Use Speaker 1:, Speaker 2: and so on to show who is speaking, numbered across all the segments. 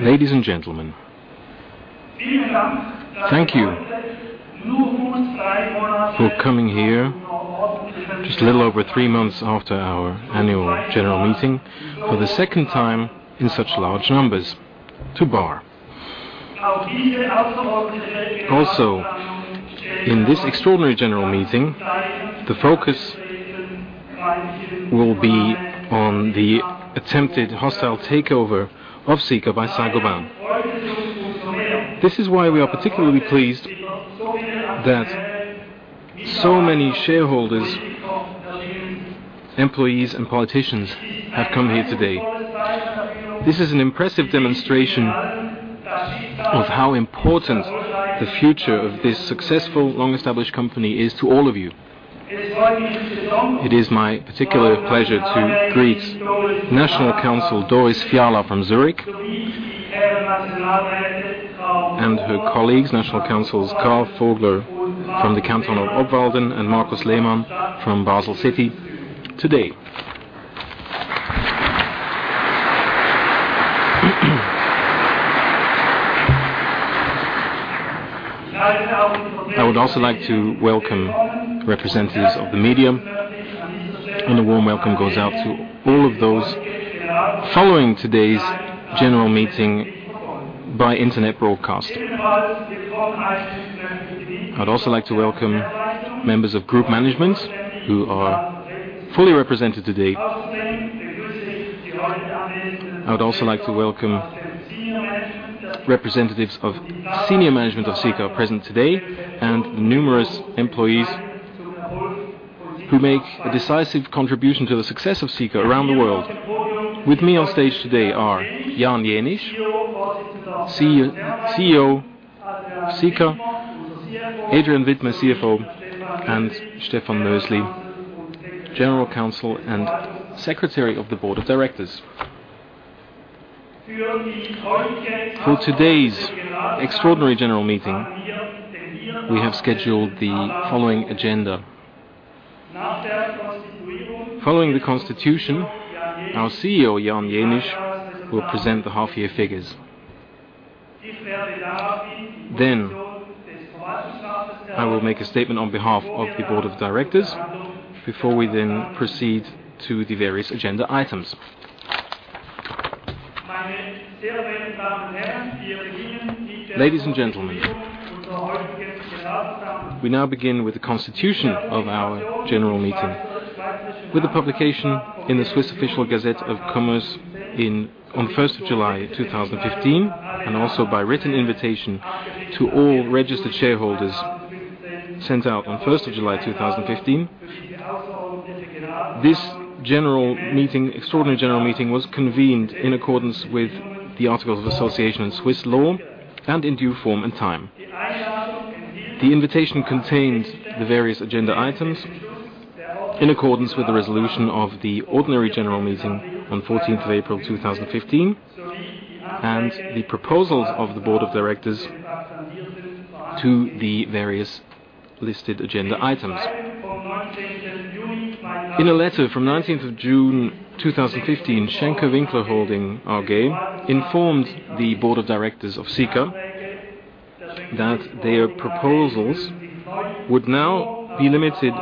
Speaker 1: Ladies and gentlemen, thank you for coming here just a little over 3 months after our annual general meeting, for the second time in such large numbers to Baar. In this extraordinary general meeting, the focus will be on the attempted hostile takeover of Sika by Saint-Gobain. This is why we are particularly pleased that so many shareholders, employees, and politicians have come here today. This is an impressive demonstration of how important the future of this successful, long-established company is to all of you. It is my particular pleasure to greet National Council Doris Fiala from Zurich, and her colleagues, National Councils Karl Vogler from the canton of Obwalden, and Markus Lehmann from Basel-City today. I would also like to welcome representatives of the media, and a warm welcome goes out to all of those following today's general meeting by internet broadcast. I'd also like to welcome members of group management who are fully represented today. I would also like to welcome representatives of senior management of Sika present today, and the numerous employees who make a decisive contribution to the success of Sika around the world. With me on stage today are Jan Jenisch, CEO of Sika, Adrian Widmer, CFO, and Stefan Mösli, General Counsel and Secretary of the Board of Directors. For today's extraordinary general meeting, we have scheduled the following agenda. Following the Constitution, our CEO, Jan Jenisch, will present the half-year figures. I will make a statement on behalf of the board of directors before we then proceed to the various agenda items. Ladies and gentlemen, we now begin with the constitution of our general meeting. With the publication in the Swiss Official Gazette of Commerce on 1st of July, 2015, and also by written invitation to all registered shareholders sent out on 1st of July, 2015, this extraordinary general meeting was convened in accordance with the articles of association and Swiss law and in due form and time. The invitation contained the various agenda items in accordance with the resolution of the ordinary general meeting on 14th of April, 2015, and the proposals of the board of directors to the various listed agenda items. In a letter from 19th of June 2015, Schenker-Winkler Holding AG informed the board of directors of Sika that their proposals would now be limited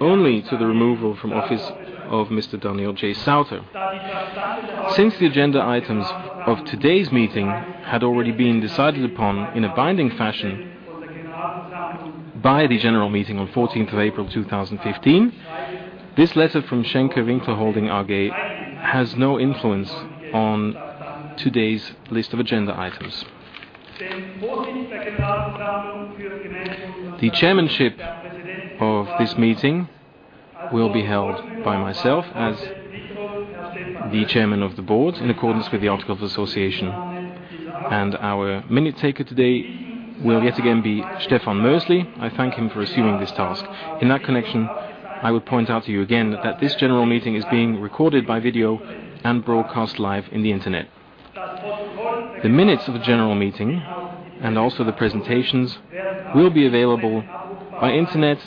Speaker 1: only to the removal from office of Mr. Daniel J. Sauter. Since the agenda items of today's meeting had already been decided upon in a binding fashion by the general meeting on 14th of April, 2015, this letter from Schenker-Winkler Holding AG has no influence on today's list of agenda items. The chairmanship of this meeting will be held by myself as the chairman of the board, in accordance with the articles of association. Our minute taker today will yet again be Stefan Mösli. I thank him for assuming this task. In that connection, I would point out to you again that this general meeting is being recorded by video and broadcast live on the internet. The minutes of the general meeting, and also the presentations, will be available by internet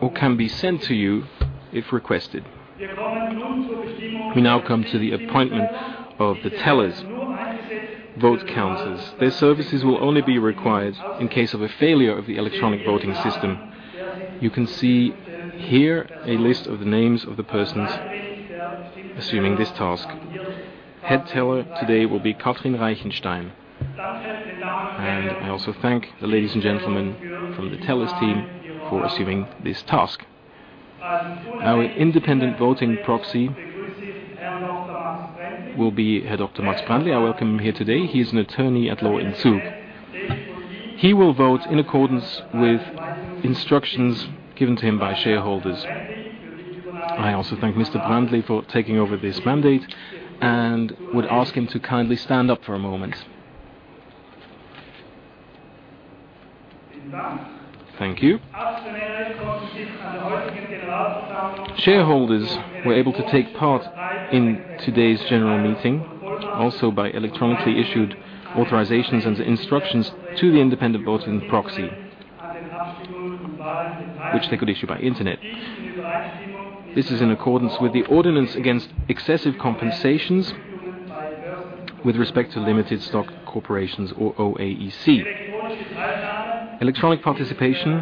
Speaker 1: or can be sent to you if requested. We now come to the appointment of the tellers, vote counters. Their services will only be required in case of a failure of the electronic voting system. You can see here a list of the names of the persons assuming this task. Head teller today will be Kathrin Reichenstein. I also thank the ladies and gentlemen from the tellers team for assuming this task. Our independent voting proxy will be head Dr. Max Brändli. I welcome him here today. He is an attorney at law in Zug. He will vote in accordance with instructions given to him by shareholders. I also thank Mr Brändli for taking over this mandate, and would ask him to kindly stand up for a moment. Thank you. Shareholders were able to take part in today's general meeting, also by electronically issued authorizations and instructions to the independent voting proxy. Which they could issue by internet. This is in accordance with the ordinance against excessive compensations with respect to limited stock corporations or OAEC. Electronic participation,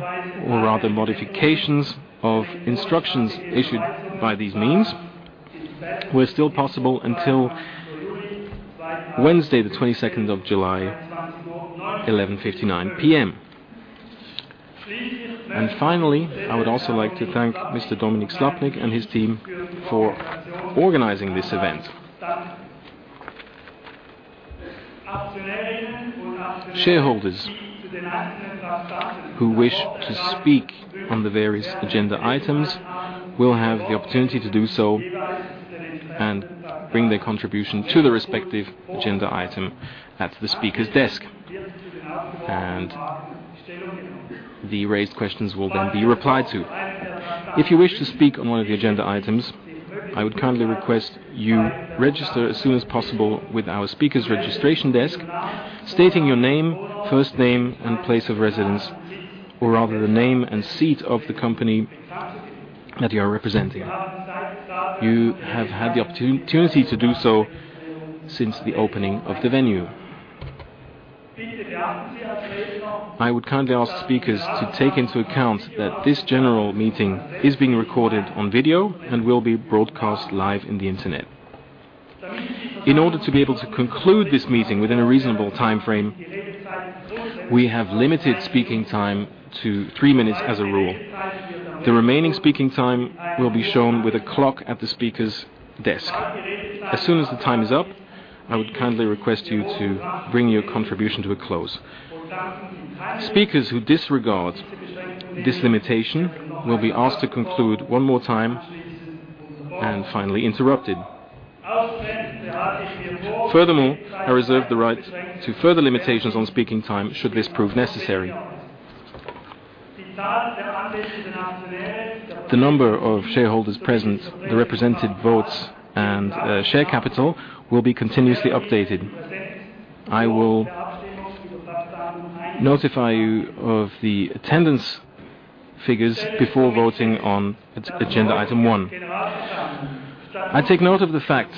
Speaker 1: or rather modifications of instructions issued by these means, were still possible until Wednesday the 22nd of July, 11:59 PM. I would also like to thank Mr. Dominik Slappnig and his team for organizing this event. Shareholders who wish to speak on the various agenda items will have the opportunity to do so and bring their contribution to the respective agenda item at the speaker's desk, and the raised questions will then be replied to. If you wish to speak on one of the agenda items, I would kindly request you register as soon as possible with our speakers registration desk, stating your name, first name, and place of residence, or rather the name and seat of the company that you are representing. You have had the opportunity to do so since the opening of the venue. I would kindly ask speakers to take into account that this general meeting is being recorded on video and will be broadcast live in the internet. In order to be able to conclude this meeting within a reasonable timeframe, we have limited speaking time to three minutes as a rule. The remaining speaking time will be shown with a clock at the speaker's desk. As soon as the time is up, I would kindly request you to bring your contribution to a close. Speakers who disregard this limitation will be asked to conclude one more time and finally interrupted. Furthermore, I reserve the right to further limitations on speaking time should this prove necessary. The number of shareholders present, the represented votes, and share capital will be continuously updated. I will notify you of the attendance figures before voting on agenda item one. I take note of the fact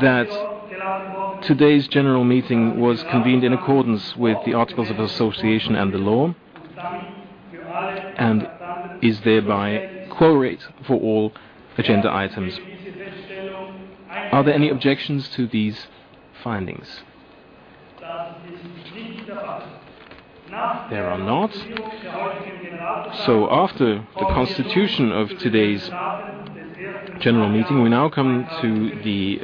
Speaker 1: that today's general meeting was convened in accordance with the articles of association and the law, and is thereby quorum for all agenda items. Are there any objections to these findings? There are not. After the constitution of today's general meeting, we now come to the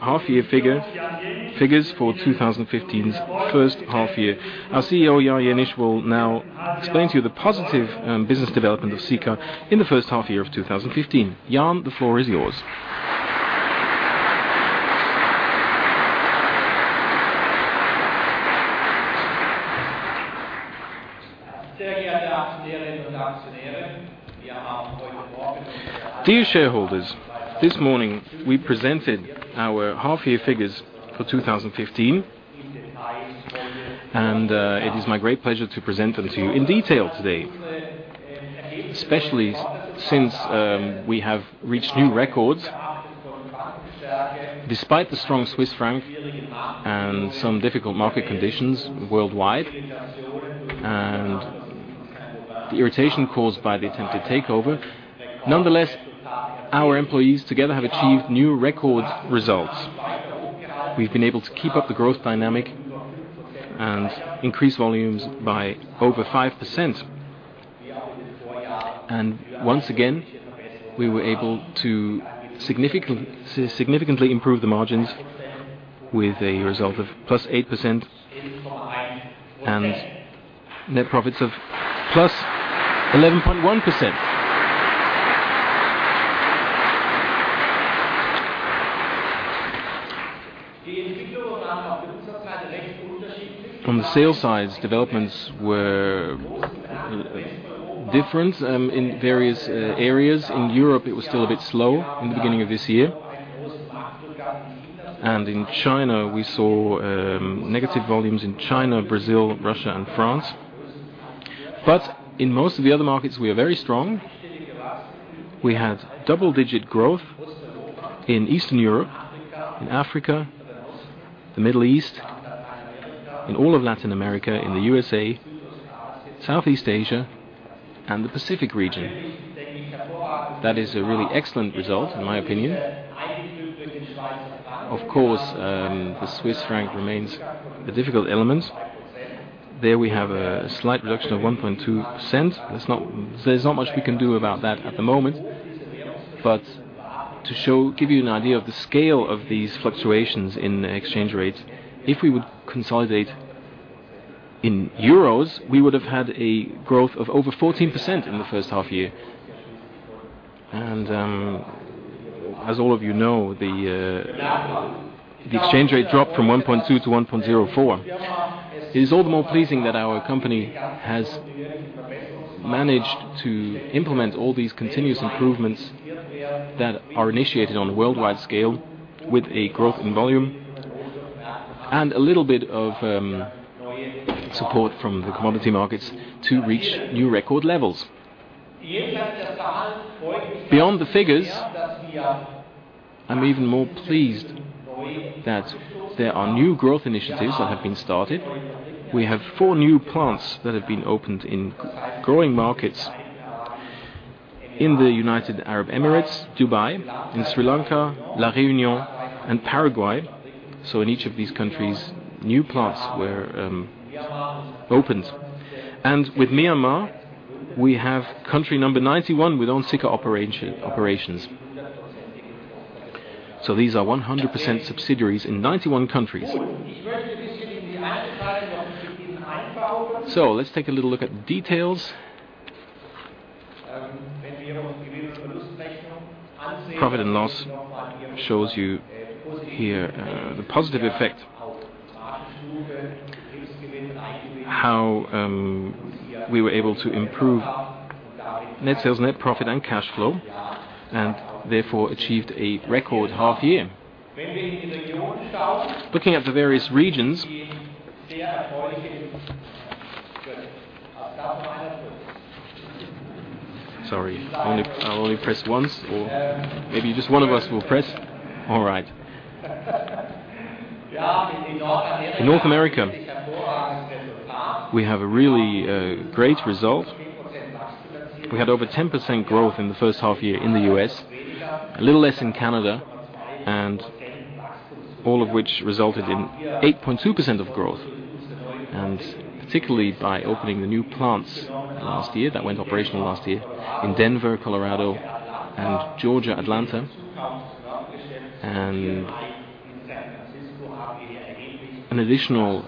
Speaker 1: half-year figures for 2015's first half year. Our CEO, Jan Jenisch, will now explain to you the positive business development of Sika in the first half year of 2015. Jan, the floor is yours.
Speaker 2: Dear shareholders, this morning we presented our half-year figures for 2015, it is my great pleasure to present them to you in detail today, especially since we have reached new records despite the strong Swiss franc and some difficult market conditions worldwide, and the irritation caused by the attempted takeover. Our employees together have achieved new record results. We've been able to keep up the growth dynamic and increase volumes by over 5%. Once again, we were able to significantly improve the margins with a result of +8% and net profits of +11.1%. On the sales side, developments were different in various areas. In Europe, it was still a bit slow in the beginning of this year. In China, we saw negative volumes in China, Brazil, Russia, and France. In most of the other markets, we are very strong. We had double-digit growth in Eastern Europe, in Africa, the Middle East, in all of Latin America, in the U.S.A., Southeast Asia, and the Pacific region. That is a really excellent result in my opinion. Of course, the Swiss franc remains a difficult element. There we have a slight reduction of 1.2%. There's not much we can do about that at the moment. To give you an idea of the scale of these fluctuations in exchange rates, if we would consolidate in EUR, we would have had a growth of over 14% in the first half year. As all of you know, the exchange rate dropped from 1.2 to 1.04. It is all the more pleasing that our company has managed to implement all these continuous improvements that are initiated on a worldwide scale with a growth in volume and a little bit of support from the commodity markets to reach new record levels. Beyond the figures, I'm even more pleased that there are new growth initiatives that have been started. We have four new plants that have been opened in growing markets in the United Arab Emirates, Dubai, in Sri Lanka, La Reunion, and Paraguay. In each of these countries, new plants were opened. With Myanmar, we have country number 91 with own Sika operations. These are 100% subsidiaries in 91 countries. Let's take a little look at details. Profit and loss shows you here the positive effect, how we were able to improve net sales, net profit and cash flow, therefore achieved a record half year. Looking at the various regions. Sorry, I only pressed once, or maybe just one of us will press. All right. In North America, we have a really great result. We had over 10% growth in the first half year in the U.S., a little less in Canada, all of which resulted in 8.2% of growth, particularly by opening the new plants last year, that went operational last year, in Denver, Colorado and Georgia, Atlanta. An additional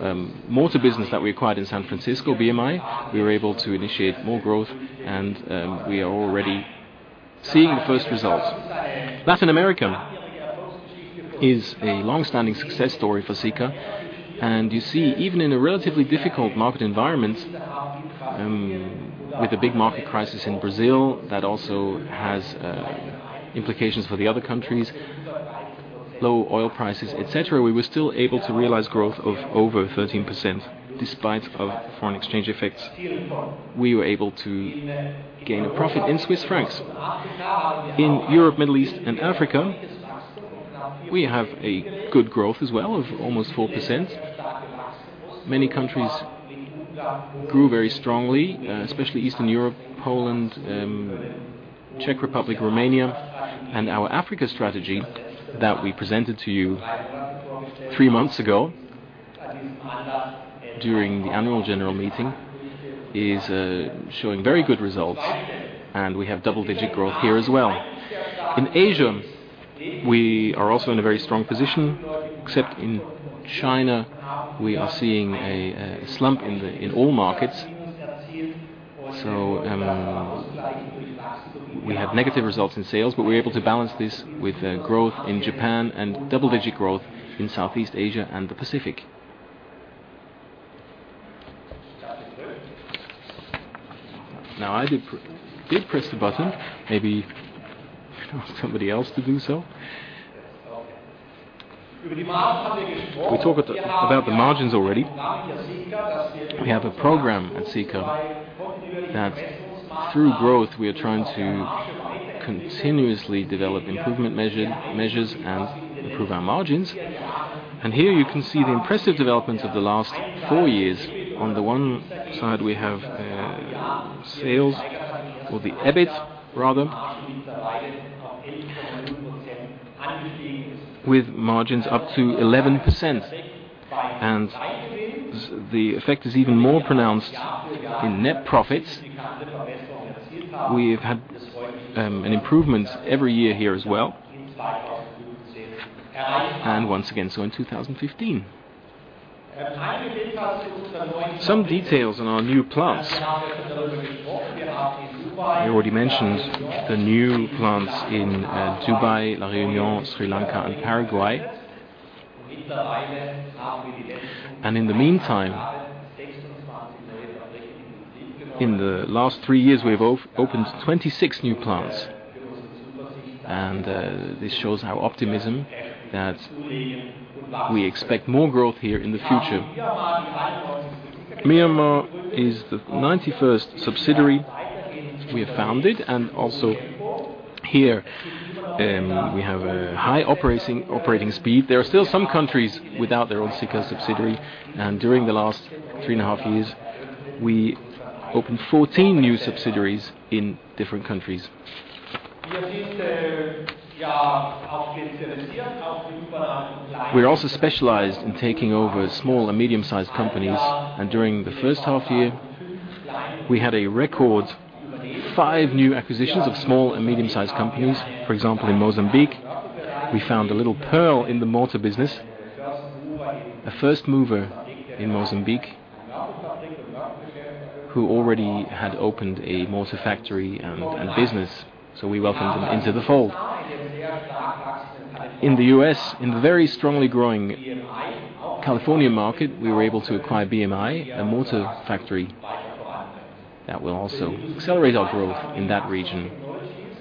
Speaker 2: mortar business that we acquired in San Francisco, BMI. We were able to initiate more growth and we are already seeing the first results. Latin America is a long-standing success story for Sika. You see, even in a relatively difficult market environment, with a big market crisis in Brazil, that also has implications for the other countries, low oil prices, et cetera, we were still able to realize growth of over 13%. Despite foreign exchange effects, we were able to gain a profit in CHF. In Europe, Middle East and Africa, we have a good growth as well of almost 4%. Many countries grew very strongly, especially Eastern Europe, Poland, Czech Republic, Romania. Our Africa strategy that we presented to you three months ago during the annual general meeting is showing very good results and we have double-digit growth here as well. In Asia, we are also in a very strong position, except in China we are seeing a slump in all markets. We have negative results in sales, we're able to balance this with growth in Japan and double-digit growth in Southeast Asia and the Pacific. I did press the button. Maybe ask somebody else to do so. We talked about the margins already. We have a program at Sika that through growth, we are trying to continuously develop improvement measures and improve our margins. Here you can see the impressive developments of the last four years. On the one side, we have sales or the EBIT, rather, with margins up to 11%. The effect is even more pronounced in net profits. We've had an improvement every year here as well, and once again, so in 2015. Some details on our new plants. We already mentioned the new plants in Dubai, La Reunion, Sri Lanka and Paraguay. In the meantime, in the last three years, we have opened 26 new plants. This shows our optimism that we expect more growth here in the future. Myanmar is the 91st subsidiary we have founded, and also here, we have a high operating speed. There are still some countries without their own Sika subsidiary, and during the last three and a half years, we opened 14 new subsidiaries in different countries. We are also specialized in taking over small and medium-sized companies, and during the first half year, we had a record five new acquisitions of small and medium-sized companies. For example, in Mozambique, we found a little pearl in the mortar business, a first mover in Mozambique, who already had opened a mortar factory and business. We welcomed them into the fold. In the U.S., in the very strongly growing California market, we were able to acquire BMI, a mortar factory. That will also accelerate our growth in that region.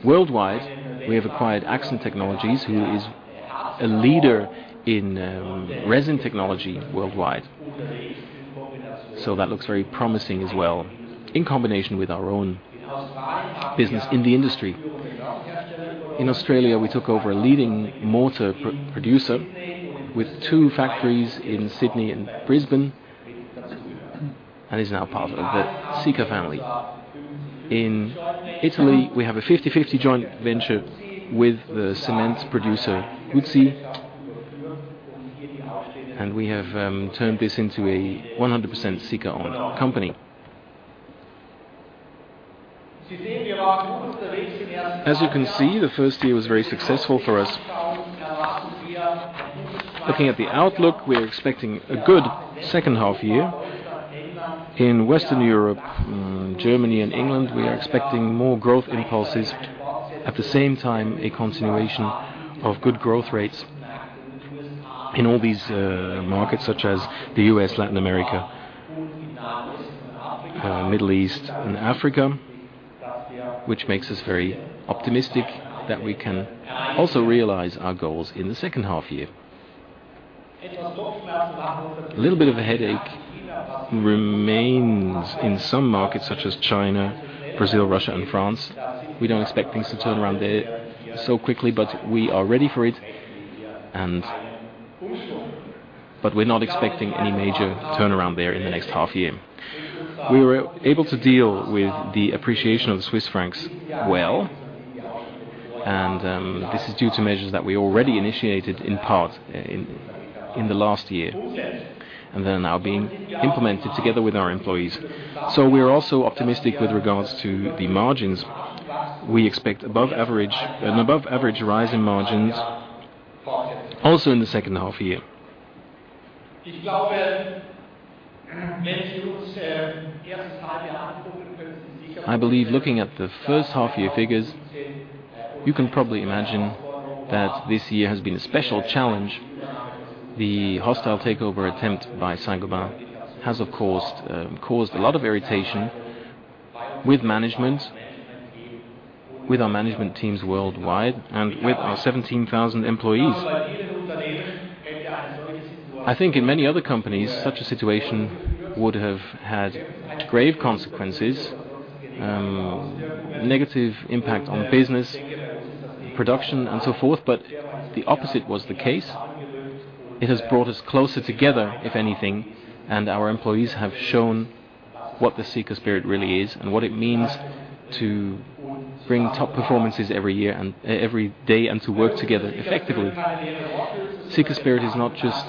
Speaker 2: Worldwide, we have acquired Axson Technologies, who is a leader in resin technology worldwide. That looks very promising as well, in combination with our own business in the industry. In Australia, we took over a leading mortar producer with two factories in Sydney and Brisbane, and is now part of the Sika family. In Italy, we have a 50/50 joint venture with the cements producer, Italcementi, and we have turned this into a 100% Sika-owned company. You can see, the first year was very successful for us. Looking at the outlook, we are expecting a good second half year. In Western Europe, Germany, and England, we are expecting more growth impulses. At the same time, a continuation of good growth rates in all these markets, such as the U.S., Latin America, Middle East, and Africa, which makes us very optimistic that we can also realize our goals in the second half year. A little bit of a headache remains in some markets, such as China, Brazil, Russia, and France. We don't expect things to turn around there so quickly, but we are ready for it, but we're not expecting any major turnaround there in the next half year. We were able to deal with the appreciation of the Swiss francs well, and this is due to measures that we already initiated in part in the last year, and they are now being implemented together with our employees. We are also optimistic with regards to the margins. We expect an above average rise in margins also in the second half year. I believe looking at the first half year figures, you can probably imagine that this year has been a special challenge. The hostile takeover attempt by Saint-Gobain has, of course, caused a lot of irritation with management, with our management teams worldwide, and with our 17,000 employees. I think in many other companies, such a situation would have had grave consequences, negative impact on business, production, and so forth. The opposite was the case. It has brought us closer together, if anything, and our employees have shown what the Sika Spirit really is and what it means to bring top performances every day and to work together effectively. Sika Spirit is not just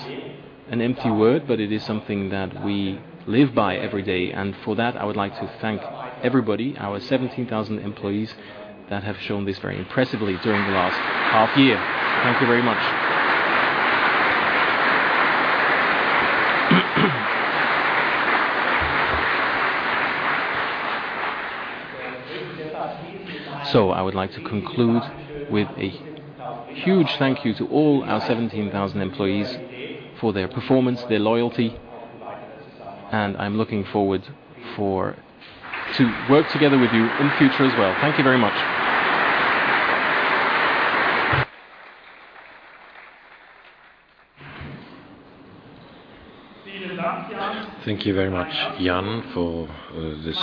Speaker 2: an empty word, but it is something that we live by every day. For that, I would like to thank everybody, our 17,000 employees that have shown this very impressively during the last half year. Thank you very much. I would like to conclude with a huge thank you to all our 17,000 employees for their performance, their loyalty, and I'm looking forward to work together with you in future as well. Thank you very much.
Speaker 1: Thank you very much, Jan, for this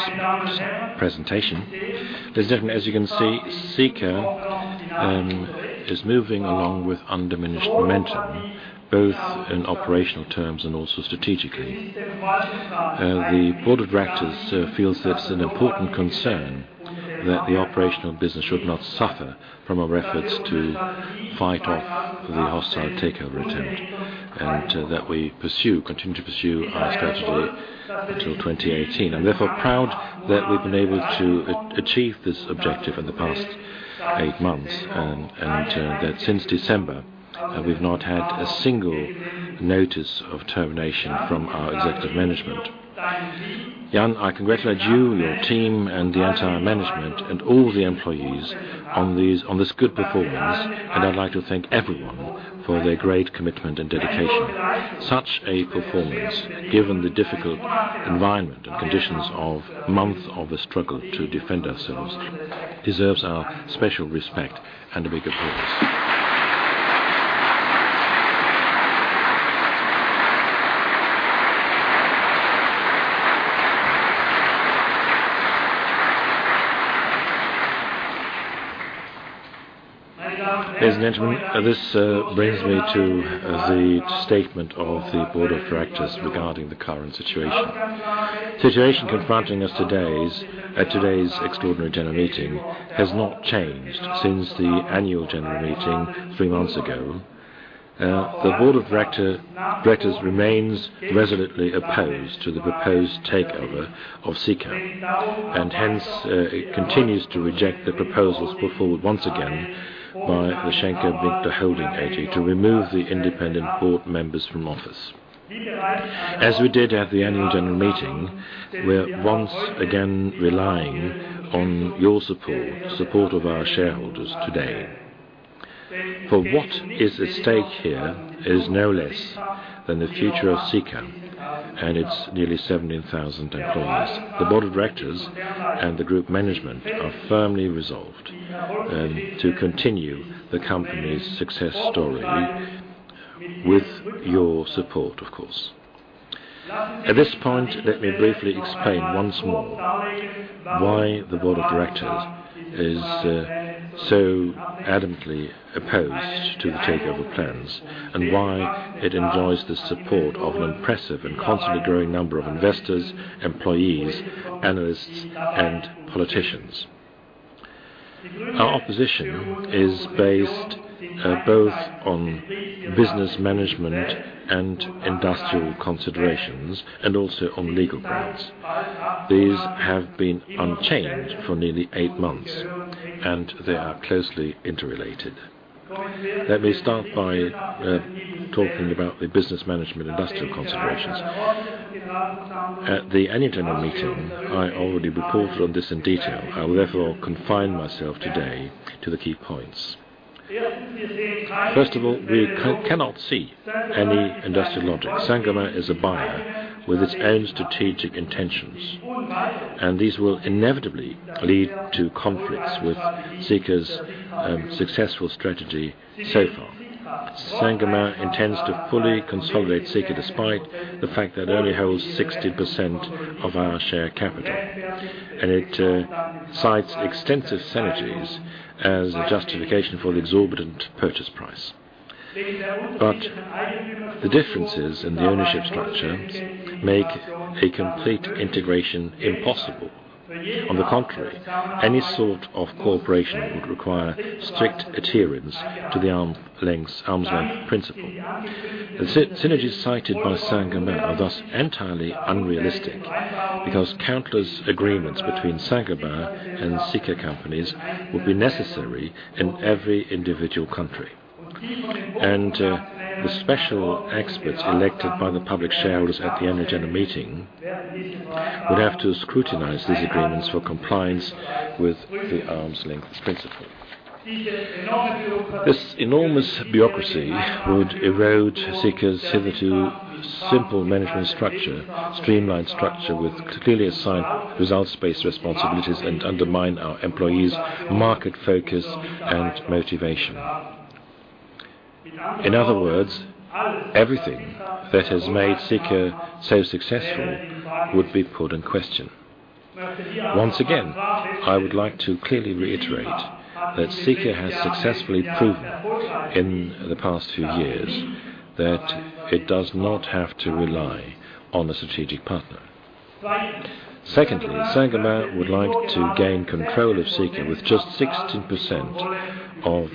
Speaker 1: presentation. Ladies and gentlemen, as you can see, Sika is moving along with undiminished momentum, both in operational terms and also strategically. The Board of Directors feels that it's an important concern that the operational business should not suffer from our efforts to fight off the hostile takeover attempt and that we continue to pursue our strategy until 2018, and therefore proud that we've been able to achieve this objective in the past eight months, and that since December, we've not had a single notice of termination from our executive management. Jan, I congratulate you, your team, and the entire management and all the employees on this good performance, and I'd like to thank everyone for their great commitment and dedication. Such a performance, given the difficult environment and conditions of months of a struggle to defend ourselves, deserves our special respect and a big applause. Ladies and gentlemen, this brings me to the statement of the Board of Directors regarding the current situation. The situation confronting us at today's extraordinary general meeting has not changed since the annual general meeting 3 months ago. The Board of Directors remains resolutely opposed to the proposed takeover of Sika, and hence, it continues to reject the proposals put forward once again by the Schenker-Winkler Holding AG to remove the independent board members from office. As we did at the annual general meeting, we are once again relying on your support of our shareholders today. For what is at stake here is no less than the future of Sika and its nearly 17,000 employees. The Board of Directors and the Group Management are firmly resolved to continue the company's success story with your support, of course. At this point, let me briefly explain once more why the Board of Directors is so adamantly opposed to the takeover plans and why it enjoys the support of an impressive and constantly growing number of investors, employees, analysts, and politicians. Our opposition is based both on business management and industrial considerations, also on legal grounds. These have been unchanged for nearly 8 months, and they are closely interrelated. Let me start by talking about the business management industrial considerations. At the annual general meeting, I already reported on this in detail. I will therefore confine myself today to the key points. First of all, we cannot see any industrial logic. Saint-Gobain is a buyer with its own strategic intentions, these will inevitably lead to conflicts with Sika's successful strategy so far. Saint-Gobain intends to fully consolidate Sika despite the fact that it only holds 60% of our share capital, it cites extensive synergies as justification for the exorbitant purchase price. The differences in the ownership structure make a complete integration impossible. On the contrary, any sort of cooperation would require strict adherence to the arm's length principle. The synergies cited by Saint-Gobain are thus entirely unrealistic because countless agreements between Saint-Gobain and Sika companies would be necessary in every individual country, the special experts elected by the public shareholders at the annual general meeting would have to scrutinize these agreements for compliance with the arm's length principle. This enormous bureaucracy would erode Sika's hitherto simple management structure, streamlined structure with clearly assigned results-based responsibilities, undermine our employees' market focus and motivation. In other words, everything that has made Sika so successful would be put in question. Once again, I would like to clearly reiterate that Sika has successfully proven in the past few years that it does not have to rely on a strategic partner. Secondly, Saint-Gobain would like to gain control of Sika with just 16% of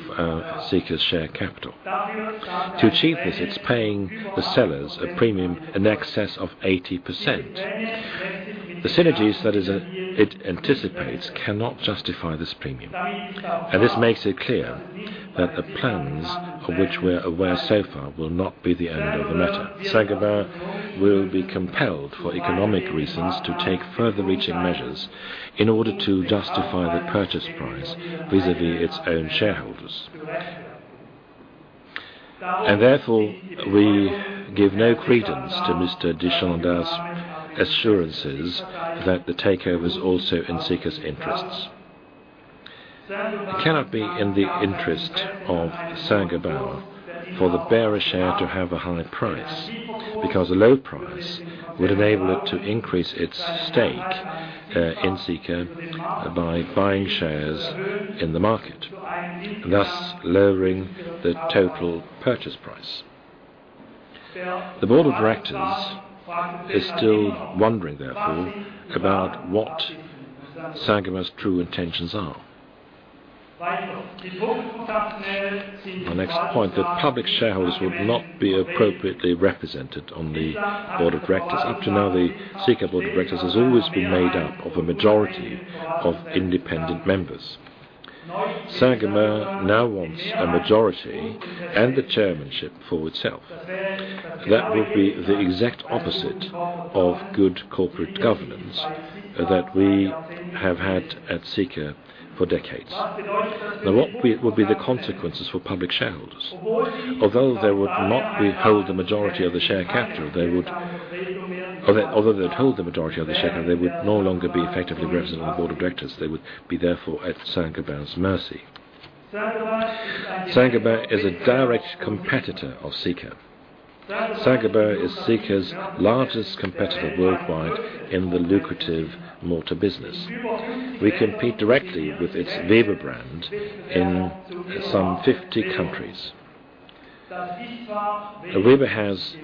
Speaker 1: Sika's share capital. To achieve this, it's paying the sellers a premium in excess of 80%. The synergies that it anticipates cannot justify this premium, this makes it clear that the plans of which we're aware so far will not be the end of the matter. Saint-Gobain will be compelled for economic reasons to take further-reaching measures in order to justify the purchase price vis-à-vis its own shareholders. Therefore, we give no credence to Mr. de Chalendar's assurances that the takeover is also in Sika's interests. It cannot be in the interest of Saint-Gobain for the bearer share to have a high price, because a low price would enable it to increase its stake in Sika by buying shares in the market, thus lowering the total purchase price. The board of directors is still wondering, therefore, about what Saint-Gobain's true intentions are. Our next point, that public shareholders would not be appropriately represented on the board of directors. Up to now, the Sika board of directors has always been made up of a majority of independent members. Saint-Gobain now wants a majority and the chairmanship for itself. That would be the exact opposite of good corporate governance that we have had at Sika for decades. What would be the consequences for public shareholders? Although they would not hold the majority of the share capital, they would no longer be effectively represented on the board of directors. They would be therefore at Saint-Gobain's mercy. Saint-Gobain is a direct competitor of Sika. Saint-Gobain is Sika's largest competitor worldwide in the lucrative mortar business. We compete directly with its Weber brand in some 50 countries. Weber has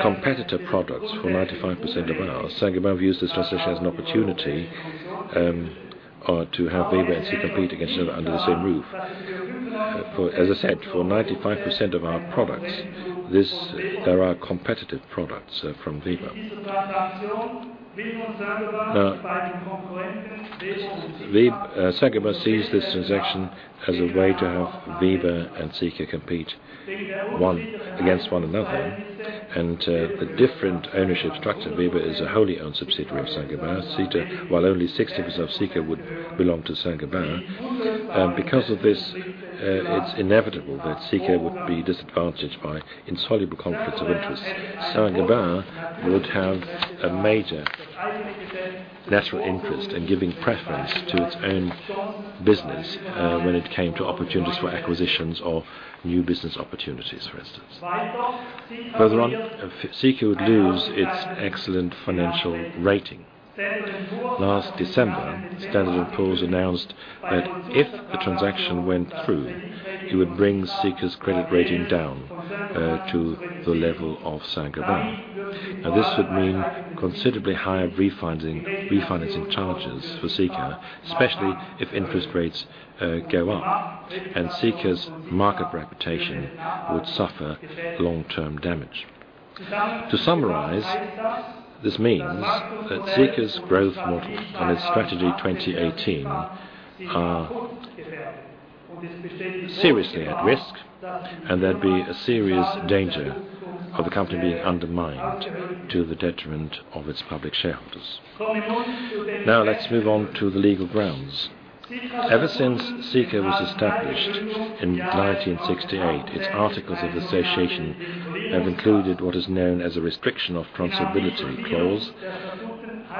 Speaker 1: competitor products for 95% of ours. Saint-Gobain views this just as an opportunity to have Weber and Sika compete against each other under the same roof. As I said, for 95% of our products, there are competitive products from Weber. Saint-Gobain sees this transaction as a way to have Weber and Sika compete against one another, and a different ownership structure. Weber is a wholly owned subsidiary of Saint-Gobain, while only 60% of Sika would belong to Saint-Gobain. Because of this, it's inevitable that Sika would be disadvantaged by insoluble conflicts of interest. Saint-Gobain would have a major natural interest in giving preference to its own business when it came to opportunities for acquisitions or new business opportunities, for instance. Further on, Sika would lose its excellent financial rating. Last December, Standard & Poor's announced that if the transaction went through, it would bring Sika's credit rating down to the level of Saint-Gobain. This would mean considerably higher refinancing challenges for Sika, especially if interest rates go up, and Sika's market reputation would suffer long-term damage. To summarize, this means that Sika's growth model and its strategy 2018 are seriously at risk, and there'd be a serious danger of the company being undermined to the detriment of its public shareholders. Let's move on to the legal grounds. Ever since Sika was established in 1968, its articles of association have included what is known as a restriction of transferability clause.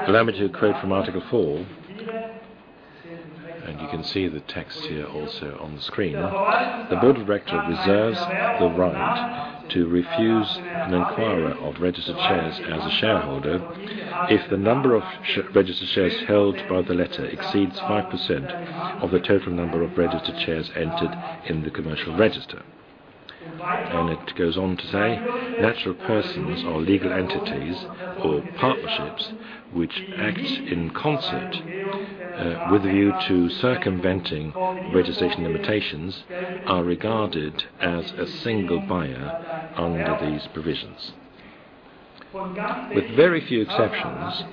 Speaker 1: Allow me to quote from Article 4, and you can see the text here also on the screen. The Board of Directors reserves the right to refuse an inquirer of registered shares as a shareholder if the number of registered shares held by the latter exceeds 5% of the total number of registered shares entered in the commercial register." It goes on to say, "Natural persons or legal entities or partnerships which act in concert with a view to circumventing registration limitations are regarded as a single buyer under these provisions." With very few exceptions,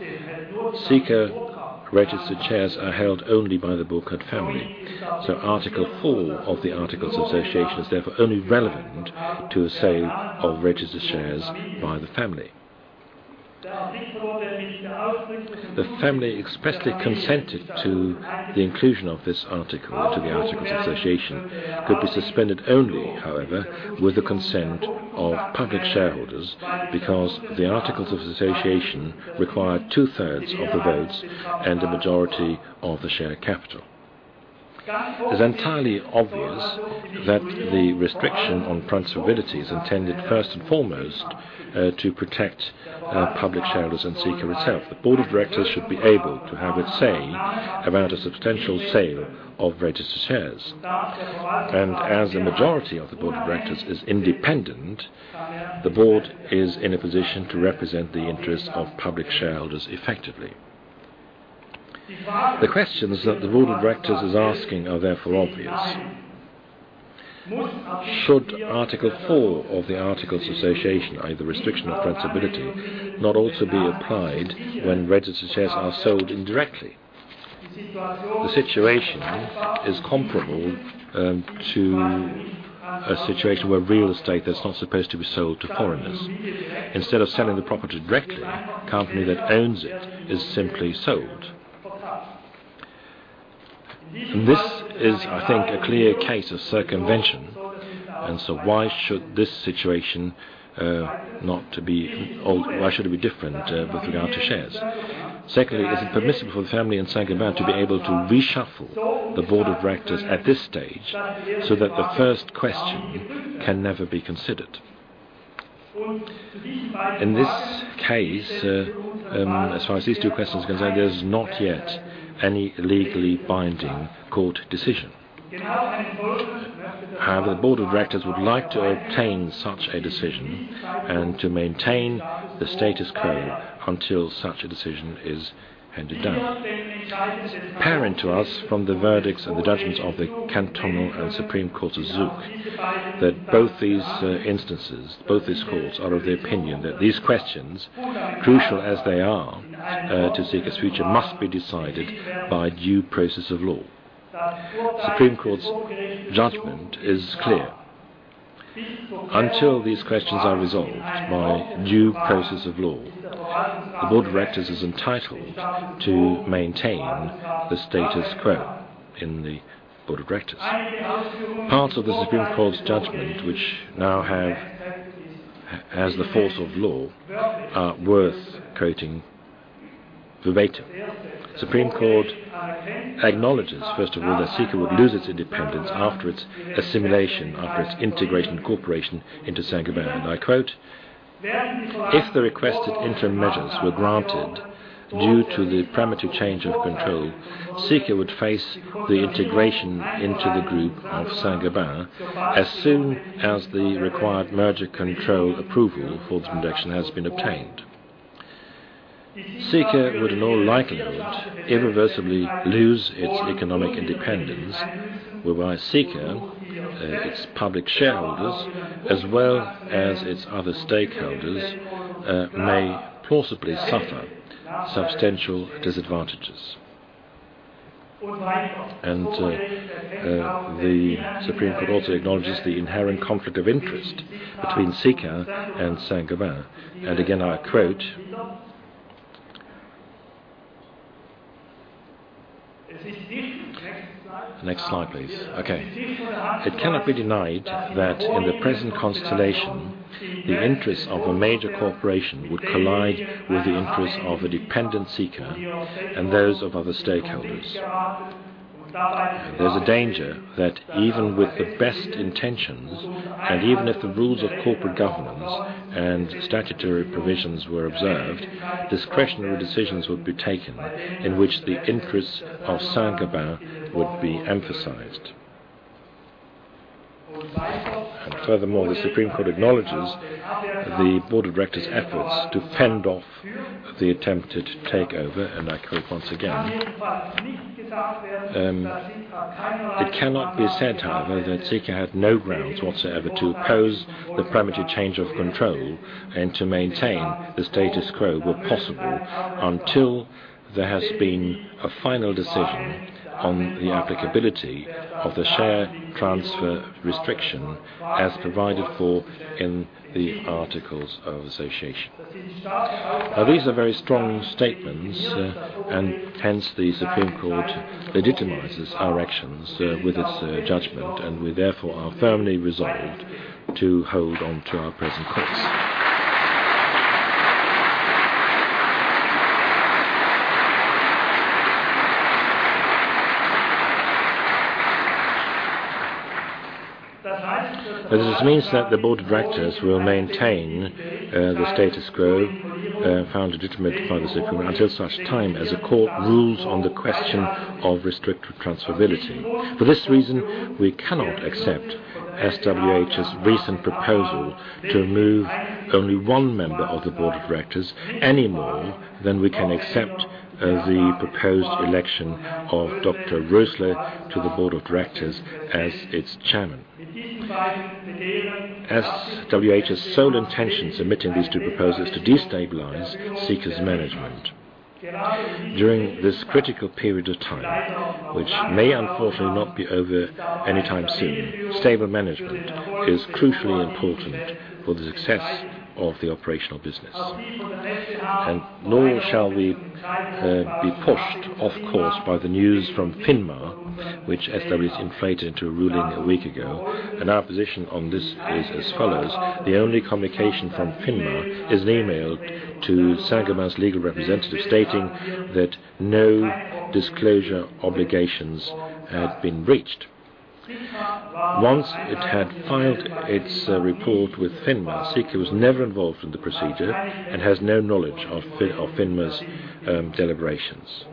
Speaker 1: Sika registered shares are held only by the Burkard family, so Article 4 of the articles of association is therefore only relevant to a sale of registered shares by the family. The family expressly consented to the inclusion of this article to the articles of association. Could be suspended only, however, with the consent of public shareholders, because the articles of association require two-thirds of the votes and a majority of the share capital. It is entirely obvious that the restriction on transferability is intended first and foremost to protect public shareholders and Sika itself. The Board of Directors should be able to have its say about a substantial sale of registered shares. As the majority of the Board of Directors is independent, the board is in a position to represent the interests of public shareholders effectively. The questions that the Board of Directors is asking are therefore obvious. Should Article 4 of the articles of association, i.e. the restriction of transferability, not also be applied when registered shares are sold indirectly? The situation is comparable to a situation where real estate is not supposed to be sold to foreigners. Instead of selling the property directly, the company that owns it is simply sold. This is, I think, a clear case of circumvention, why should it be different with regard to shares? Secondly, is it permissible for the family and Saint-Gobain to be able to reshuffle the Board of Directors at this stage so that the first question can never be considered? In this case, as far as these two questions are concerned, there's not yet any legally binding court decision. However, the Board of Directors would like to obtain such a decision and to maintain the status quo until such a decision is handed down. Apparent to us from the verdicts and the judgments of the Cantonal and Supreme Court of Zug, that both these instances, both these courts, are of the opinion that these questions, crucial as they are to Sika's future, must be decided by due process of law. The Supreme Court's judgment is clear. Until these questions are resolved by due process of law, the Board of Directors is entitled to maintain the status quo in the Board of Directors. Parts of the Supreme Court's judgment, which now have as the force of law, are worth quoting verbatim. Supreme Court acknowledges, first of all, that Sika would lose its independence after its assimilation, after its integration, incorporation into Saint-Gobain. I quote, "If the requested interim measures were granted due to the parameter change of control, Sika would face the integration into the group of Saint-Gobain as soon as the required merger control approval for this transaction has been obtained." Sika would in all likelihood irreversibly lose its economic independence, whereby Sika, its public shareholders, as well as its other stakeholders, may plausibly suffer substantial disadvantages. The Supreme Court also acknowledges the inherent conflict of interest between Sika and Saint-Gobain. Again, I quote, "It cannot be denied that in the present constellation, the interests of a major corporation would collide with the interests of a dependent Sika and those of other stakeholders. There's a danger that even with the best intentions, and even if the rules of corporate governance and statutory provisions were observed, discretionary decisions would be taken in which the interests of Saint-Gobain would be emphasized." Furthermore, the Supreme Court acknowledges the board of directors' efforts to fend off the attempted takeover. I quote once again, "It cannot be said, however, that Sika had no grounds whatsoever to oppose the premature change of control and to maintain the status quo where possible, until there has been a final decision on the applicability of the share transfer restriction as provided for in the articles of association." These are very strong statements. Hence, the Supreme Court legitimizes our actions with its judgment. We therefore are firmly resolved to hold on to our present course. This means that the board of directors will maintain the status quo found legitimate by the Supreme Court until such time as a court rules on the question of restrictive transferability. For this reason, we cannot accept SWH's recent proposal to remove only one member of the board of directors any more than we can accept the proposed election of Dr. Roesle to the board of directors as its chairman. SWH's sole intention submitting these two proposals to destabilize Sika's management. During this critical period of time, which may unfortunately not be over anytime soon, stable management is crucially important for the success of the operational business. Nor shall we be pushed off course by the news from FINMA, which SWH inflated to a ruling a week ago. Our position on this is as follows. The only communication from FINMA is an email to Saint-Gobain's legal representative stating that no disclosure obligations had been breached. Once it had filed its report with FINMA, Sika was never involved in the procedure and has no knowledge of FINMA's deliberations.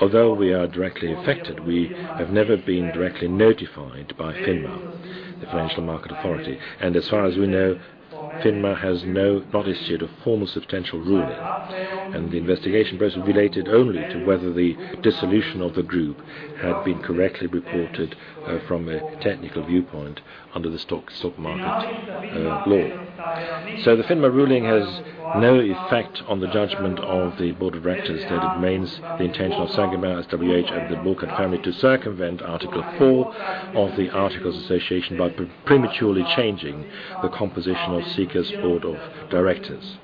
Speaker 1: Although we are directly affected, we have never been directly notified by FINMA, the Financial Market Authority. As far as we know, FINMA has not issued a formal substantial ruling. The investigation presumably related only to whether the dissolution of the group had been correctly reported from a technical viewpoint under the stock market law. The FINMA ruling has no effect on the judgment of the board of directors that it remains the intention of Saint-Gobain, SWH, and the Burkard family to circumvent Article 4 of the articles of association by prematurely changing the composition of Sika's board of directors.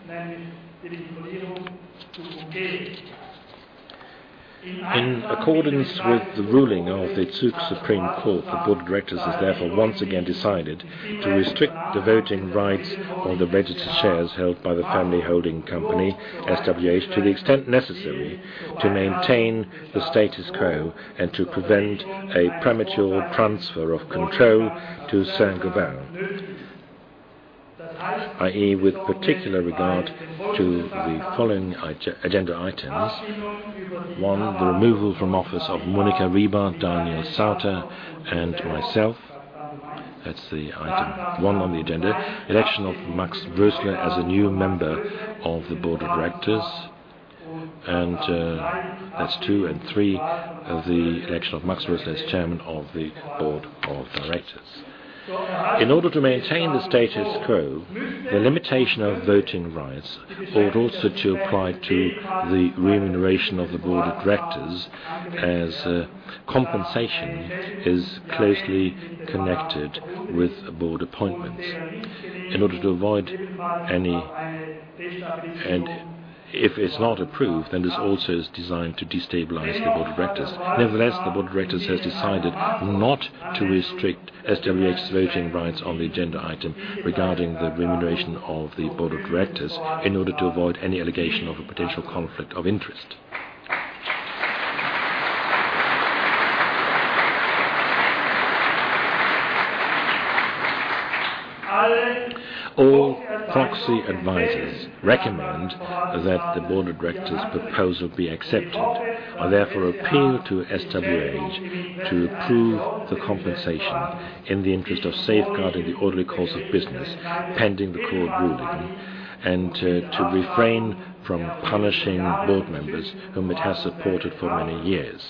Speaker 1: In accordance with the ruling of the Zug Supreme Court, the board of directors has therefore once again decided to restrict the voting rights of the registered shares held by the family holding company, SWH, to the extent necessary to maintain the status quo and to prevent a premature transfer of control to Saint-Gobain, i.e., with particular regard to the following agenda items. One, the removal from office of Monika Ribar, Daniel Sauter, and myself. That's the item one on the agenda. Election of Max Roesle as a new member of the board of directors. That's two and three, the election of Max Roesle as chairman of the board of directors. In order to maintain the status quo, the limitation of voting rights ought also to apply to the remuneration of the board of directors, as compensation is closely connected with board appointments. In order to avoid any If it's not approved, then this also is designed to destabilize the board of directors. Nevertheless, the board of directors has decided not to restrict SWH's voting rights on the agenda item regarding the remuneration of the board of directors in order to avoid any allegation of a potential conflict of interest. All proxy advisors recommend that the board of directors' proposal be accepted. I, therefore, appeal to SWH to approve the compensation in the interest of safeguarding the orderly course of business, pending the court ruling, and to refrain from punishing board members whom it has supported for many years.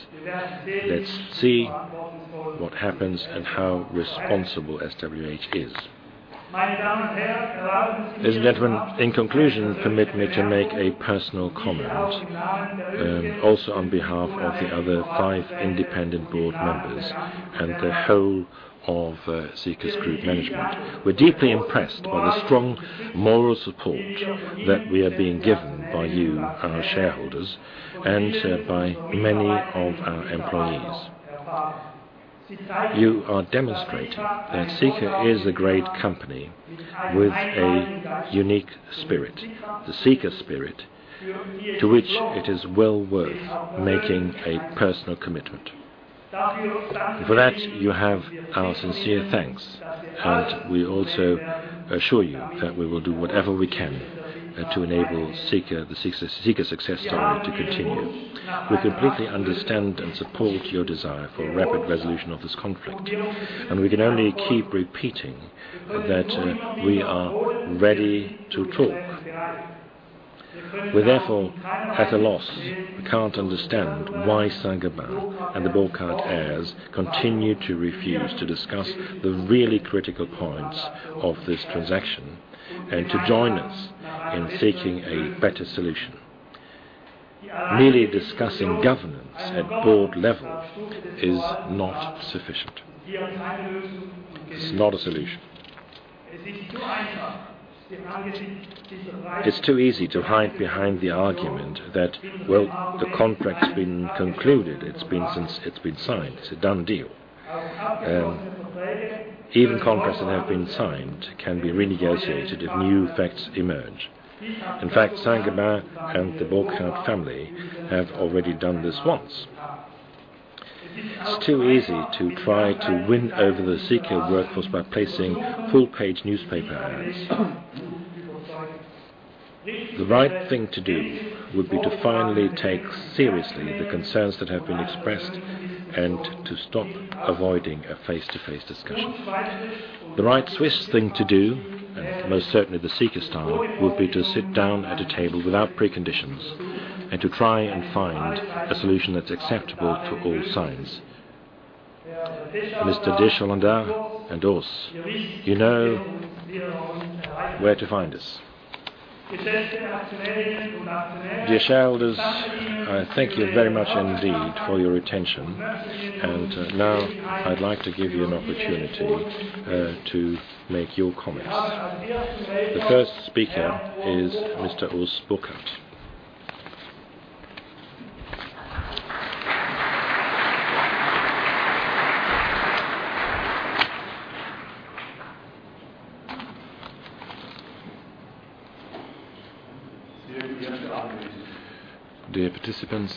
Speaker 1: Let's see what happens and how responsible SWH is. Ladies and gentlemen, in conclusion, permit me to make a personal comment, also on behalf of the other five independent board members and the whole of Sika's group management. We're deeply impressed by the strong moral support that we are being given by you, our shareholders, and by many of our employees. You are demonstrating that Sika is a great company with a unique spirit, the Sika Spirit, to which it is well worth making a personal commitment. For that, you have our sincere thanks, and we also assure you that we will do whatever we can to enable the Sika success story to continue. We completely understand and support your desire for a rapid resolution of this conflict, and we can only keep repeating that we are ready to talk. We therefore, at a loss, can't understand why Saint-Gobain and the Burkard heirs continue to refuse to discuss the really critical points of this transaction and to join us in seeking a better solution. Merely discussing governance at board level is not sufficient. It's not a solution. It's too easy to hide behind the argument that the contract's been concluded. It's been signed. It's a done deal. Even contracts that have been signed can be renegotiated if new facts emerge. In fact, Saint-Gobain and the Burkard family have already done this once. It's too easy to try to win over the Sika workforce by placing full-page newspaper ads. The right thing to do would be to finally take seriously the concerns that have been expressed and to stop avoiding a face-to-face discussion. The right Swiss thing to do, most certainly the Sika style, would be to sit down at a table without preconditions and to try and find a solution that's acceptable to all sides. Mr. De Chalendar and Urs, you know where to find us.
Speaker 3: Dear shareholders, I thank you very much indeed for your attention. Now I'd like to give you an opportunity to make your comments. The first speaker is Mr. Urs Burkard. Dear participants,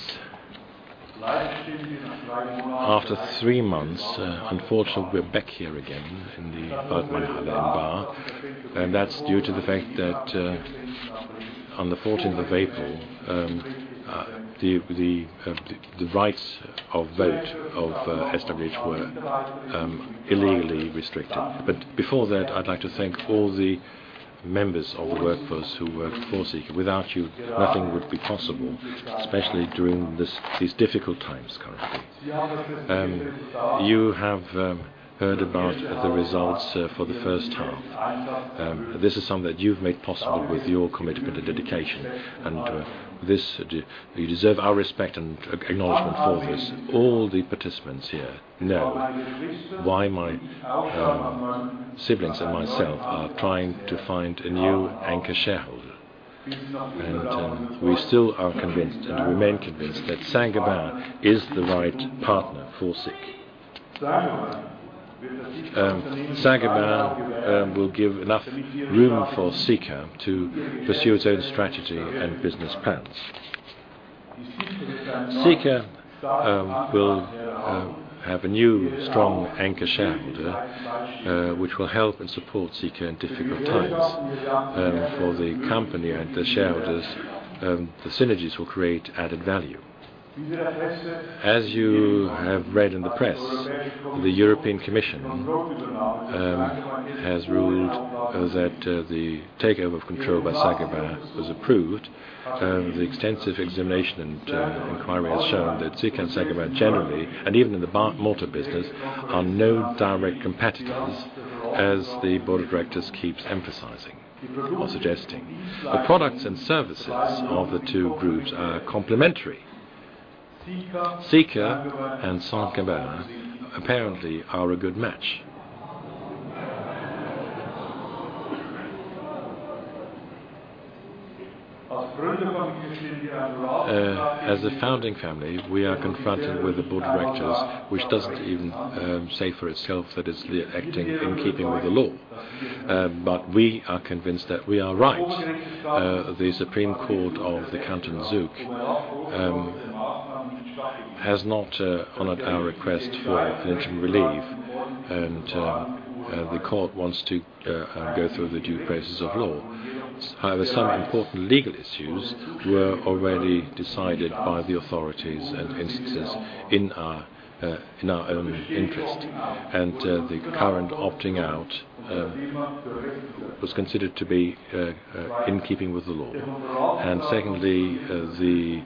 Speaker 3: after 3 months, unfortunately, we're back here again in the Berghaldenhallen Baar. That's due to the fact that on the 14th of April, the rights of vote of SWH were illegally restricted. Before that, I'd like to thank all the members of the workforce who work for Sika. Without you, nothing would be possible, especially during these difficult times currently. You have heard about the results for the first half. This is something that you've made possible with your commitment and dedication, and you deserve our respect and acknowledgment for this. All the participants here know why my siblings and myself are trying to find a new anchor shareholder. We still are convinced, and we remain convinced that Saint-Gobain is the right partner for Sika. Saint-Gobain will give enough room for Sika to pursue its own strategy and business plans. Sika will have a new, strong anchor shareholder, which will help and support Sika in difficult times. For the company and the shareholders, the synergies will create added value. As you have read in the press, the European Commission has ruled that the takeover of control by Saint-Gobain was approved. The extensive examination and inquiry has shown that Sika and Saint-Gobain generally, and even in the mortar business, are no direct competitors, as the board of directors keeps emphasizing or suggesting. The products and services of the two groups are complementary. Sika and Saint-Gobain apparently are a good match. As a founding family, we are confronted with a board of directors which doesn't even say for itself that it's acting in keeping with the law. We are convinced that we are right. The Cantonal and Supreme Court of Zug has not honored our request for interim relief, and the court wants to go through the due process of law. However, some important legal issues were already decided by the authorities and instances in our own interest, and the current opting out was considered to be in keeping with the law. Secondly, the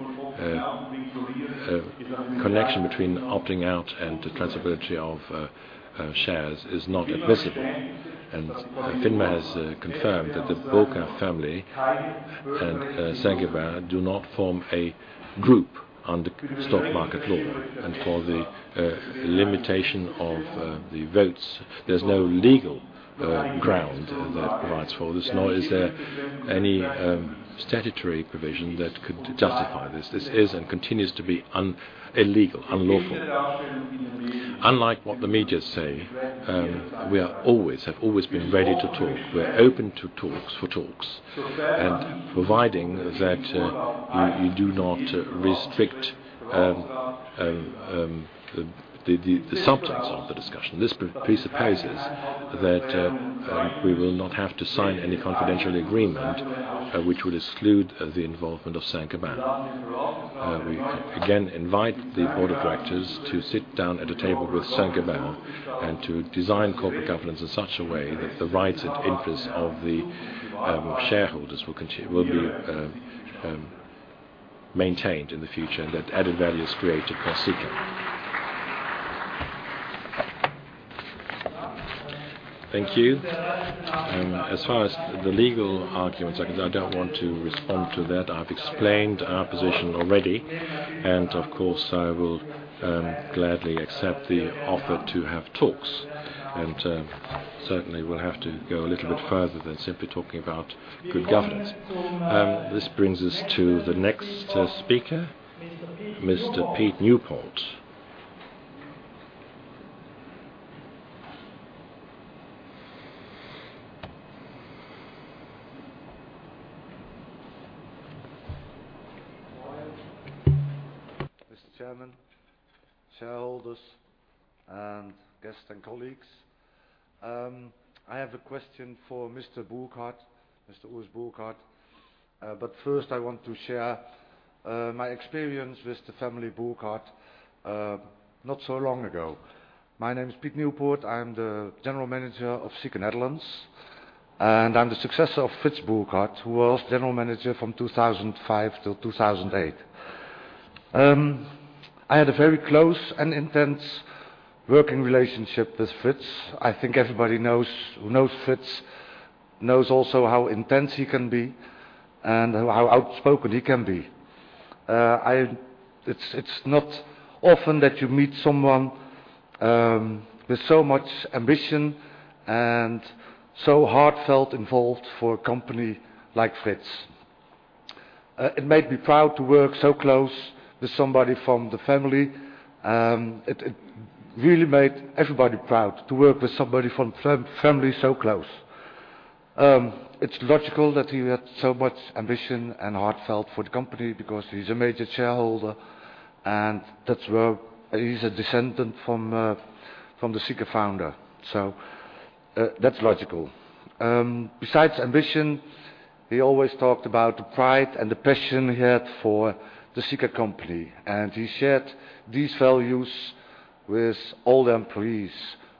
Speaker 3: connection between opting out and the transferability of shares is not admissible. FINMA has confirmed that the Burkard family and Saint-Gobain do not form a group under stock market law. For the limitation of the votes, there's no legal ground that provides for this, nor is there any statutory provision that could justify this. This is and continues to be illegal, unlawful. Unlike what the media say, we have always been ready to talk. We're open for talks, and providing that you do not restrict the substance of the discussion. This presupposes that we will not have to sign any confidential agreement which would exclude the involvement of Saint-Gobain. We again invite the board of directors to sit down at a table with Saint-Gobain and to design corporate governance in such a way that the rights and interests of the shareholders will be maintained in the future, and that added value is created for Sika. Thank you. As far as the legal arguments, I don't want to respond to that.
Speaker 1: I've explained our position already, of course, I will gladly accept the offer to have talks, certainly we'll have to go a little bit further than simply talking about good governance. This brings us to the next speaker, Mr. Piet Nieuwpoort.
Speaker 4: Mr. Chairman, shareholders, and guests and colleagues. I have a question for Mr. Urs Burkard, first, I want to share my experience with the Burkard family not so long ago. My name is Piet Nieuwpoort. I'm the general manager of Sika Netherlands, I'm the successor of Fritz Burkard, who was general manager from 2005 till 2008. I had a very close and intense working relationship with Fritz. I think everybody who knows Fritz knows also how intense he can be and how outspoken he can be. It's not often that you meet someone with so much ambition and so heartfelt involved for a company like Fritz. It made me proud to work so close with somebody from the family. It really made everybody proud to work with somebody from the family so close. It's logical that he had so much ambition and heartfelt for the company because he's a major shareholder, he's a descendant from the Sika founder, that's logical. Besides ambition, he always talked about the pride and the passion he had for the Sika company, he shared these values with all the employees.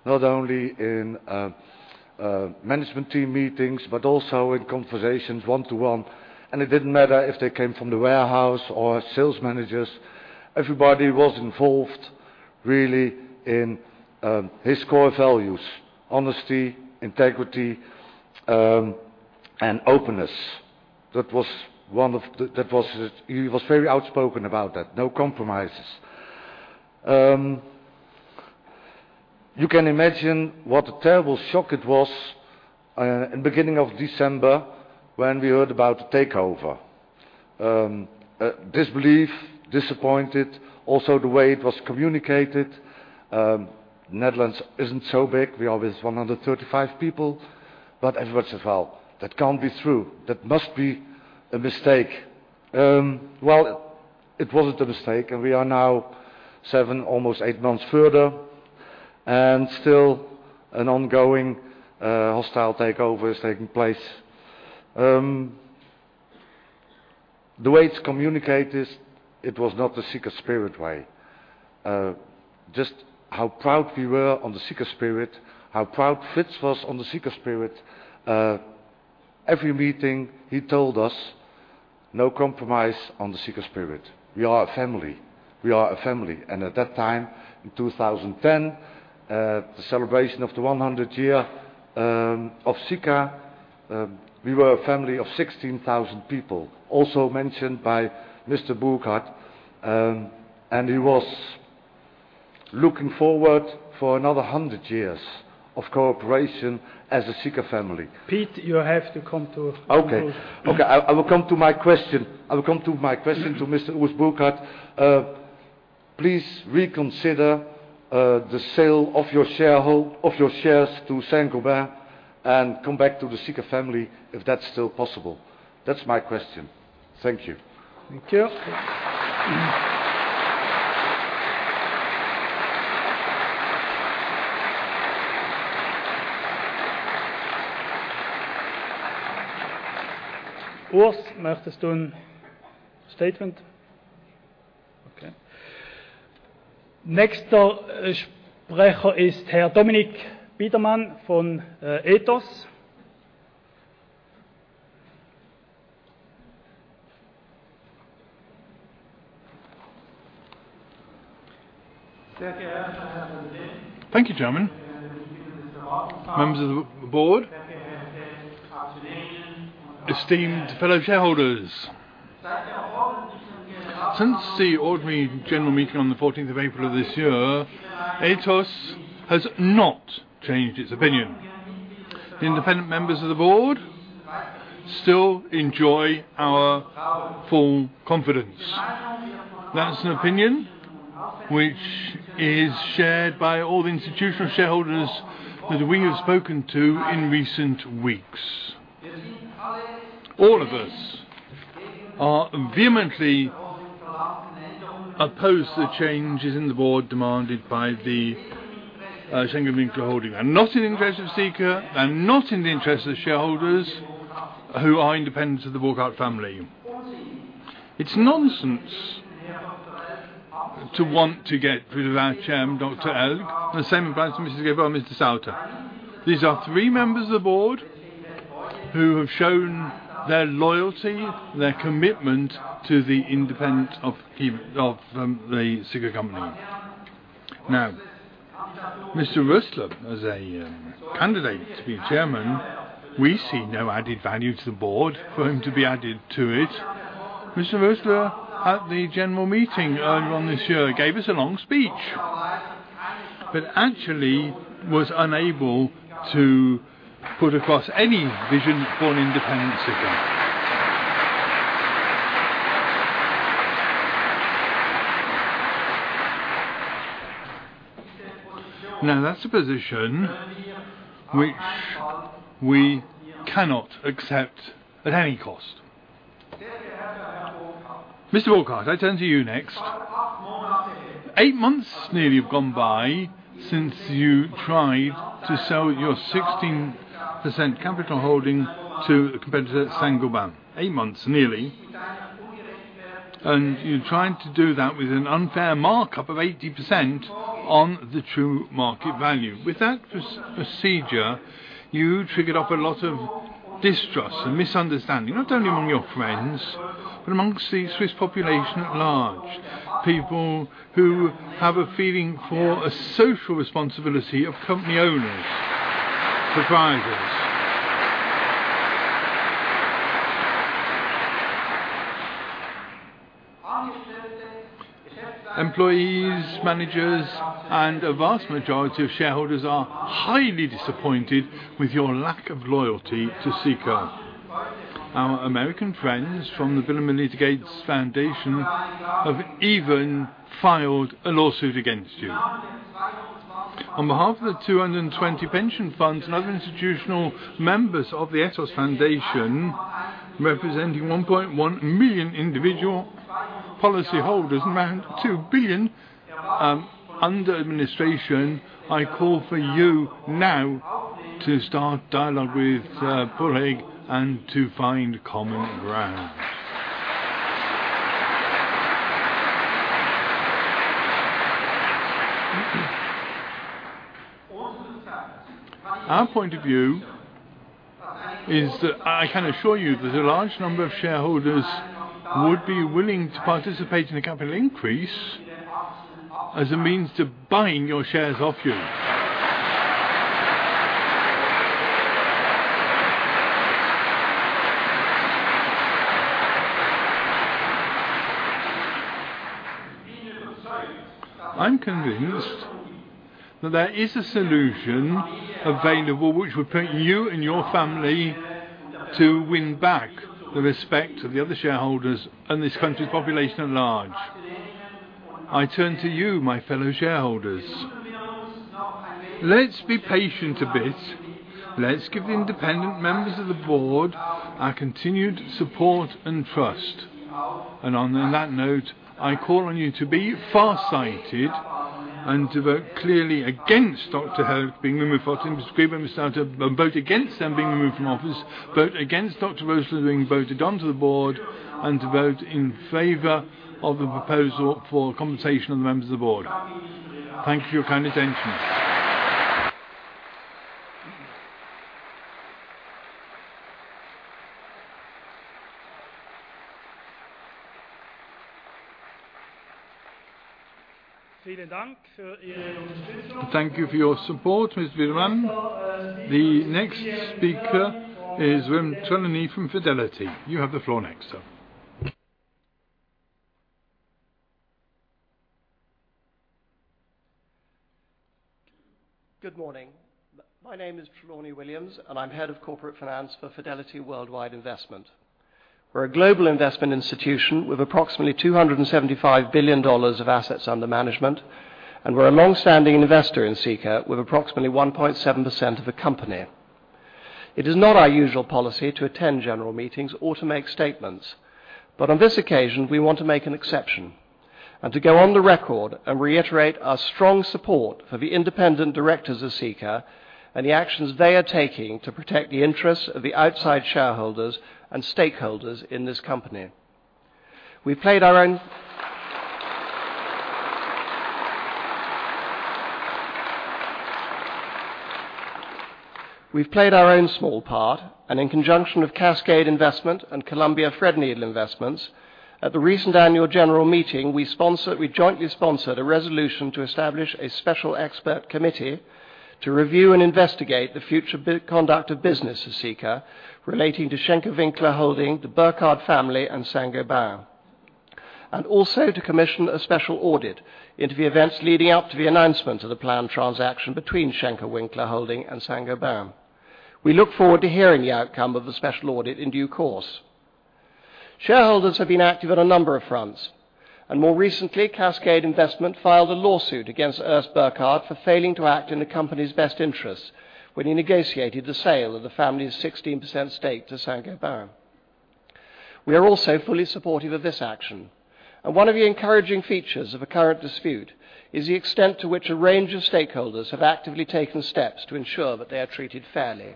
Speaker 4: Not only in management team meetings, also in conversations one-to-one, it didn't matter if they came from the warehouse or sales managers. Everybody was involved, really, in his core values, honesty, integrity, and openness. He was very outspoken about that. No compromises. You can imagine what a terrible shock it was in beginning of December when we heard about the takeover. Disbelief, disappointed, also the way it was communicated. Netherlands isn't so big. We are with 135 people, everybody said, "Well, that can't be true. That must be a mistake." Well, it wasn't a mistake, we are now seven, almost eight months further, still an ongoing hostile takeover is taking place. The way it's communicated, it was not the Sika Spirit way. Just how proud we were on the Sika Spirit, how proud Fritz was on the Sika Spirit. Every meeting he told us, "No compromise on the Sika Spirit. We are a family." At that time, in 2010, the celebration of the 100 year of Sika, we were a family of 16,000 people, also mentioned by Mr. Burkard, he was looking forward for another 100 years of cooperation as a Sika family.
Speaker 1: Piet, you have to come to
Speaker 4: Okay. I will come to my question. I will come to my question to Mr. Urs Burkard. Please reconsider the sale of your shares to Saint-Gobain and come back to the Sika family if that's still possible. That's my question. Thank you.
Speaker 1: Thank you. Urs, want to make a statement? Okay. Next speaker is Herr Dominique Biedermann from Ethos.
Speaker 5: Thank you, Chairman. Members of the board, esteemed fellow shareholders. Since the ordinary general meeting on the 14th of April of this year, Ethos has not changed its opinion. The independent members of the board still enjoy our full confidence. That's an opinion which is shared by all the institutional shareholders that we have spoken to in recent weeks. All of us are vehemently opposed to the changes in the board demanded by the Saint-Gobain holding, and not in the interest of Sika, and not in the interest of the shareholders who are independent of the Burkard family. It's nonsense to want to get rid of our chair, Dr. Hälg, and the same applies to Mrs. Ribar and Mr. Sauter. These are three members of the board who have shown their loyalty, their commitment to the independence of the Sika company. Mr. Roesle as a candidate to be chairman, we see no added value to the board for him to be added to it. Mr. Roesle at the general meeting earlier on this year gave us a long speech, but actually was unable to put across any vision for an independent Sika. That's a position which we cannot accept at any cost. Mr. Burkard, I turn to you next. 8 months nearly have gone by since you tried to sell your 16% capital holding to the competitor Saint-Gobain. 8 months nearly, you tried to do that with an unfair markup of 80% on the true market value. With that procedure, you triggered off a lot of distrust and misunderstanding, not only among your friends, but among the Swiss population at large, people who have a feeling for a social responsibility of company owners for prizes. Employees, managers, and a vast majority of shareholders are highly disappointed with your lack of loyalty to Sika. Our American friends from the Bill & Melinda Gates Foundation have even filed a lawsuit against you. On behalf of the 220 pension funds and other institutional members of the Ethos Foundation, representing 1.1 million individual policyholders, around 2 billion under administration, I call for you now to start dialogue with Burkard and to find common ground. Our point of view is that I can assure you that a large number of shareholders would be willing to participate in a capital increase as a means to buying your shares off you. I'm convinced that there is a solution available which would permit you and your family to win back the respect of the other shareholders and this country's population at large. I turn to you, my fellow shareholders. Let's be patient a bit. Let's give the independent members of the board our continued support and trust. On that note, I call on you to be farsighted and to vote clearly against Dr. Hälg being removed from office, Mrs. Gebhard and Mr. Sauter, vote against them being removed from office. Vote against Dr. Roesle being voted onto the board, to vote in favor of the proposal for compensation of the members of the board. Thank you for your kind attention.
Speaker 1: Thank you for your Thank you for your support, Mr. Virani. The next speaker is Trelawny from Fidelity. You have the floor next, sir.
Speaker 6: Good morning. My name is Trelawny Williams, and I'm head of corporate finance for Fidelity Worldwide Investment. We're a global investment institution with approximately $275 billion of assets under management, and we're a longstanding investor in Sika with approximately 1.7% of the company. It is not our usual policy to attend general meetings or to make statements. On this occasion, we want to make an exception and to go on the record and reiterate our strong support for the independent directors of Sika and the actions they are taking to protect the interests of the outside shareholders and stakeholders in this company. We've played our own small part. In conjunction with Cascade Investment and Columbia Threadneedle Investments, at the recent annual general meeting, we jointly sponsored a resolution to establish a special expert committee to review and investigate the future conduct of business of Sika relating to Schenker-Winkler Holding, the Burkard family, and Saint-Gobain. Also to commission a special audit into the events leading up to the announcement of the planned transaction between Schenker-Winkler Holding and Saint-Gobain. We look forward to hearing the outcome of the special audit in due course. Shareholders have been active on a number of fronts. More recently, Cascade Investment filed a lawsuit against Urs Burkard for failing to act in the company's best interests when he negotiated the sale of the family's 16% stake to Saint-Gobain. We are also fully supportive of this action. One of the encouraging features of the current dispute is the extent to which a range of stakeholders have actively taken steps to ensure that they are treated fairly.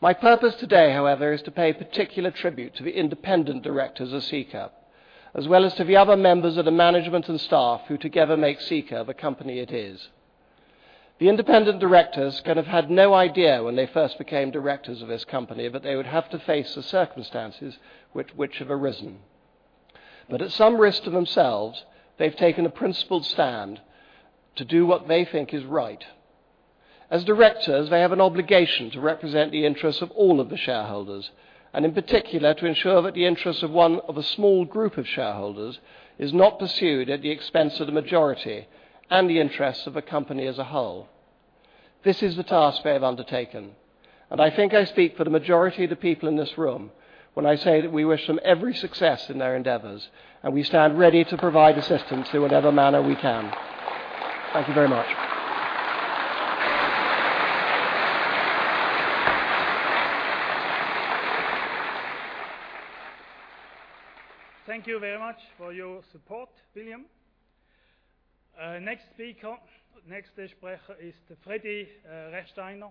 Speaker 6: My purpose today, however, is to pay particular tribute to the independent directors of Sika, as well as to the other members of the management and staff who together make Sika the company it is. The independent directors could have had no idea when they first became directors of this company that they would have to face the circumstances which have arisen. At some risk to themselves, they've taken a principled stand to do what they think is right. As directors, they have an obligation to represent the interests of all of the shareholders, and in particular, to ensure that the interests of one of a small group of shareholders is not pursued at the expense of the majority and the interests of the company as a whole. This is the task they have undertaken, and I think I speak for the majority of the people in this room when I say that we wish them every success in their endeavors, and we stand ready to provide assistance in whatever manner we can. Thank you very much.
Speaker 1: Thank you very much for your support, Williams. Next speaker is Freddy Rechsteiner.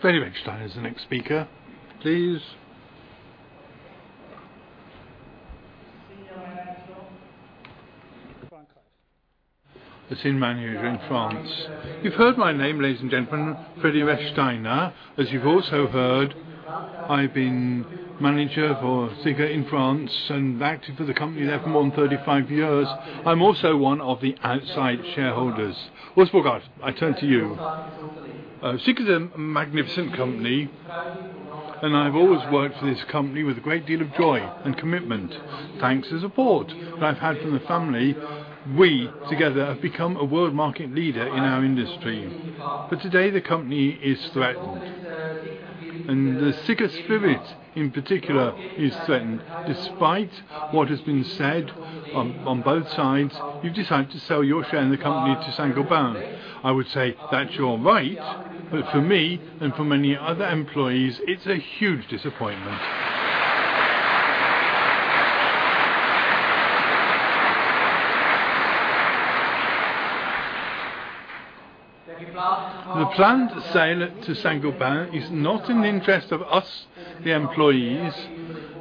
Speaker 1: Freddy Rechsteiner is the next speaker. Please. The senior manager in France. You've heard my name, ladies and gentlemen, Freddy Rechsteiner. As you've also heard, I've been manager for Sika in France and worked for the company there for more than 35 years. I'm also one of the outside shareholders. Urs Burkard, I turn to you. Sika is a magnificent company, and I've always worked for this company with a great deal of joy and commitment. Thanks to the support that I've had from the family, we together have become a world market leader in our industry. Today, the company is threatened, and the Sika Spirit, in particular, is threatened. Despite what has been said on both sides, you've decided to sell your share in the company to Saint-Gobain.
Speaker 7: I would say that's your right, for me and for many other employees, it's a huge disappointment. The planned sale to Saint-Gobain is not in the interest of us, the employees,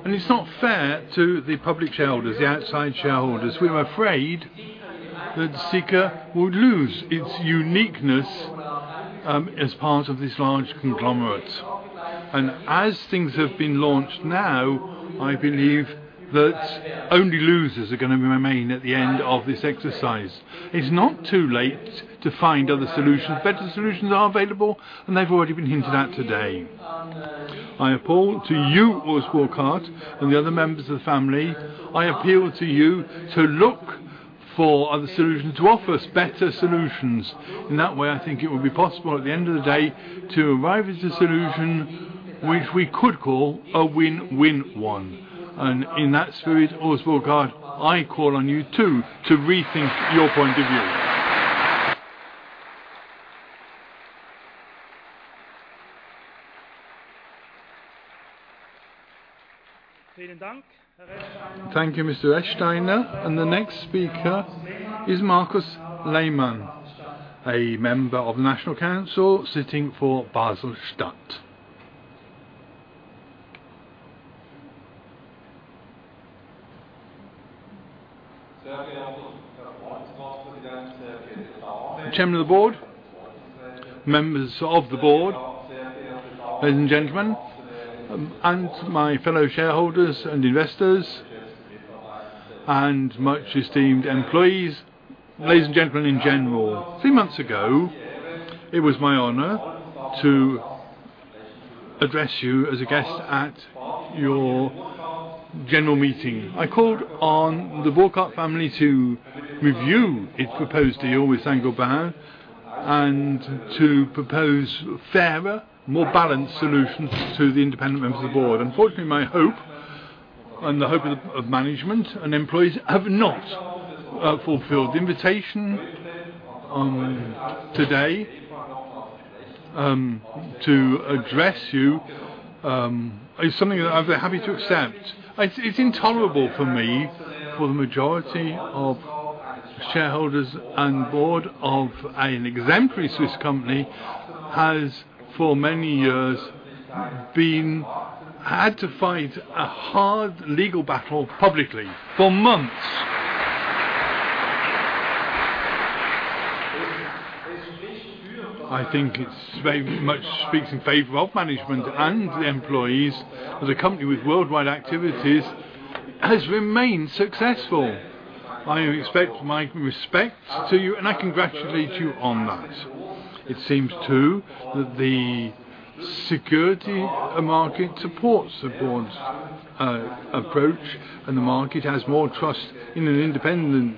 Speaker 7: and it's not fair to the public shareholders, the outside shareholders. We're afraid that Sika would lose its uniqueness as part of this large conglomerate. As things have been launched now, I believe that only losers are going to remain at the end of this exercise. It's not too late to find other solutions. Better solutions are available, and they've already been hinted at today. I appeal to you, Urs Burkard, and the other members of the family. I appeal to you to look for other solutions, to offer us better solutions. In that way, I think it would be possible, at the end of the day, to arrive at a solution which we could call a win-win one. In that spirit, Urs Burkard, I call on you, too, to rethink your point of view. Thank you, Mr. Rechsteiner. The next speaker is Markus Lehmann, a Member of the National Council sitting for Basel-Stadt. Chairman of the board, members of the board, ladies and gentlemen, and my fellow shareholders and investors, much esteemed employees, ladies and gentlemen in general, three months ago, it was my honor to address you as a guest at your general meeting. I called on the Burkard family to review its proposed deal with Saint-Gobain and to propose fairer, more balanced solutions to the independent members of the board. Unfortunately, my hope and the hope of management and employees have not fulfilled.
Speaker 8: The invitation today to address you is something that I've been happy to accept. It's intolerable for me that the majority of shareholders and board of an exemplary Swiss company has, for many years, had to fight a hard legal battle publicly for months. I think it very much speaks in favor of management and employees that a company with worldwide activities has remained successful. I offer my respects to you, and I congratulate you on that. It seems too that the securities market supports the board's approach, and the market has more trust in an independent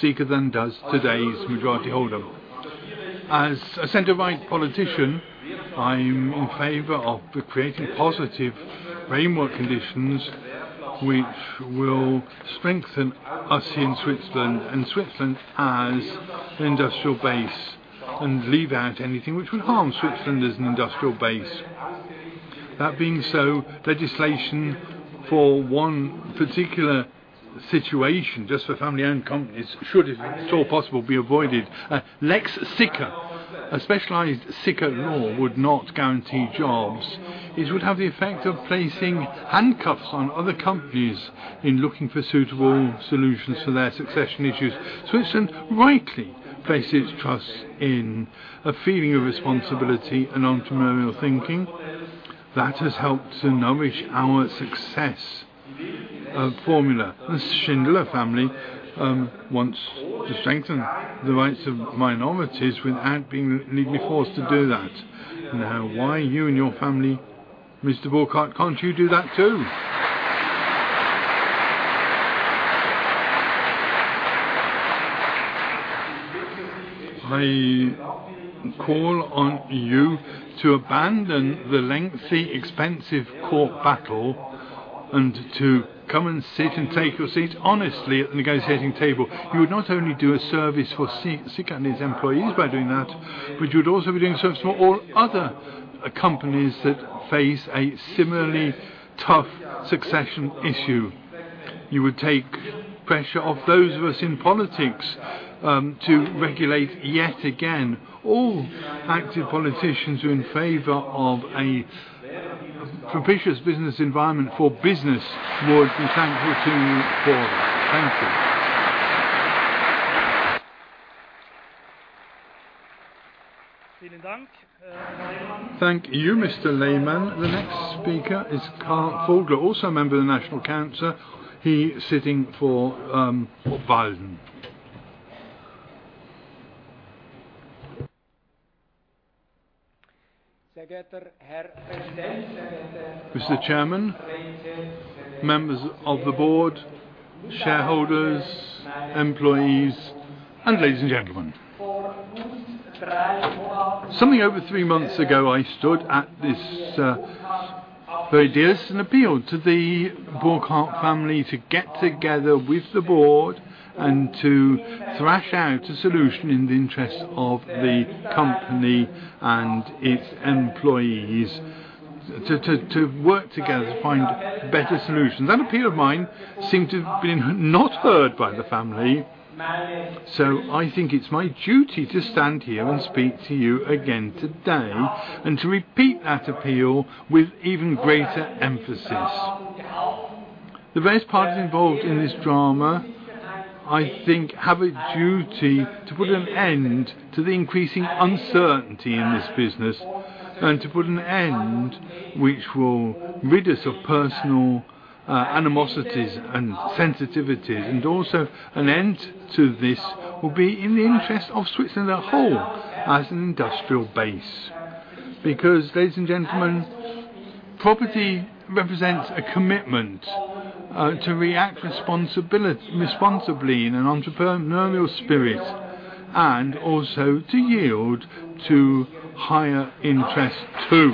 Speaker 8: Sika than does today's majority holder. As a center-right politician, I'm in favor of creating positive framework conditions which will strengthen us here in Switzerland and Switzerland as an industrial base and leave out anything which would harm Switzerland as an industrial base. That being so, legislation for one particular situation just for family-owned companies should, if at all possible, be avoided. A lex Sika, a specialized Sika law, would not guarantee jobs. It would have the effect of placing handcuffs on other companies in looking for suitable solutions for their succession issues. Switzerland rightly places trust in a feeling of responsibility and entrepreneurial thinking. That has helped to nourish our success formula. The Schindler family wants to strengthen the rights of minorities without being legally forced to do that. Why you and your family, Mr. Burkard, can't you do that too? I call on you to abandon the lengthy, expensive court battle and to come and sit and take your seat honestly at the negotiating table. You would not only do a service for Sika and its employees by doing that, but you'd also be doing a service for all other companies that face a similarly tough succession issue. You would take pressure off those of us in politics to regulate yet again. All active politicians who are in favor of a propitious business environment for business would be thankful to you for that. Thank you.
Speaker 1: Thank you, Mr. Lehmann. The next speaker is Karl Vogler, also a member of the National Council. He is sitting for Obwalden. Mr. Chairman, members of the board, shareholders, employees, and ladies and gentlemen. Something over three months ago, I stood at this podium and appealed to the Burkard family to get together with the board and to thrash out a solution in the interest of the company and its employees to work together to find better solutions.
Speaker 9: That appeal of mine seemed to have been not heard by the family. I think it's my duty to stand here and speak to you again today and to repeat that appeal with even greater emphasis. The best parties involved in this drama, I think, have a duty to put an end to the increasing uncertainty in this business and to put an end which will rid us of personal animosities and sensitivities, and also an end to this will be in the interest of Switzerland as a whole, as an industrial base. Ladies and gentlemen, property represents a commitment to react responsibly in an entrepreneurial spirit and also to yield to higher interests too.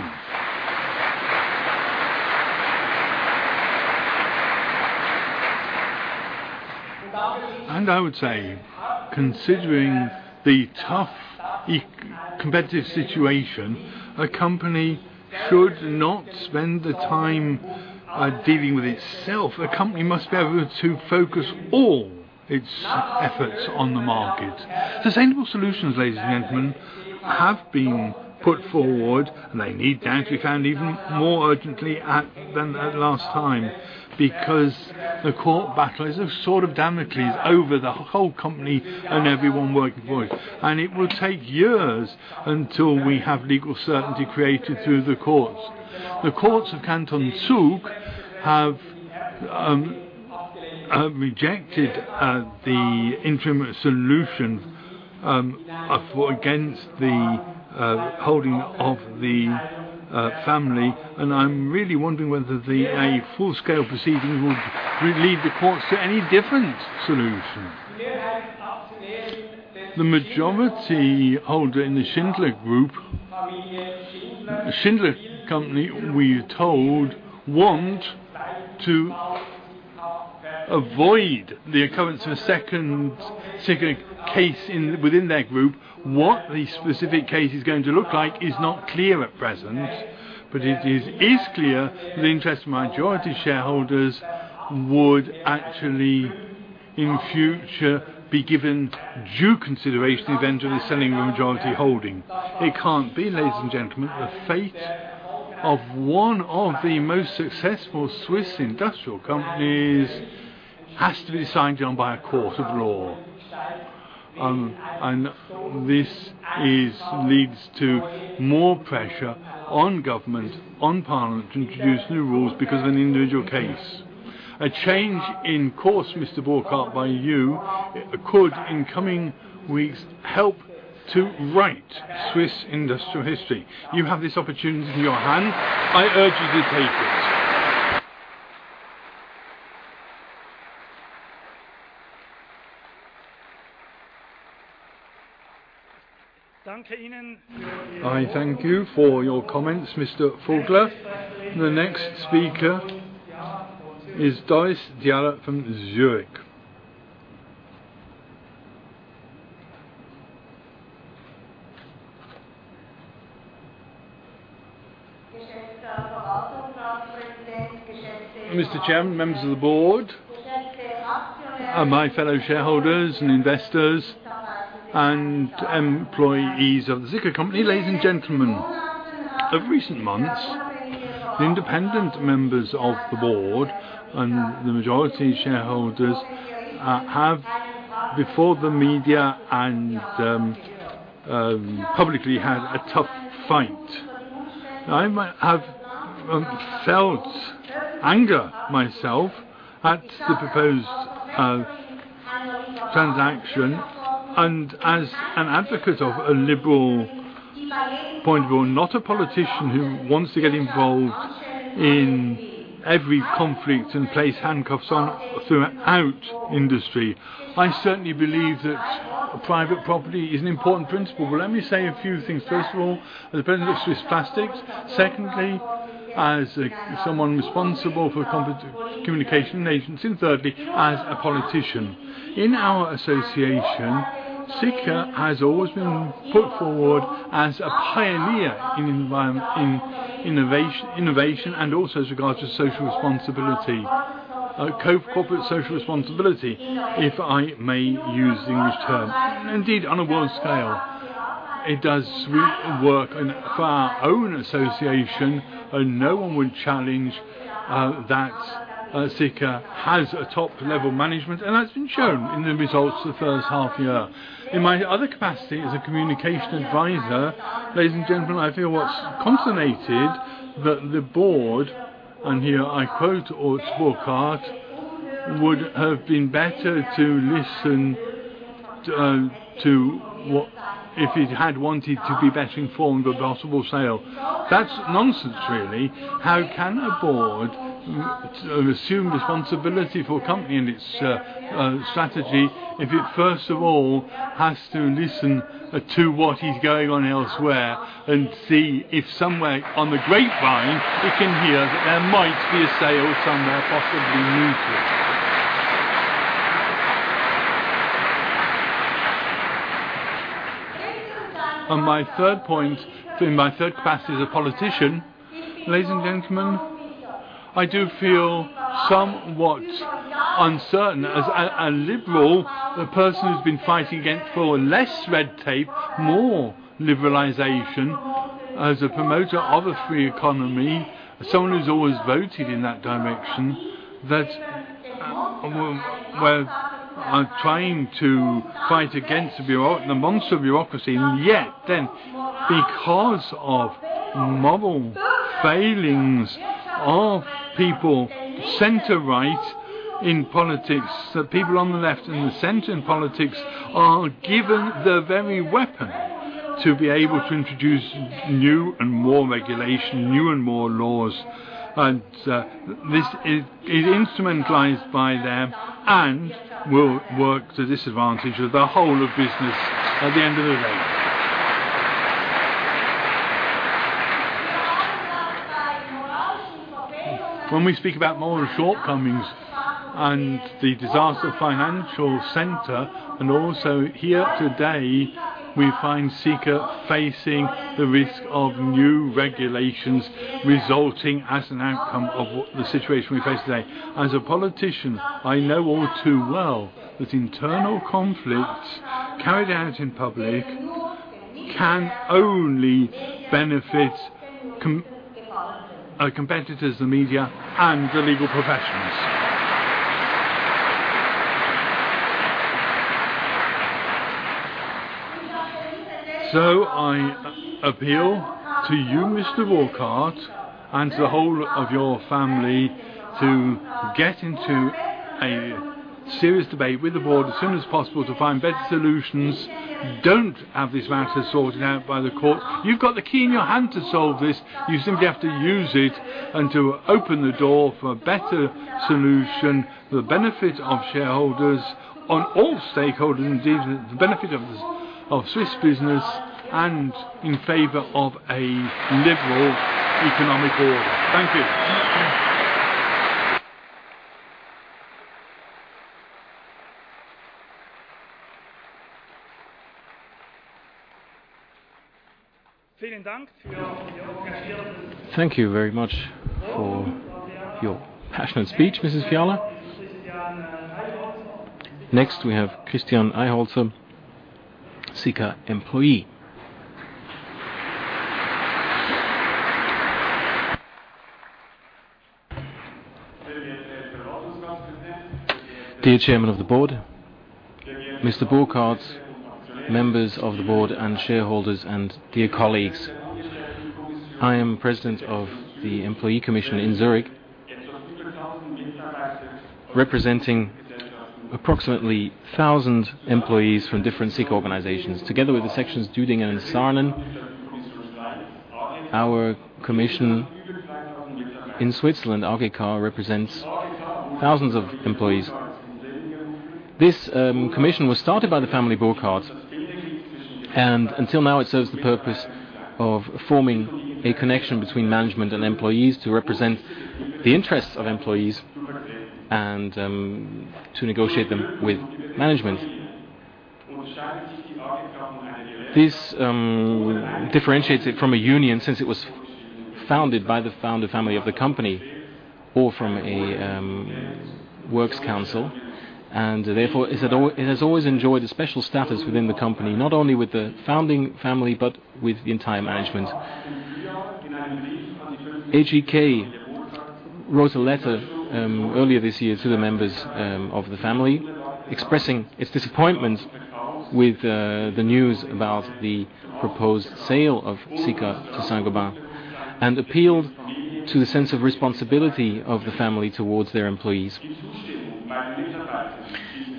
Speaker 9: I would say, considering the tough competitive situation, a company should not spend the time dealing with itself. A company must be able to focus all its efforts on the market. Sustainable solutions, ladies and gentlemen, have been put forward, they need to be found even more urgently than last time because the court battles have sort of damaged things over the whole company and everyone working for it. It will take years until we have legal certainty created through the courts. The courts of Canton Zug have rejected the interim solution against the holding of the family, and I'm really wondering whether a full-scale proceeding would lead the courts to any different solution. The majority holder in the Schindler Group, the Schindler Group, we are told, want to avoid the occurrence of a second case within their group. What the specific case is going to look like is not clear at present, but it is clear that the interest of majority shareholders would actually, in future, be given due consideration eventually selling the majority holding. It can't be, ladies and gentlemen, the fate of one of the most successful Swiss industrial companies has to be decided on by a court of law. This leads to more pressure on government, on parliament, to introduce new rules because of an individual case. A change in course, Mr. Burkard, by you, could, in coming weeks, help to write Swiss industrial history. You have this opportunity in your hands. I urge you to take it.
Speaker 1: I thank you for your comments, Mr. Vogler. The next speaker is Doris Fiala from Zurich. Mr. Chairman, members of the board, my fellow shareholders and investors, and employees of the Sika AG, ladies and gentlemen. Of recent months, the independent members of the board and the majority shareholders have, before the media and publicly, had a tough fight.
Speaker 10: I have felt anger myself at the proposed transaction, as an advocate of a liberal point of view, not a politician who wants to get involved in every conflict and place handcuffs on throughout industry. I certainly believe that private property is an important principle. Let me say a few things. First of all, as the president of Swiss Plastics. Secondly, as someone responsible for communication agents. Thirdly, as a politician. In our association, Sika has always been put forward as a pioneer in innovation and also with regards to social responsibility. Corporate social responsibility, if I may use the English term. Indeed, on a world scale. It does work for our own association, and no one would challenge that Sika has a top-level management, and that's been shown in the results of the first half year. In my other capacity as a communication advisor, ladies and gentlemen, I feel what's consternated that the board, here I quote Urs Burkard, would have been better to listen if it had wanted to be better informed of a possible sale. That's nonsense, really. How can a board assume responsibility for a company and its strategy if it first of all has to listen to what is going on elsewhere and see if somewhere on the grapevine it can hear that there might be a sale somewhere, possibly neutral? In my third capacity as a politician, ladies and gentlemen, I do feel somewhat uncertain. As a liberal, a person who's been fighting for less red tape, more liberalization, as a promoter of a free economy, someone who's always voted in that direction. I'm trying to fight against the monster bureaucracy, yet then because of moral failings of people center-right in politics, people on the left and the center in politics are given the very weapon to be able to introduce new and more regulation, new and more laws. This is instrumentalized by them and will work to the disadvantage of the whole of business at the end of the day. When we speak about moral shortcomings and the disaster financial center, also here today, we find Sika facing the risk of new regulations resulting as an outcome of the situation we face today. As a politician, I know all too well that internal conflicts carried out in public can only benefit competitors, the media, and the legal professionals. I appeal to you, Mr. Burkard, and to the whole of your family to get into a serious debate with the board as soon as possible to find better solutions. Don't have this matter sorted out by the courts. You've got the key in your hand to solve this. You simply have to use it and to open the door for a better solution for the benefit of shareholders, on all stakeholders, indeed, the benefit of Swiss business and in favor of a liberal economic order. Thank you.
Speaker 1: Thank you very much for your passionate speech, Mrs. Fiala. Next, we have Christian Eyholzer, Sika employee.
Speaker 11: Dear chairman of the board, Mr. Burkard, members of the board and shareholders, and dear colleagues. I am president of the employee commission in Zurich, representing approximately 1,000 employees from different Sika organizations, together with the sections Düdingen and Sarnen. Our commission in Switzerland, AGK, represents thousands of employees. This commission was started by the family Burkard, and until now, it serves the purpose of forming a connection between management and employees to represent the interests of employees and to negotiate them with management. This differentiates it from a union since it was founded by the founder family of the company or from a works council, and therefore, it has always enjoyed a special status within the company, not only with the founding family but with the entire management. AGK wrote a letter earlier this year to the members of the family expressing its disappointment with the news about the proposed sale of Sika to Saint-Gobain and appealed to the sense of responsibility of the family towards their employees.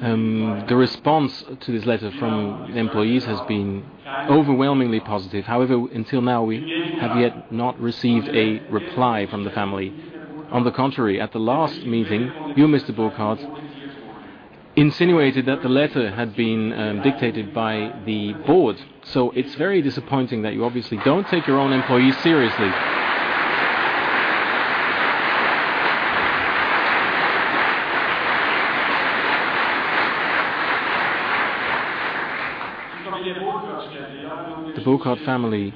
Speaker 11: The response to this letter from employees has been overwhelmingly positive. Until now, we have yet not received a reply from the family. At the last meeting, you, Mr. Burkard, insinuated that the letter had been dictated by the board, so it's very disappointing that you obviously don't take your own employees seriously. The Burkard family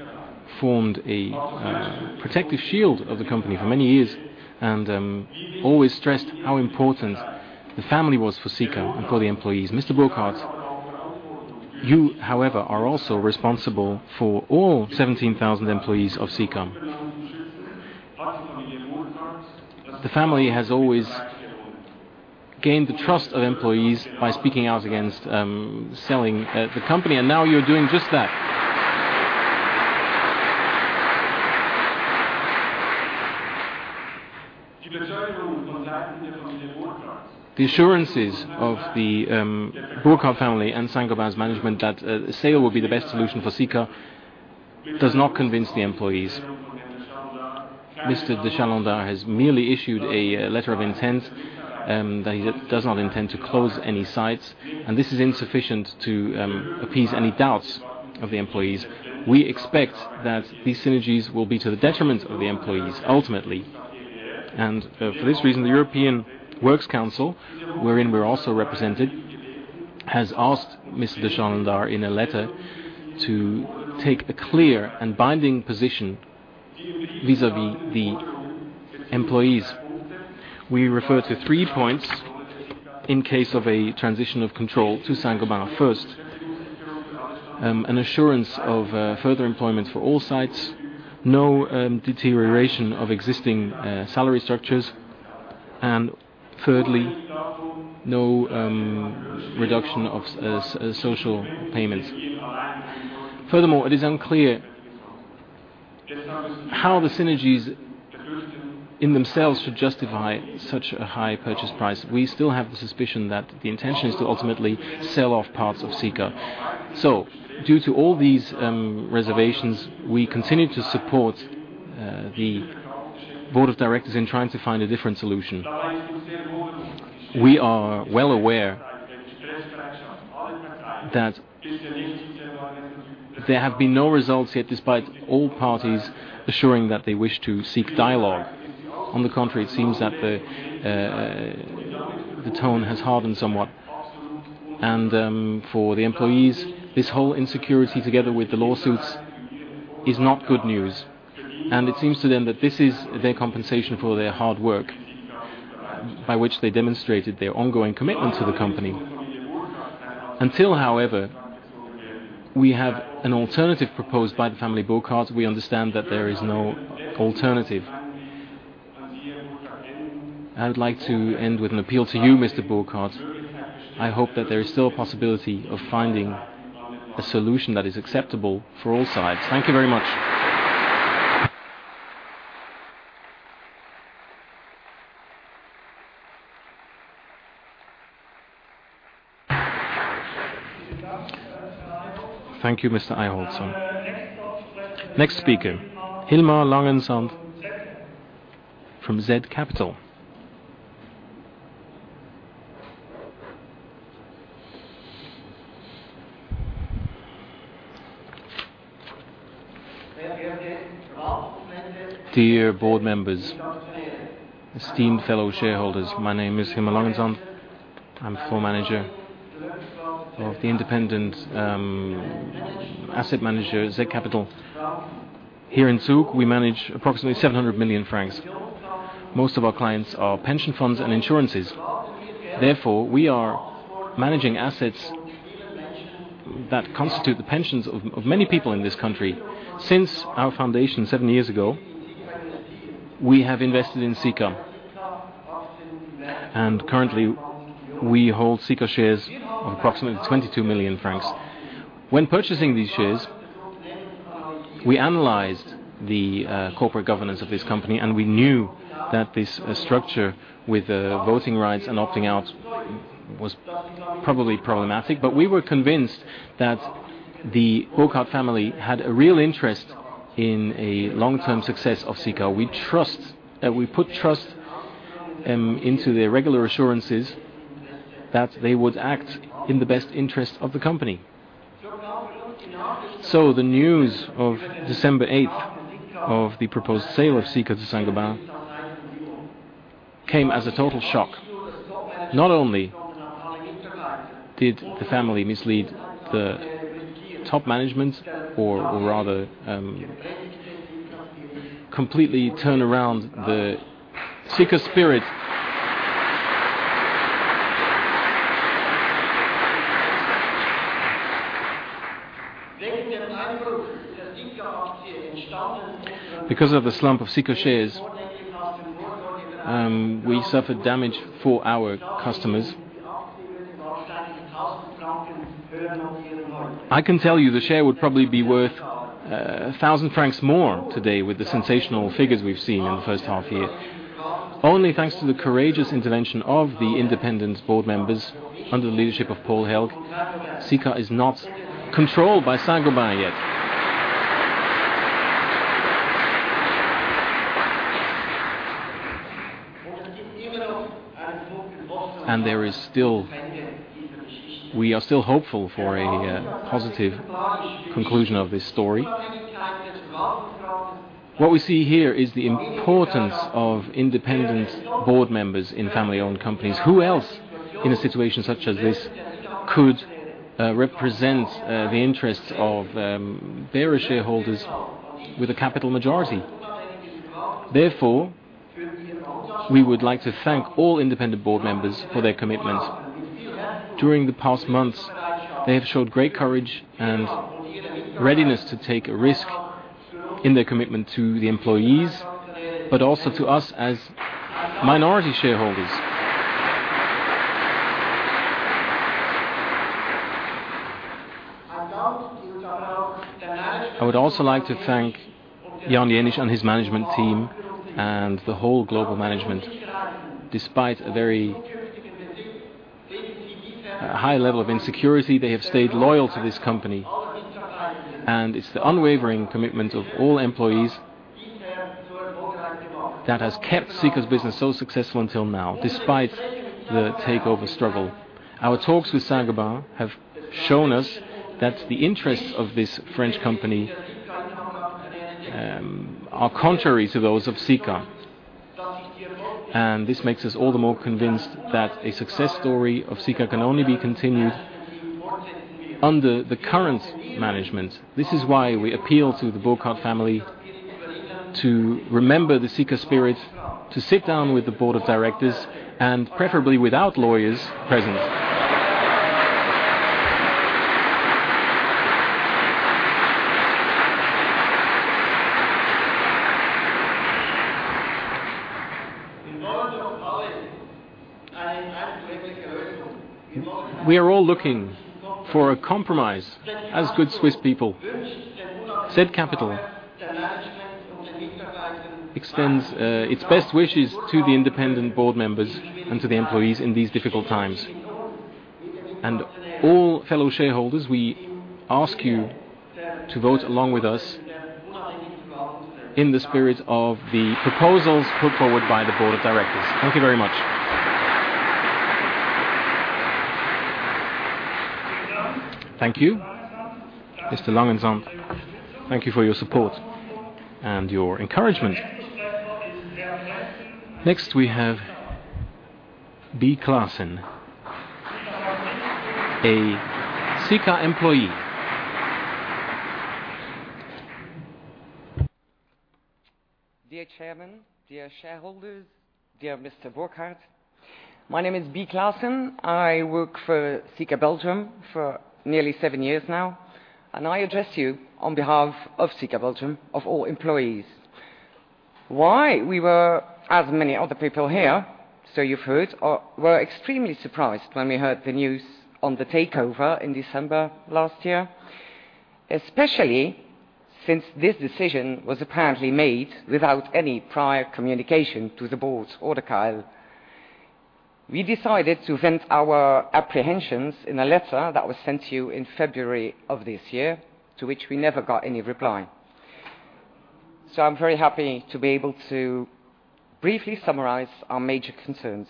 Speaker 11: formed a protective shield of the company for many years and always stressed how important the family was for Sika and for the employees. Mr. Burkard, you, however, are also responsible for all 17,000 employees of Sika. The family has always gained the trust of employees by speaking out against selling the company, now you're doing just that. The assurances of the Burkard family and Saint-Gobain's management that the sale will be the best solution for Sika does not convince the employees. Mr. De Chalendar has merely issued a letter of intent that he does not intend to close any sites, this is insufficient to appease any doubts of the employees. We expect that the synergies will be to the detriment of the employees ultimately. For this reason, the European Works Council, wherein we're also represented, has asked Mr. De Chalendar in a letter to take a clear and binding position vis-à-vis the employees. We refer to three points in case of a transition of control to Saint-Gobain. First, an assurance of further employment for all sites, no deterioration of existing salary structures, thirdly, no reduction of social payments. Furthermore, it is unclear how the synergies in themselves should justify such a high purchase price. We still have the suspicion that the intention is to ultimately sell off parts of Sika. Due to all these reservations, we continue to support the board of directors in trying to find a different solution. We are well aware that there have been no results yet despite all parties assuring that they wish to seek dialogue. On the contrary, it seems that the tone has hardened somewhat. For the employees, this whole insecurity together with the lawsuits is not good news. It seems to them that this is their compensation for their hard work by which they demonstrated their ongoing commitment to the company. Until, however, we have an alternative proposed by the Burkard family, we understand that there is no alternative. I would like to end with an appeal to you, Mr. Burkard. I hope that there is still a possibility of finding a solution that is acceptable for all sides. Thank you very much.
Speaker 1: Thank you, Mr. Eyholzer. Next speaker, Hilmar Langensand from zCapital. Dear board members, esteemed fellow shareholders. My name is Hilmar Langensand. I'm floor manager of the independent asset manager, zCapital. Here in Zug, we manage approximately 700 million francs. Most of our clients are pension funds and insurances. Therefore, we are managing assets that constitute the pensions of many people in this country. Since our foundation seven years ago, we have invested in Sika, and currently, we hold Sika shares of approximately 22 million francs.
Speaker 12: When purchasing these shares, we analyzed the corporate governance of this company, we knew that this structure with voting rights and opting out was probably problematic, but we were convinced that the Burkard family had a real interest in a long-term success of Sika. We put trust into their regular assurances that they would act in the best interest of the company. The news of December 8th of the proposed sale of Sika to Saint-Gobain came as a total shock. Not only did the family mislead the top management, or rather, completely turn around the Sika Spirit. Because of the slump of Sika shares, we suffered damage for our customers. I can tell you the share would probably be worth 1,000 francs more today with the sensational figures we've seen in the first half year. Only thanks to the courageous intervention of the independent board members under the leadership of Paul Hälg, Sika is not controlled by Saint-Gobain yet. We are still hopeful for a positive conclusion of this story. What we see here is the importance of independent board members in family-owned companies. Who else, in a situation such as this, could represent the interests of their shareholders with a capital majority? Therefore, we would like to thank all independent board members for their commitment. During the past months, they have showed great courage and readiness to take a risk in their commitment to the employees, but also to us as minority shareholders. I would also like to thank Jan Jenisch and his management team and the whole global management. Despite a very high level of insecurity, they have stayed loyal to this company, and it's the unwavering commitment of all employees that has kept Sika's business so successful until now, despite the takeover struggle. Our talks with Saint-Gobain have shown us that the interests of this French company are contrary to those of Sika. This makes us all the more convinced that a success story of Sika can only be continued under the current management. This is why we appeal to the Burkard family to remember the Sika Spirit, to sit down with the board of directors, and preferably without lawyers present. We are all looking for a compromise as good Swiss people. zCapital extends its best wishes to the independent board members and to the employees in these difficult times. All fellow shareholders, we ask you to vote along with us in the spirit of the proposals put forward by the board of directors.
Speaker 1: Thank you very much. Thank you, Mr. Langensand. Thank you for your support and your encouragement. Next, we have Bie Claesen. A Sika employee.
Speaker 13: Dear chairman, dear shareholders, dear Mr. Burkard. My name is Bie Claesen. I work for Sika Belgium for nearly seven years now, and I address you on behalf of Sika Belgium, of all employees. Why? We were, as many other people here, you've heard, were extremely surprised when we heard the news on the takeover in December last year, especially since this decision was apparently made without any prior communication to the boards or the Council. We decided to vent our apprehensions in a letter that was sent to you in February of this year, to which we never got any reply. I'm very happy to be able to briefly summarize our major concerns.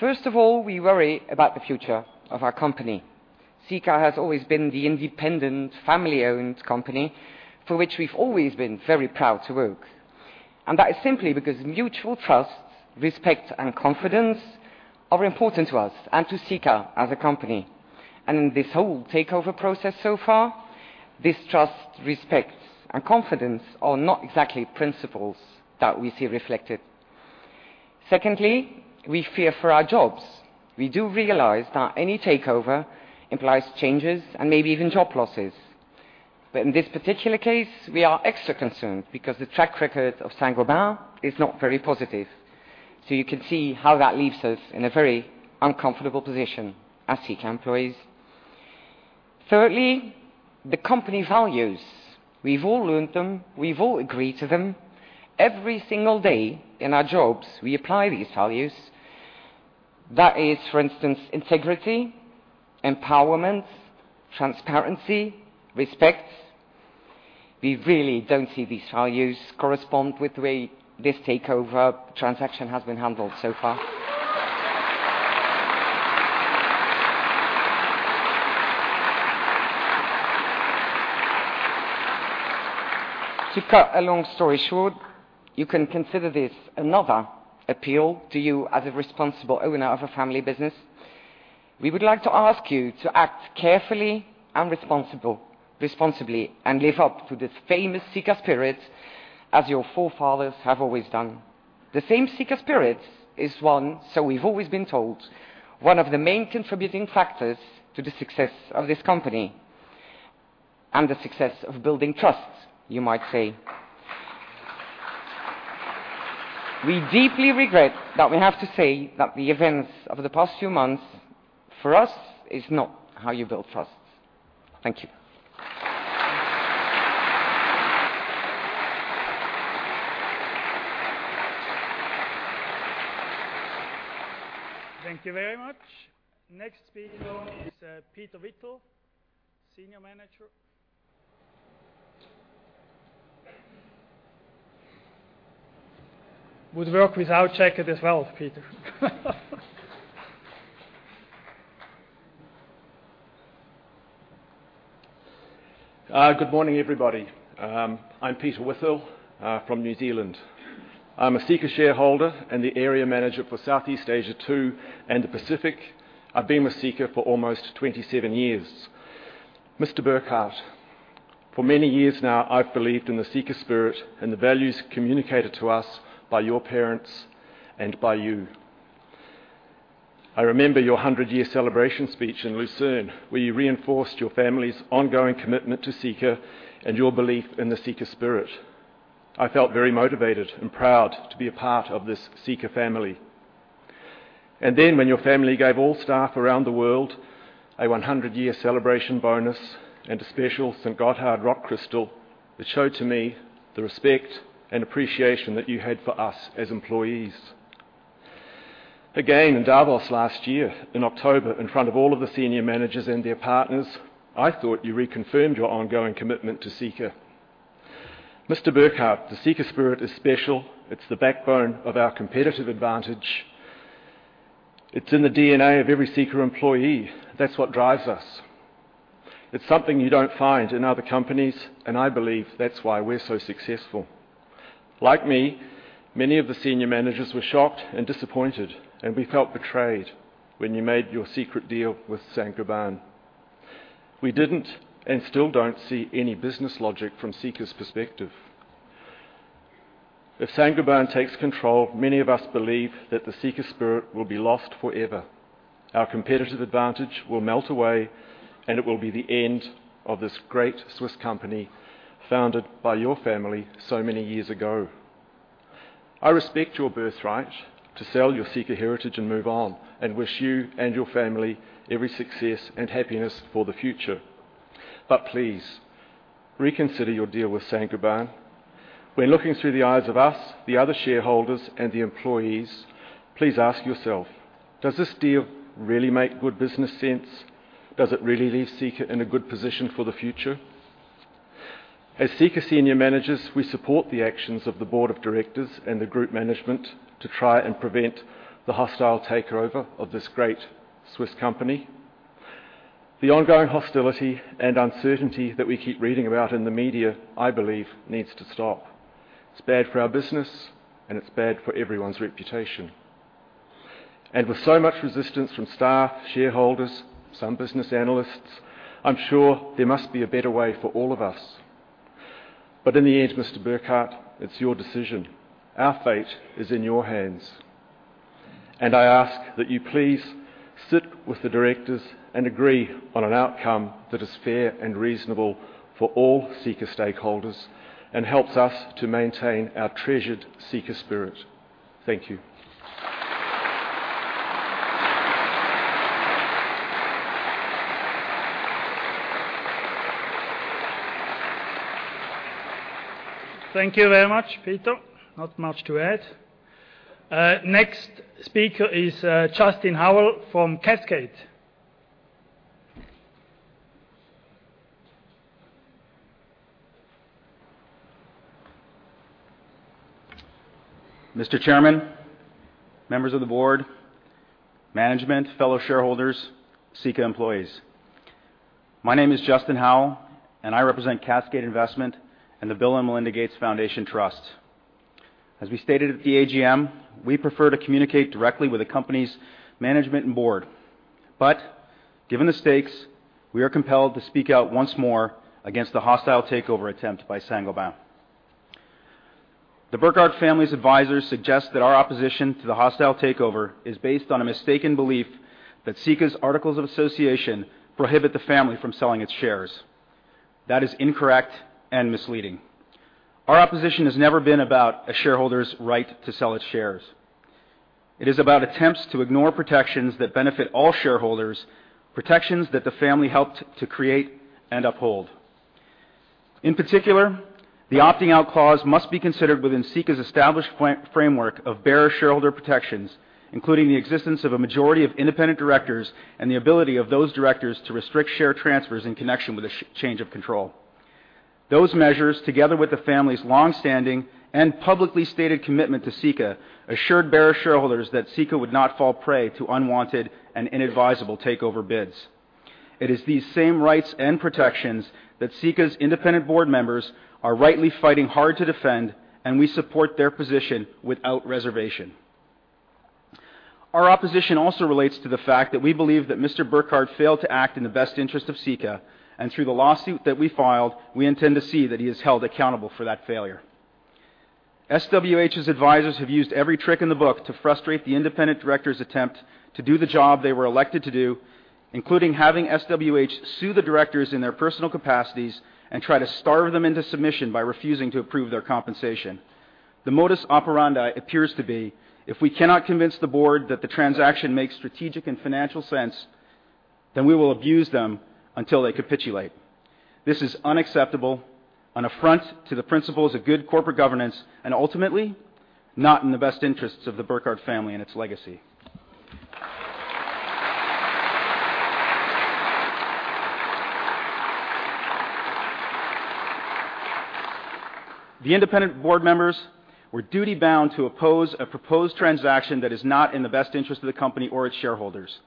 Speaker 13: First of all, we worry about the future of our company. Sika has always been the independent, family-owned company for which we've always been very proud to work. That is simply because mutual trust, respect, and confidence are important to us and to Sika as a company. This whole takeover process so far, this trust, respect, and confidence are not exactly principles that we see reflected. Secondly, we fear for our jobs. We do realize that any takeover implies changes and maybe even job losses. In this particular case, we are extra concerned because the track record of Saint-Gobain is not very positive. You can see how that leaves us in a very uncomfortable position as Sika employees. Thirdly, the company values. We've all learned them. We've all agreed to them. Every single day in our jobs, we apply these values. That is, for instance, integrity, empowerment, transparency, respect. We really don't see these values correspond with the way this takeover transaction has been handled so far. To cut a long story short, you can consider this another appeal to you as a responsible owner of a family business. We would like to ask you to act carefully and responsibly, and live up to the famous Sika Spirit as your forefathers have always done. The same Sika Spirit is one, so we've always been told, one of the main contributing factors to the success of this company, and the success of building trust, you might say. We deeply regret that we have to say that the events of the past few months, for us, is not how you build trust. Thank you.
Speaker 1: Thank you very much. Next speaker is Peter Withall, senior manager. Would work without jacket as well, Peter.
Speaker 14: Good morning, everybody. I'm Peter Withall from New Zealand. I'm a Sika shareholder and the area manager for Southeast Asia 2 and the Pacific. I've been with Sika for almost 27 years. Mr. Burkard, for many years now, I've believed in the Sika Spirit and the values communicated to us by your parents and by you. I remember your 100-year celebration speech in Lucerne, where you reinforced your family's ongoing commitment to Sika and your belief in the Sika Spirit. Then when your family gave all staff around the world a 100-year celebration bonus and a special St. Gotthard rock crystal, it showed to me the respect and appreciation that you had for us as employees. In Davos last year, in October, in front of all of the senior managers and their partners, I thought you reconfirmed your ongoing commitment to Sika. Mr. Burkard, the Sika Spirit is special. It's the backbone of our competitive advantage. It's in the DNA of every Sika employee. That's what drives us. It's something you don't find in other companies, and I believe that's why we're so successful. Like me, many of the senior managers were shocked and disappointed, and we felt betrayed when you made your secret deal with Saint-Gobain. We didn't and still don't see any business logic from Sika's perspective. If Saint-Gobain takes control, many of us believe that the Sika Spirit will be lost forever. Our competitive advantage will melt away, and it will be the end of this great Swiss company founded by your family so many years ago. I respect your birth right to sell your Sika heritage and move on, and wish you and your family every success and happiness for the future. Please, reconsider your deal with Saint-Gobain. When looking through the eyes of us, the other shareholders and the employees, please ask yourself, does this deal really make good business sense? Does it really leave Sika in a good position for the future? As Sika senior managers, we support the actions of the board of directors and the group management to try and prevent the hostile takeover of this great Swiss company. The ongoing hostility and uncertainty that we keep reading about in the media, I believe, needs to stop. It's bad for our business and it's bad for everyone's reputation. With so much resistance from staff, shareholders, some business analysts, I'm sure there must be a better way for all of us. In the end, Mr. Burkard, it's your decision. Our fate is in your hands, and I ask that you please sit with the directors and agree on an outcome that is fair and reasonable for all Sika stakeholders and helps us to maintain our treasured Sika Spirit. Thank you.
Speaker 1: Thank you very much, Peter. Not much to add. Next speaker is Justin Howell from Cascade.
Speaker 15: Mr. Chairman, members of the board, management, fellow shareholders, Sika employees. My name is Justin Howell, and I represent Cascade Investment and the Bill & Melinda Gates Foundation Trust. As we stated at the AGM, we prefer to communicate directly with the company's management and board, but given the stakes, we are compelled to speak out once more against the hostile takeover attempt by Saint-Gobain. The Burkard family's advisors suggest that our opposition to the hostile takeover is based on a mistaken belief that Sika's articles of association prohibit the family from selling its shares. That is incorrect and misleading. Our opposition has never been about a shareholder's right to sell its shares. It is about attempts to ignore protections that benefit all shareholders, protections that the family helped to create and uphold. In particular, the opting out clause must be considered within Sika's established framework of bearer shareholder protections, including the existence of a majority of independent directors and the ability of those directors to restrict share transfers in connection with a change of control. Those measures, together with the family's longstanding and publicly stated commitment to Sika, assured bearer shareholders that Sika would not fall prey to unwanted and inadvisable takeover bids. It is these same rights and protections that Sika's independent board members are rightly fighting hard to defend. We support their position without reservation. Our opposition also relates to the fact that we believe that Mr. Burkard failed to act in the best interest of Sika. Through the lawsuit that we filed, we intend to see that he is held accountable for that failure. SWH's advisors have used every trick in the book to frustrate the independent directors' attempt to do the job they were elected to do, including having SWH sue the directors in their personal capacities and try to starve them into submission by refusing to approve their compensation. The modus operandi appears to be, if we cannot convince the board that the transaction makes strategic and financial sense, then we will abuse them until they capitulate. This is unacceptable, an affront to the principles of good corporate governance. Ultimately, not in the best interests of the Burkard family and its legacy. The independent board members were duty-bound to oppose a proposed transaction that is not in the best interest of the company or its shareholders.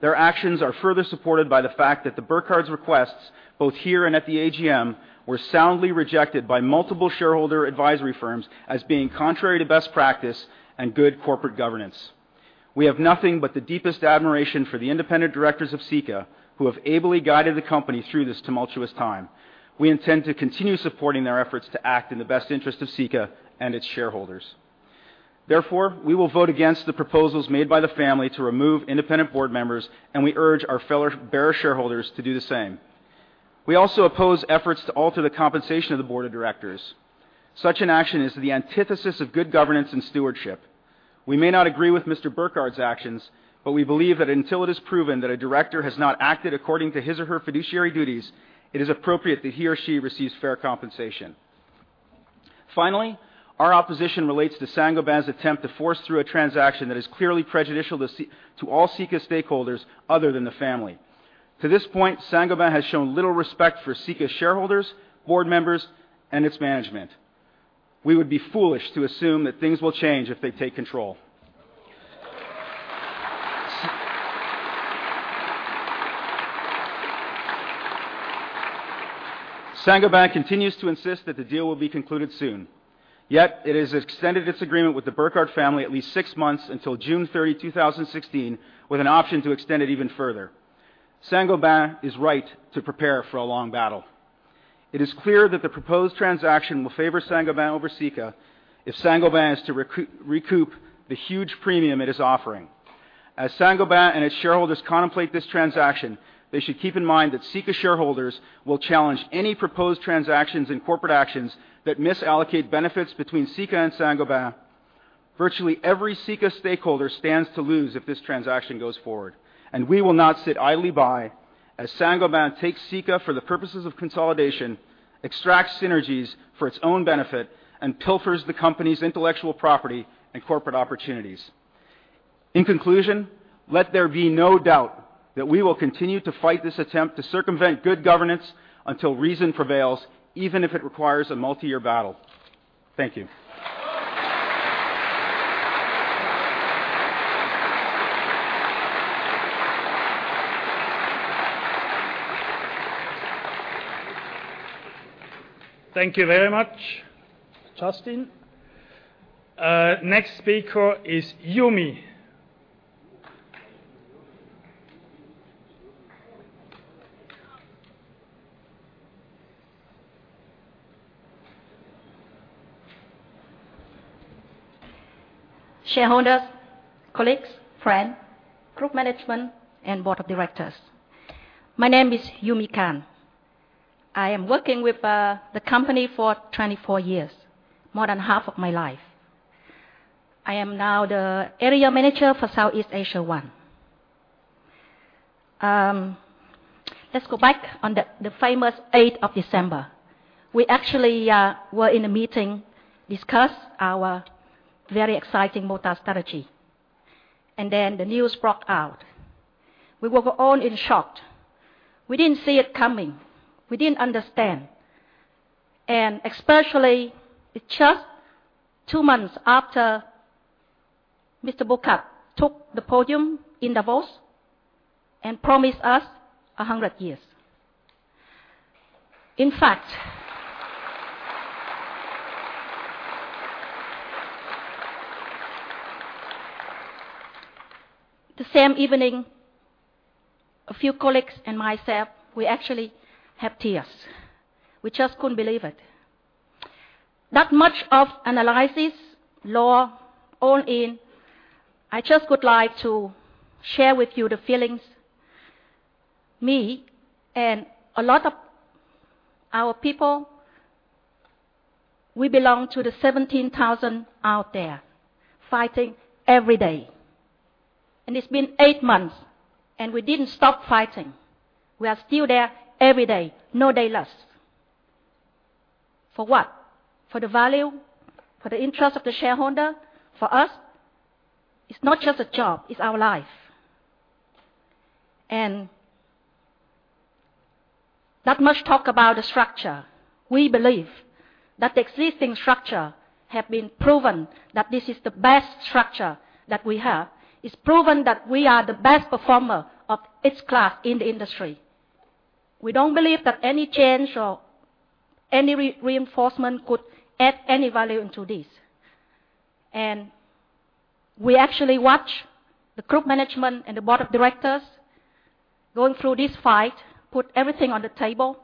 Speaker 15: Their actions are further supported by the fact that the Burkards' requests, both here and at the AGM, were soundly rejected by multiple shareholder advisory firms as being contrary to best practice and good corporate governance. We have nothing but the deepest admiration for the independent directors of Sika, who have ably guided the company through this tumultuous time. We intend to continue supporting their efforts to act in the best interest of Sika and its shareholders. Therefore, we will vote against the proposals made by the family to remove independent board members. We urge our fellow bearer shareholders to do the same. We also oppose efforts to alter the compensation of the board of directors. Such an action is the antithesis of good governance and stewardship. We may not agree with Mr. Burkard's actions, but we believe that until it is proven that a director has not acted according to his or her fiduciary duties, it is appropriate that he or she receives fair compensation. Finally, our opposition relates to Saint-Gobain's attempt to force through a transaction that is clearly prejudicial to all Sika stakeholders other than the family. To this point, Saint-Gobain has shown little respect for Sika shareholders, board members, and its management. We would be foolish to assume that things will change if they take control. Saint-Gobain continues to insist that the deal will be concluded soon. Yet, it has extended its agreement with the Burkard family at least six months until June 30, 2016, with an option to extend it even further. Saint-Gobain is right to prepare for a long battle. It is clear that the proposed transaction will favor Saint-Gobain over Sika if Saint-Gobain is to recoup the huge premium it is offering. As Saint-Gobain and its shareholders contemplate this transaction, they should keep in mind that Sika shareholders will challenge any proposed transactions and corporate actions that misallocate benefits between Sika and Saint-Gobain. Virtually every Sika stakeholder stands to lose if this transaction goes forward, and we will not sit idly by as Saint-Gobain takes Sika for the purposes of consolidation, extracts synergies for its own benefit, and pilfers the company's intellectual property and corporate opportunities. In conclusion, let there be no doubt that we will continue to fight this attempt to circumvent good governance until reason prevails, even if it requires a multiyear battle. Thank you.
Speaker 1: Thank you very much, Justin. Next speaker is Yumi.
Speaker 16: Shareholders, colleagues, friends, group management, and board of directors. My name is Yumi Kan. I am working with the company for 24 years, more than half of my life. I am now the area manager for Southeast Asia 1. Let's go back on the famous 8th of December. We actually were in a meeting, discussed our very exciting multi-strategy. Then the news broke out. We were all in shock. We didn't see it coming. We didn't understand. Especially, it's just two months after Mr. Burkard took the podium in Davos and promised us 100 years. In fact, the same evening, a few colleagues and myself, we actually have tears. We just couldn't believe it. Not much of analysis, law all in, I just would like to share with you the feelings. Me and a lot of our people, we belong to the 17,000 out there fighting every day, and it's been eight months, and we didn't stop fighting. We are still there every day, no day less. For what? For the value, for the interest of the shareholder. For us, it's not just a job, it's our life. Not much talk about the structure. We believe that the existing structure have been proven that this is the best structure that we have. It's proven that we are the best performer of its class in the industry. We don't believe that any change or any reinforcement could add any value into this. We actually watch the group management and the Board of Directors going through this fight, put everything on the table.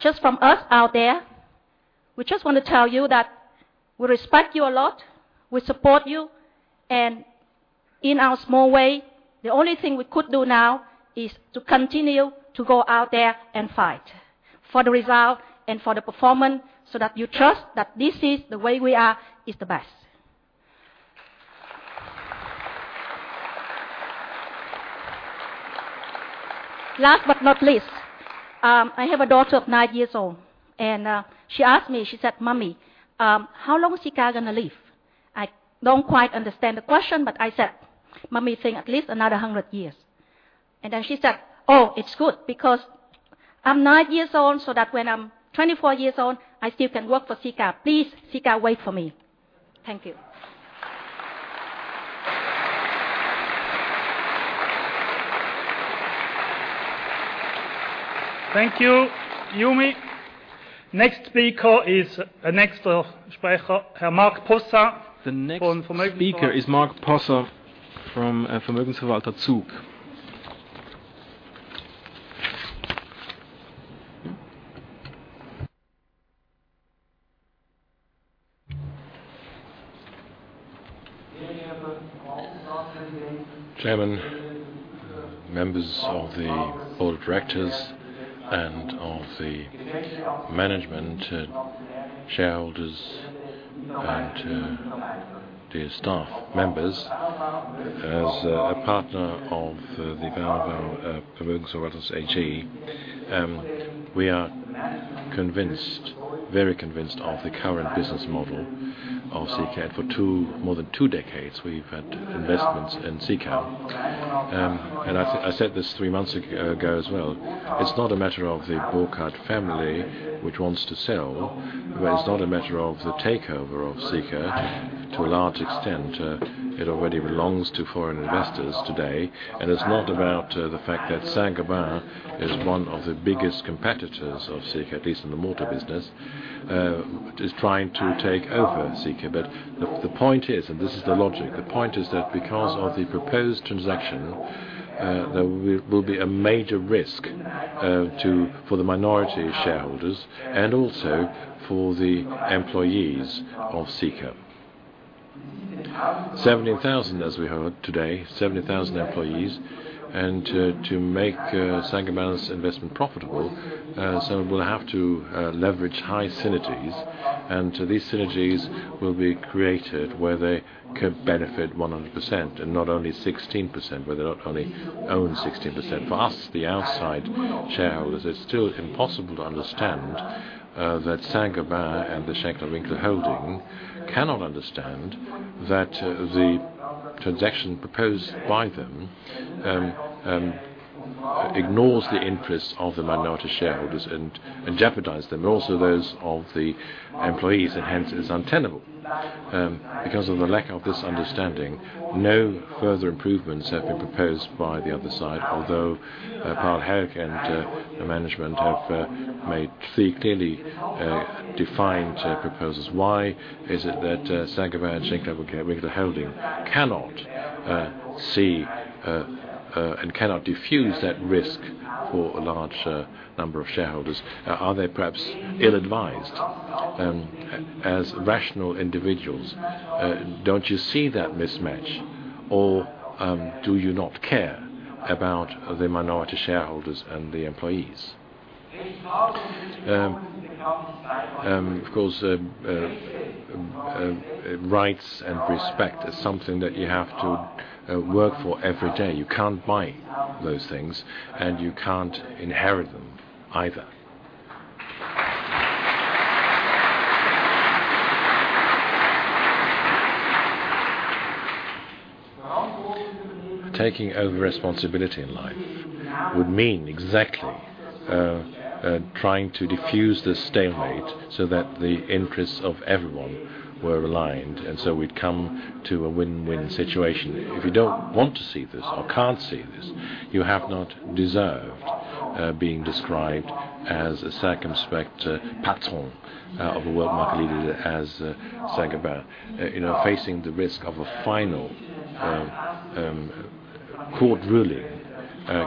Speaker 16: Just from us out there, we just want to tell you that we respect you a lot, we support you, and in our small way, the only thing we could do now is to continue to go out there and fight for the result and for the performance so that you trust that this is the way we are is the best. Last but not least, I have a daughter of nine years old, and she asked me, she said, "Mommy, how long is Sika going to live?" I don't quite understand the question, but I said, "Mommy think at least another 100 years." She said, "Oh, it's good because I'm nine years old, so that when I'm 24 years old, I still can work for Sika. Please, Sika, wait for me." Thank you.
Speaker 1: Thank you, Yumi. Next speaker is Marc Possa from- The next speaker is Marc Possa from
Speaker 17: Chairman, members of the board of directors and of the management, shareholders, and to dear staff members. As a partner of the AG, we are very convinced of the current business model of Sika. For more than 2 decades, we've had investments in Sika. I said this 3 months ago as well. It's not a matter of the Burkard family, which wants to sell, but it's not a matter of the takeover of Sika. To a large extent, it already belongs to foreign investors today, it's not about the fact that Saint-Gobain is one of the biggest competitors of Sika, at least in the mortar business, is trying to take over Sika. The point is, and this is the logic, the point is that because of the proposed transaction, there will be a major risk for the minority shareholders and also for the employees of Sika. 17,000, as we heard today, 17,000 employees. To make Saint-Gobain's investment profitable, Saint-Gobain will have to leverage high synergies, and these synergies will be created where they can benefit 100%, and not only 16%, where they not only own 16%. For us, the outside shareholders, it's still impossible to understand that Saint-Gobain and the Schenker-Winkler Holding cannot understand that the transaction proposed by them ignores the interests of the minority shareholders and jeopardizes them, and also those of the employees, and hence it is untenable. Because of the lack of this understanding, no further improvements have been proposed by the other side, although Paul Hälg and the management have made clearly defined proposals. Why is it that Saint-Gobain and Schenker-Winkler Holding cannot see and cannot defuse that risk for a large number of shareholders? Are they perhaps ill-advised as rational individuals? Don't you see that mismatch or do you not care about the minority shareholders and the employees? Of course, rights and respect is something that you have to work for every day. You can't buy those things, and you can't inherit them either. Taking over responsibility in life would mean exactly trying to defuse the stalemate so that the interests of everyone were aligned, we'd come to a win-win situation. If you don't want to see this or can't see this, you have not deserved being described as a circumspect patron of a world market leader as Saint-Gobain. Facing the risk of a final court ruling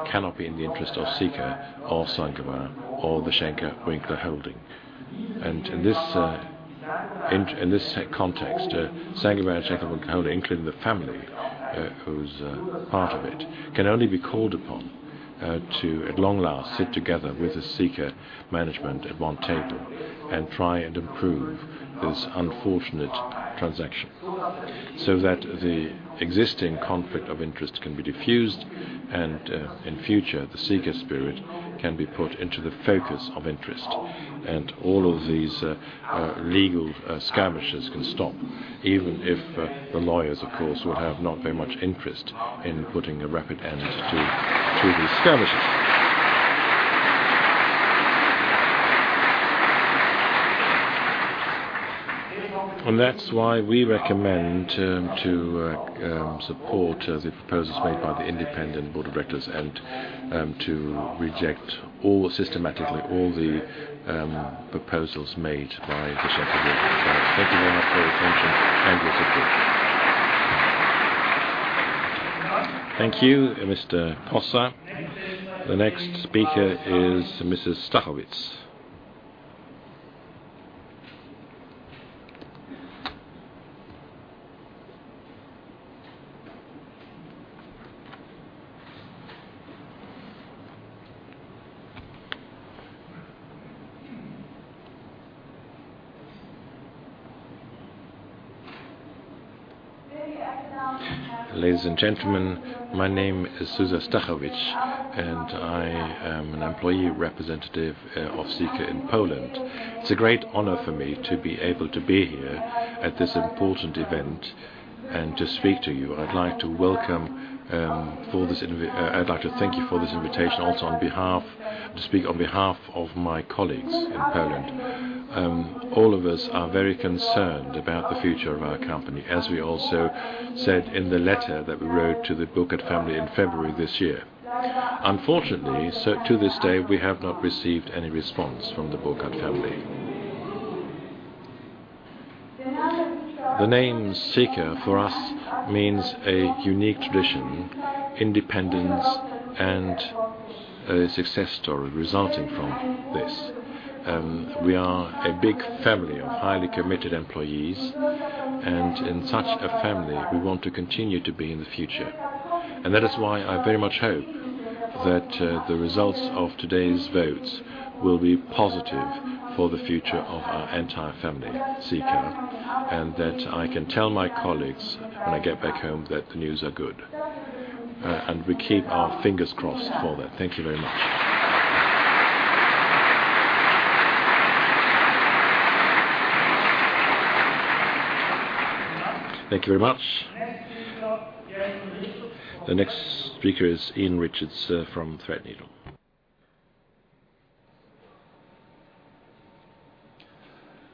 Speaker 17: cannot be in the interest of Sika or Saint-Gobain or the Schenker-Winkler Holding.
Speaker 1: In this context, Saint-Gobain, Schenker-Winkler Holding including the family who's a part of it, can only be called upon to, at long last, sit together with the Sika management at one table and try and improve this unfortunate transaction so that the existing conflict of interest can be defused and, in future, the Sika Spirit can be put into the focus of interest, and all of these legal skirmishes can stop, even if the lawyers, of course, will have not very much interest in putting a rapid end to these skirmishes. That's why we recommend to support the proposals made by the independent board of directors and to reject systematically all the proposals made by the Schenker-Winkler Group. Thank you very much for your attention and your support. Thank you, Mr. Posser. The next speaker is Mrs. Stachowitz.
Speaker 18: Ladies and gentlemen, my name is Zuza Stachowicz. I am an employee representative of Sika in Poland. It's a great honor for me to be able to be here at this important event and to speak to you. I'd like to thank you for this invitation also to speak on behalf of my colleagues in Poland. All of us are very concerned about the future of our company, as we also said in the letter that we wrote to the Burkard family in February this year. Unfortunately, to this day, we have not received any response from the Burkard family. The name Sika, for us, means a unique tradition, independence, and a success story resulting from this. We are a big family of highly committed employees, and in such a family, we want to continue to be in the future. That is why I very much hope that the results of today's votes will be positive for the future of our entire family, Sika, and that I can tell my colleagues when I get back home that the news are good. We keep our fingers crossed for that. Thank you very much.
Speaker 1: Thank you very much. The next speaker is Iain Richards from Threadneedle.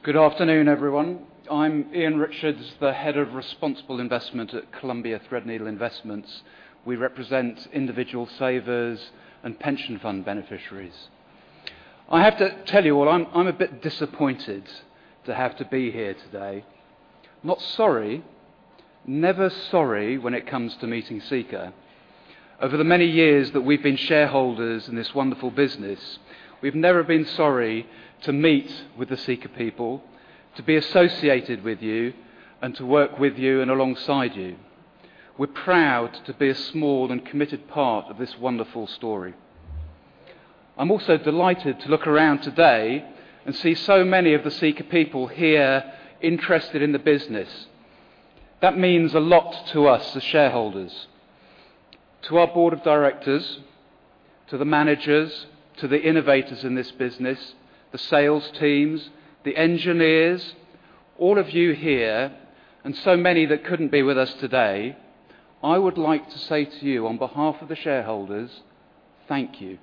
Speaker 19: Good afternoon, everyone. I'm Iain Richards, the head of responsible investment at Columbia Threadneedle Investments. We represent individual savers and pension fund beneficiaries. I have to tell you all, I'm a bit disappointed to have to be here today. Not sorry, never sorry when it comes to meeting Sika. Over the many years that we've been shareholders in this wonderful business, we've never been sorry to meet with the Sika people, to be associated with you, and to work with you and alongside you. We're proud to be a small and committed part of this wonderful story. I'm also delighted to look around today and see so many of the Sika people here interested in the business. That means a lot to us as shareholders. To our board of directors, to the managers, to the innovators in this business, the sales teams, the engineers, all of you here, and so many that couldn't be with us today, I would like to say to you on behalf of the shareholders, thank you.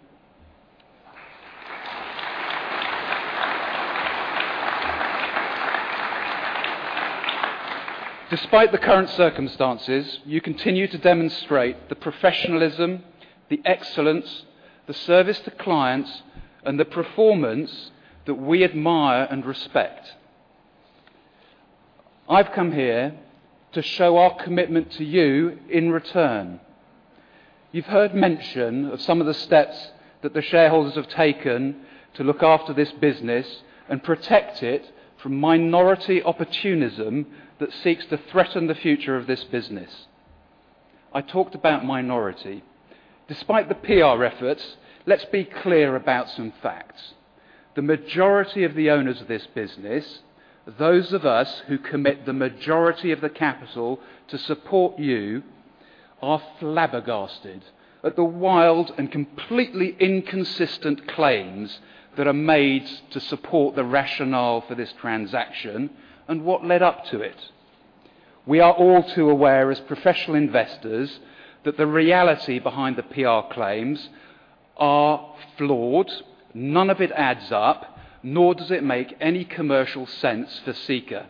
Speaker 19: Despite the current circumstances, you continue to demonstrate the professionalism, the excellence, the service to clients, and the performance that we admire and respect. I've come here to show our commitment to you in return. You've heard mention of some of the steps that the shareholders have taken to look after this business and protect it from minority opportunism that seeks to threaten the future of this business. I talked about minority. Despite the PR efforts, let's be clear about some facts. The majority of the owners of this business, those of us who commit the majority of the capital to support you, are flabbergasted at the wild and completely inconsistent claims that are made to support the rationale for this transaction and what led up to it. We are all too aware as professional investors that the reality behind the PR claims are flawed. None of it adds up, nor does it make any commercial sense for Sika.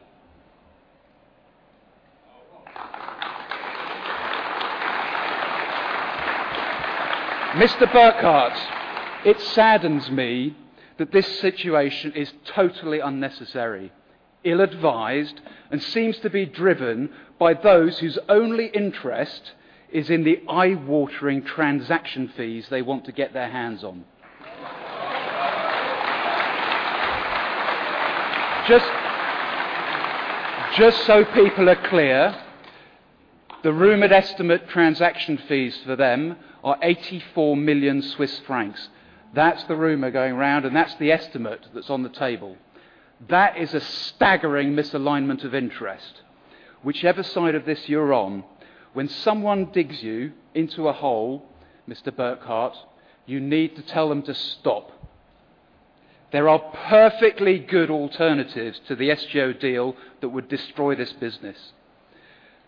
Speaker 19: Mr. Burkard, it saddens me that this situation is totally unnecessary, ill-advised, and seems to be driven by those whose only interest is in the eye-watering transaction fees they want to get their hands on. Just so people are clear, the rumored estimate transaction fees for them are 84 million Swiss francs. That is the rumor going around, and that is the estimate that is on the table. That is a staggering misalignment of interest. Whichever side of this you are on, when someone digs you into a hole, Mr. Burkard, you need to tell them to stop. There are perfectly good alternatives to the SGO deal that would destroy this business.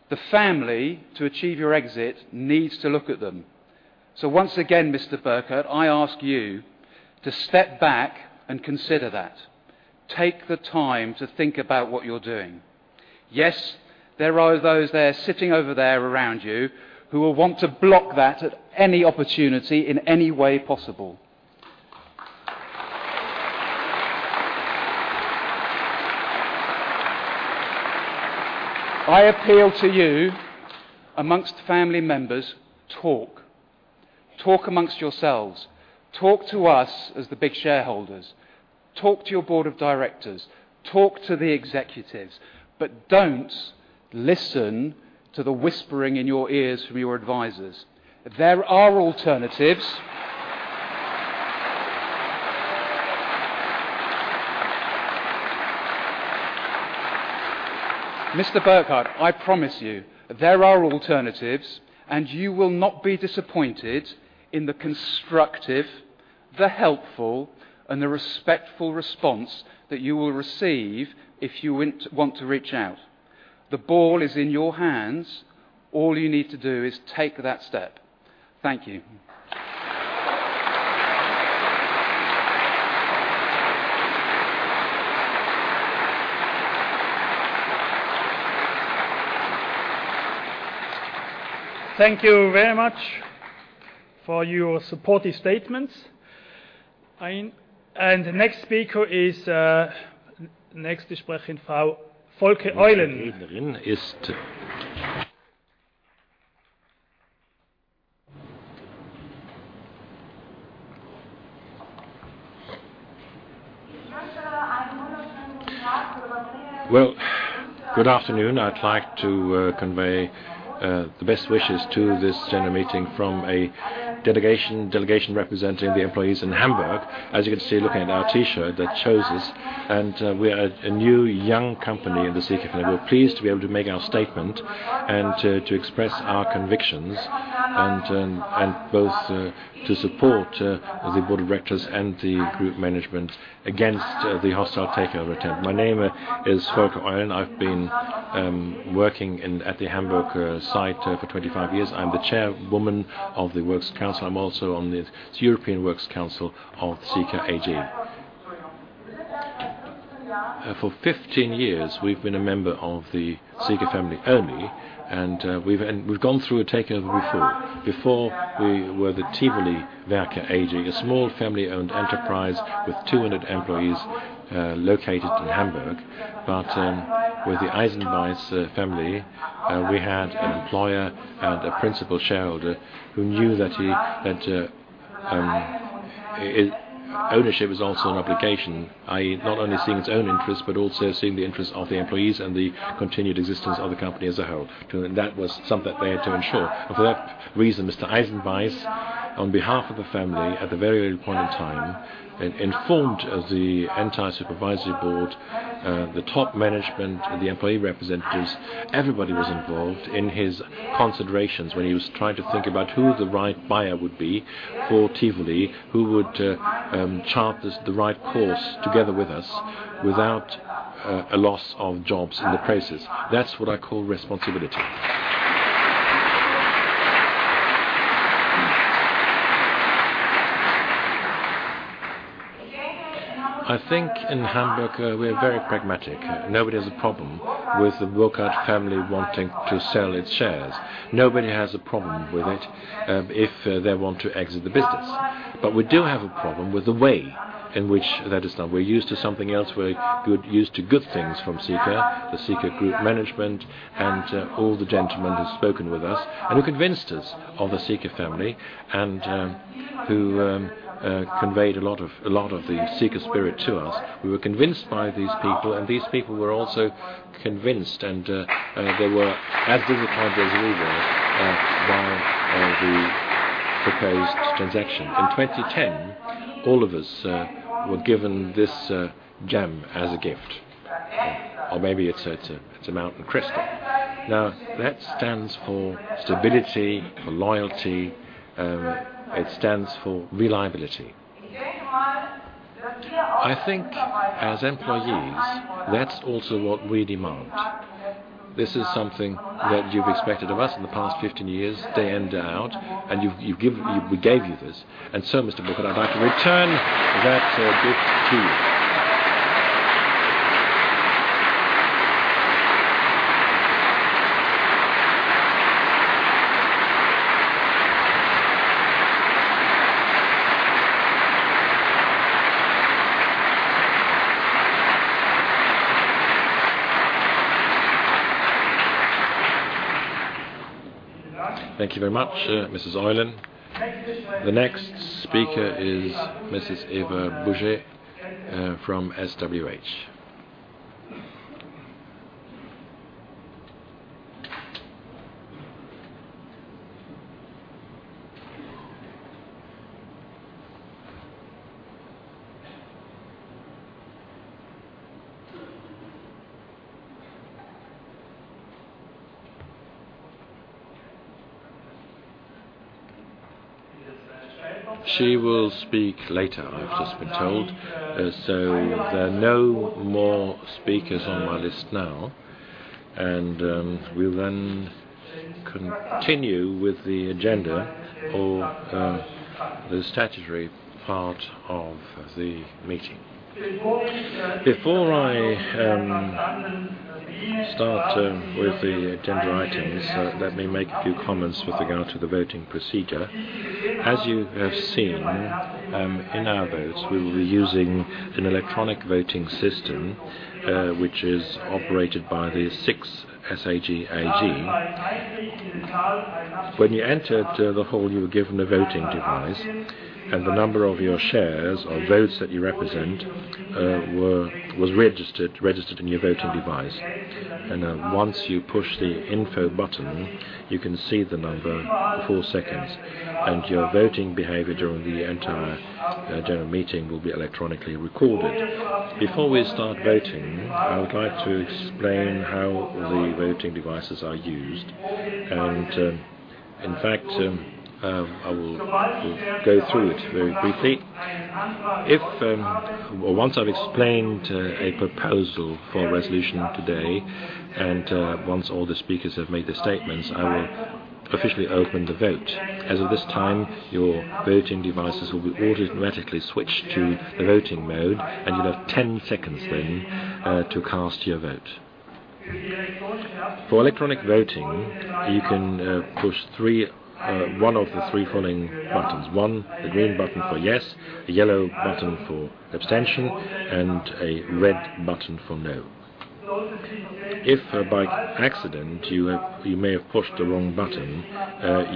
Speaker 19: The family, to achieve your exit, needs to look at them. Once again, Mr. Burkard, I ask you to step back and consider that. Take the time to think about what you are doing. There are those sitting over there around you who will want to block that at any opportunity in any way possible. I appeal to you, amongst family members, talk. Talk amongst yourselves. Talk to us as the big shareholders. Talk to your board of directors. Talk to the executives. Do not listen to the whispering in your ears from your advisors. There are alternatives. Mr. Burkard, I promise you, there are alternatives, and you will not be disappointed in the constructive, the helpful, and the respectful response that you will receive if you want to reach out. The ball is in your hands. All you need to do is take that step. Thank you.
Speaker 1: Thank you very much for your supportive statements. The next speaker is
Speaker 20: Good afternoon. I'd like to convey the best wishes to this general meeting from a delegation representing the employees in Hamburg, as you can see looking at our T-shirt that shows us. We are a new, young company in the Sika family. We're pleased to be able to make our statement and to express our convictions, and both to support the Board of Directors and the Group Management against the hostile takeover attempt. My name is Folke Eulen. I've been working at the Hamburg site for 25 years. I'm the Chairwoman of the Works Council. I'm also on the European Works Council of Sika AG. For 15 years, we've been a member of the Sika family only, and we've gone through a takeover before. Before, we were the Tivoli Werke AG, a small family-owned enterprise with 200 employees, located in Hamburg. With the Burkard family, we had an employer and a principal shareholder who knew that his ownership was also an obligation, i.e., not only seeing its own interests, but also seeing the interests of the employees and the continued existence of the company as a whole. That was something they had to ensure. For that reason, Mr. Burkard, on behalf of the family, at a very early point in time, informed the entire Supervisory Board, the Top Management, the employee representatives. Everybody was involved in his considerations when he was trying to think about who the right buyer would be for Tivoli, who would chart the right course together with us without a loss of jobs in the process. That's what I call responsibility. I think in Hamburg we're very pragmatic. Nobody has a problem with the Burkard family wanting to sell its shares. Nobody has a problem with it if they want to exit the business. We do have a problem with the way in which that is done. We're used to something else. We're used to good things from Sika, the Sika Group Management, and all the gentlemen who have spoken with us, and who convinced us of the Sika family, and who conveyed a lot of the Sika Spirit to us. We were convinced by these people, and these people were also convinced, and they were as disappointed as we were by the proposed transaction. In 2010, all of us were given this gem as a gift, or maybe it's a mountain crystal. That stands for stability and loyalty. It stands for reliability. I think as employees, that's also what we demand. This is something that you've expected of us in the past 15 years, day in, day out. We gave you this. Mr. Burkard, I'd like to return that gift to you.
Speaker 1: Thank you very much, Mrs. Eulen. The next speaker is Mrs. Eva Bouget from SWH. She will speak later, I've just been told. There are no more speakers on my list now. We'll then continue with the agenda or the statutory part of the meeting. Before I start with the agenda items, let me make a few comments with regard to the voting procedure. As you have seen, in our votes, we will be using an electronic voting system, which is operated by the SIX SIS AG. When you entered the hall, you were given a voting device, and the number of your shares or votes that you represent was registered in your voting device. Once you push the info button, you can see the number for four seconds, and your voting behavior during the entire general meeting will be electronically recorded. Before we start voting, I would like to explain how the voting devices are used, and in fact, I will go through it very briefly. Once I've explained a proposal for a resolution today, and once all the speakers have made their statements, I will officially open the vote. As of this time, your voting devices will be automatically switched to the voting mode, and you'll have 10 seconds then to cast your vote. For electronic voting, you can push one of the three following buttons. One, the green button for yes, the yellow button for abstention, and a red button for no. If, by accident, you may have pushed the wrong button,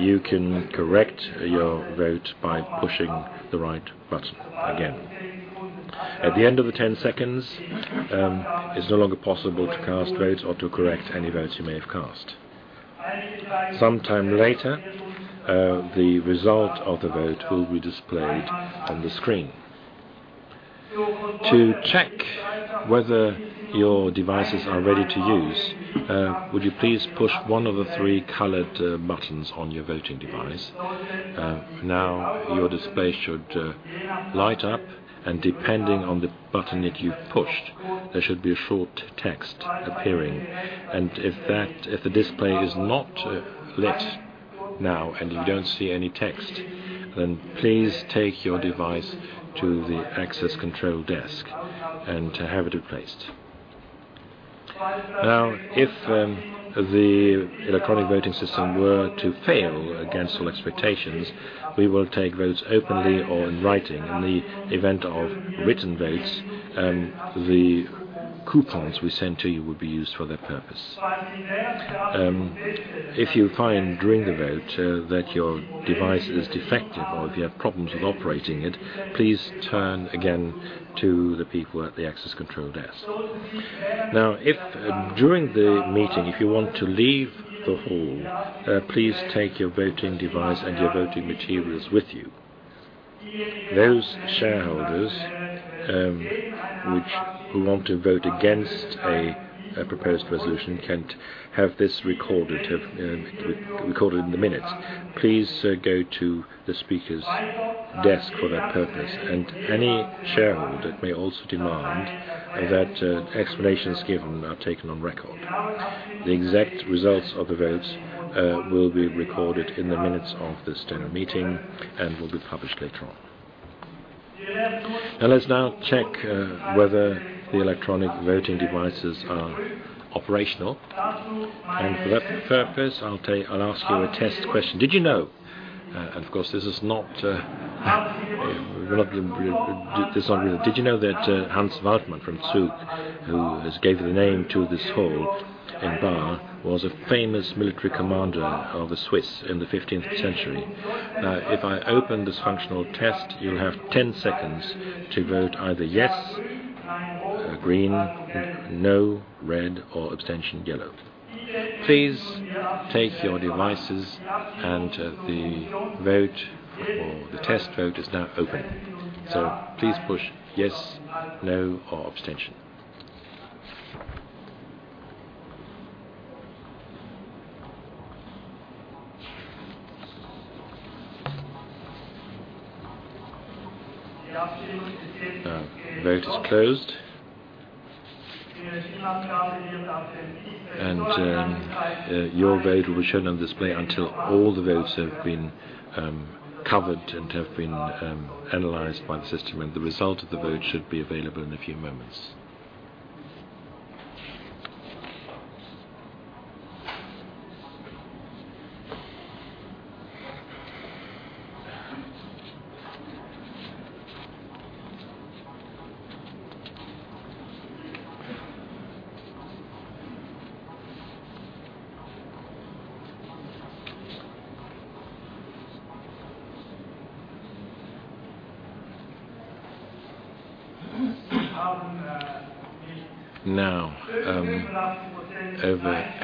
Speaker 1: you can correct your vote by pushing the right button again. At the end of the 10 seconds, it's no longer possible to cast votes or to correct any votes you may have cast. Sometime later, the result of the vote will be displayed on the screen. To check whether your devices are ready to use, would you please push one of the three colored buttons on your voting device? Now your display should light up, and depending on the button that you pushed, there should be a short text appearing. If the display is not lit now and you don't see any text, then please take your device to the access control desk and have it replaced. If the electronic voting system were to fail against all expectations, we will take votes openly or in writing. In the event of written votes, the coupons we sent to you will be used for that purpose. If you find during the vote that your device is defective or if you have problems with operating it, please turn again to the people at the access control desk. If during the meeting, if you want to leave the hall, please take your voting device and your voting materials with you. Those shareholders who want to vote against a proposed resolution can have this recorded in the minutes. Please go to the speaker's desk for that purpose. Any shareholder may also demand that explanations given are taken on record. The exact results of the votes will be recorded in the minutes of this general meeting and will be published later on. Let's now check whether the electronic voting devices are operational, and for that purpose, I'll ask you a test question. Did you know that Hans Wachtmann from Zug, who gave the name to this hall in Baar, was a famous military commander of the Swiss in the 15th century? If I open this functional test, you have 10 seconds to vote either yes, green, no, red, or abstention, yellow. Please take your devices. The test vote is now open. Please push yes, no, or abstention. Vote is closed and your vote will be shown on display until all the votes have been covered and have been analyzed by the system, the result of the vote should be available in a few moments.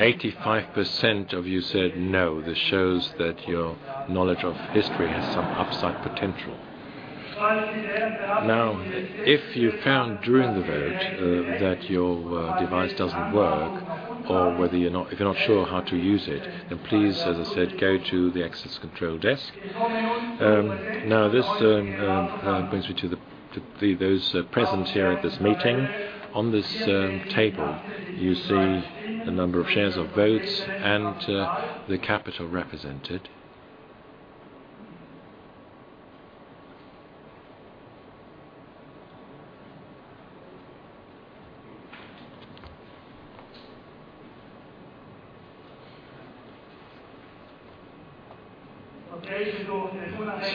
Speaker 1: Over 85% of you said no. This shows that your knowledge of history has some upside potential. If you found during the vote that your device doesn't work or if you are not sure how to use it, then please, as I said, go to the access control desk. This brings me to those present here at this meeting. On this table, you see the number of shares of votes and the capital represented.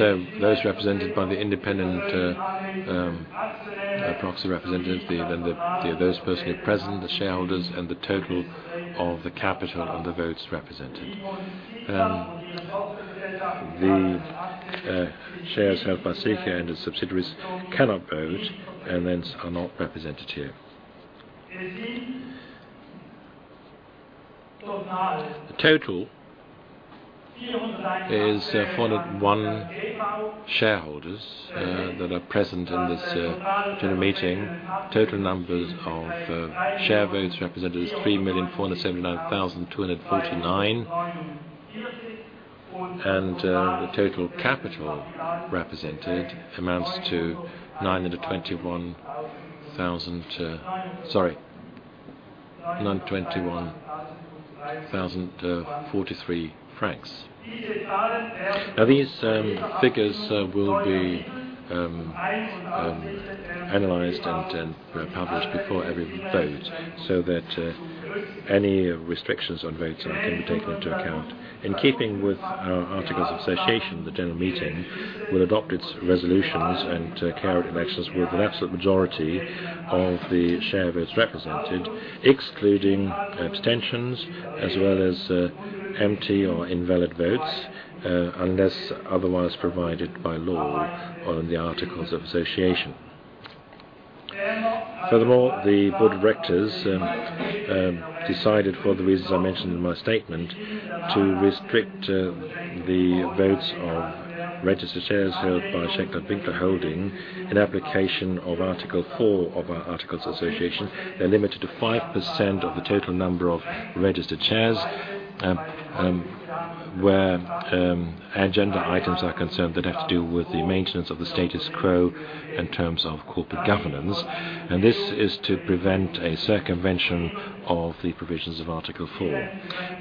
Speaker 1: So those represented by the independent proxy representatives, those personally present, the shareholders, and the total of the capital and the votes represented. The shares held by Sika and its subsidiaries cannot vote and hence are not represented here. The total is 401 shareholders that are present in this general meeting. Total numbers of share votes represented is 3,479,249, the total capital represented amounts to CHF 921,043. These figures will be analyzed and published before every vote so that any restrictions on votes can be taken into account. In keeping with our articles of association, the general meeting will adopt its resolutions and carry out elections with an absolute majority of the share votes represented, excluding abstentions as well as empty or invalid votes, unless otherwise provided by law or in the articles of association. Furthermore, the Board of Directors decided for the reasons I mentioned in my statement to restrict the votes of registered shares held by Schenker-Winkler Holding in application of Article 4 of our articles of association. They are limited to 5% of the total number of registered shares, where agenda items are concerned that have to do with the maintenance of the status quo in terms of corporate governance, this is to prevent a circumvention of the provisions of Article 4.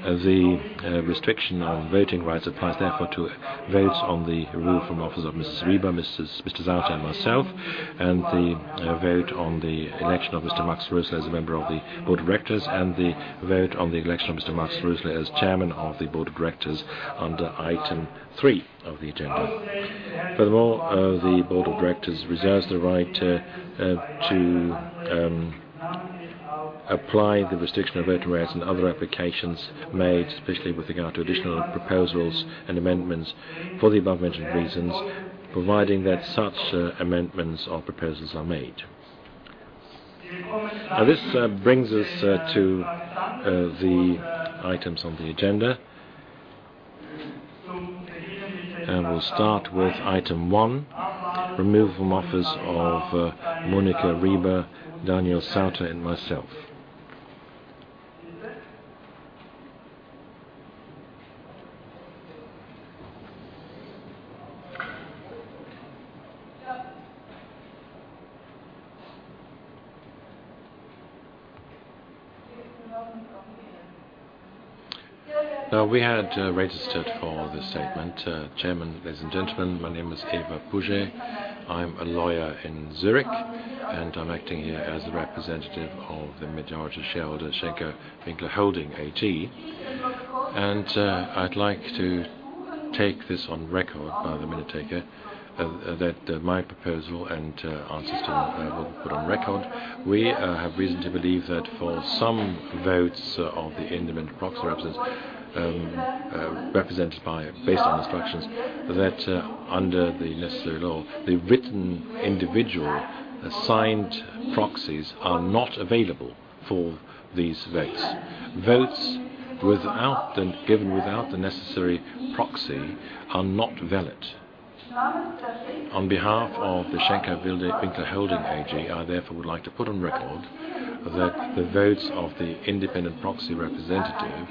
Speaker 1: The restriction on voting rights applies therefore to votes on the removal from office of Mrs. Ribar, Mr. Sauter, and myself, the vote on the election of Mr. Max Roesle as a member of the Board of Directors and the vote on the election of Mr. Max Roesle as chairman of the Board of Directors under Item 3 of the agenda. Furthermore, the Board of Directors reserves the right to apply the restriction of voting rights and other applications made, especially with regard to additional proposals and amendments for the above-mentioned reasons, providing that such amendments or proposals are made.
Speaker 21: This brings us to the items on the agenda. We will start with Item 1, Removal from Office of Monika Ribar, Daniel Sauter, and myself. We had registered for this statement. Chairman, ladies and gentlemen, my name is Eva Bouget. I am a lawyer in Zurich, I am acting here as the representative of the majority shareholder, Schenker-Winkler Holding AG. I would like to take this on record by the minute taker, that my proposal and answers tonight will be put on record. We have reason to believe that for some votes of the independent proxy representatives, based on instructions, that under the necessary law, the written individual signed proxies are not available for these votes. Votes given without the necessary proxy are not valid. On behalf of the Schenker-Winkler Holding AG, I therefore would like to put on record that the votes of the independent proxy representative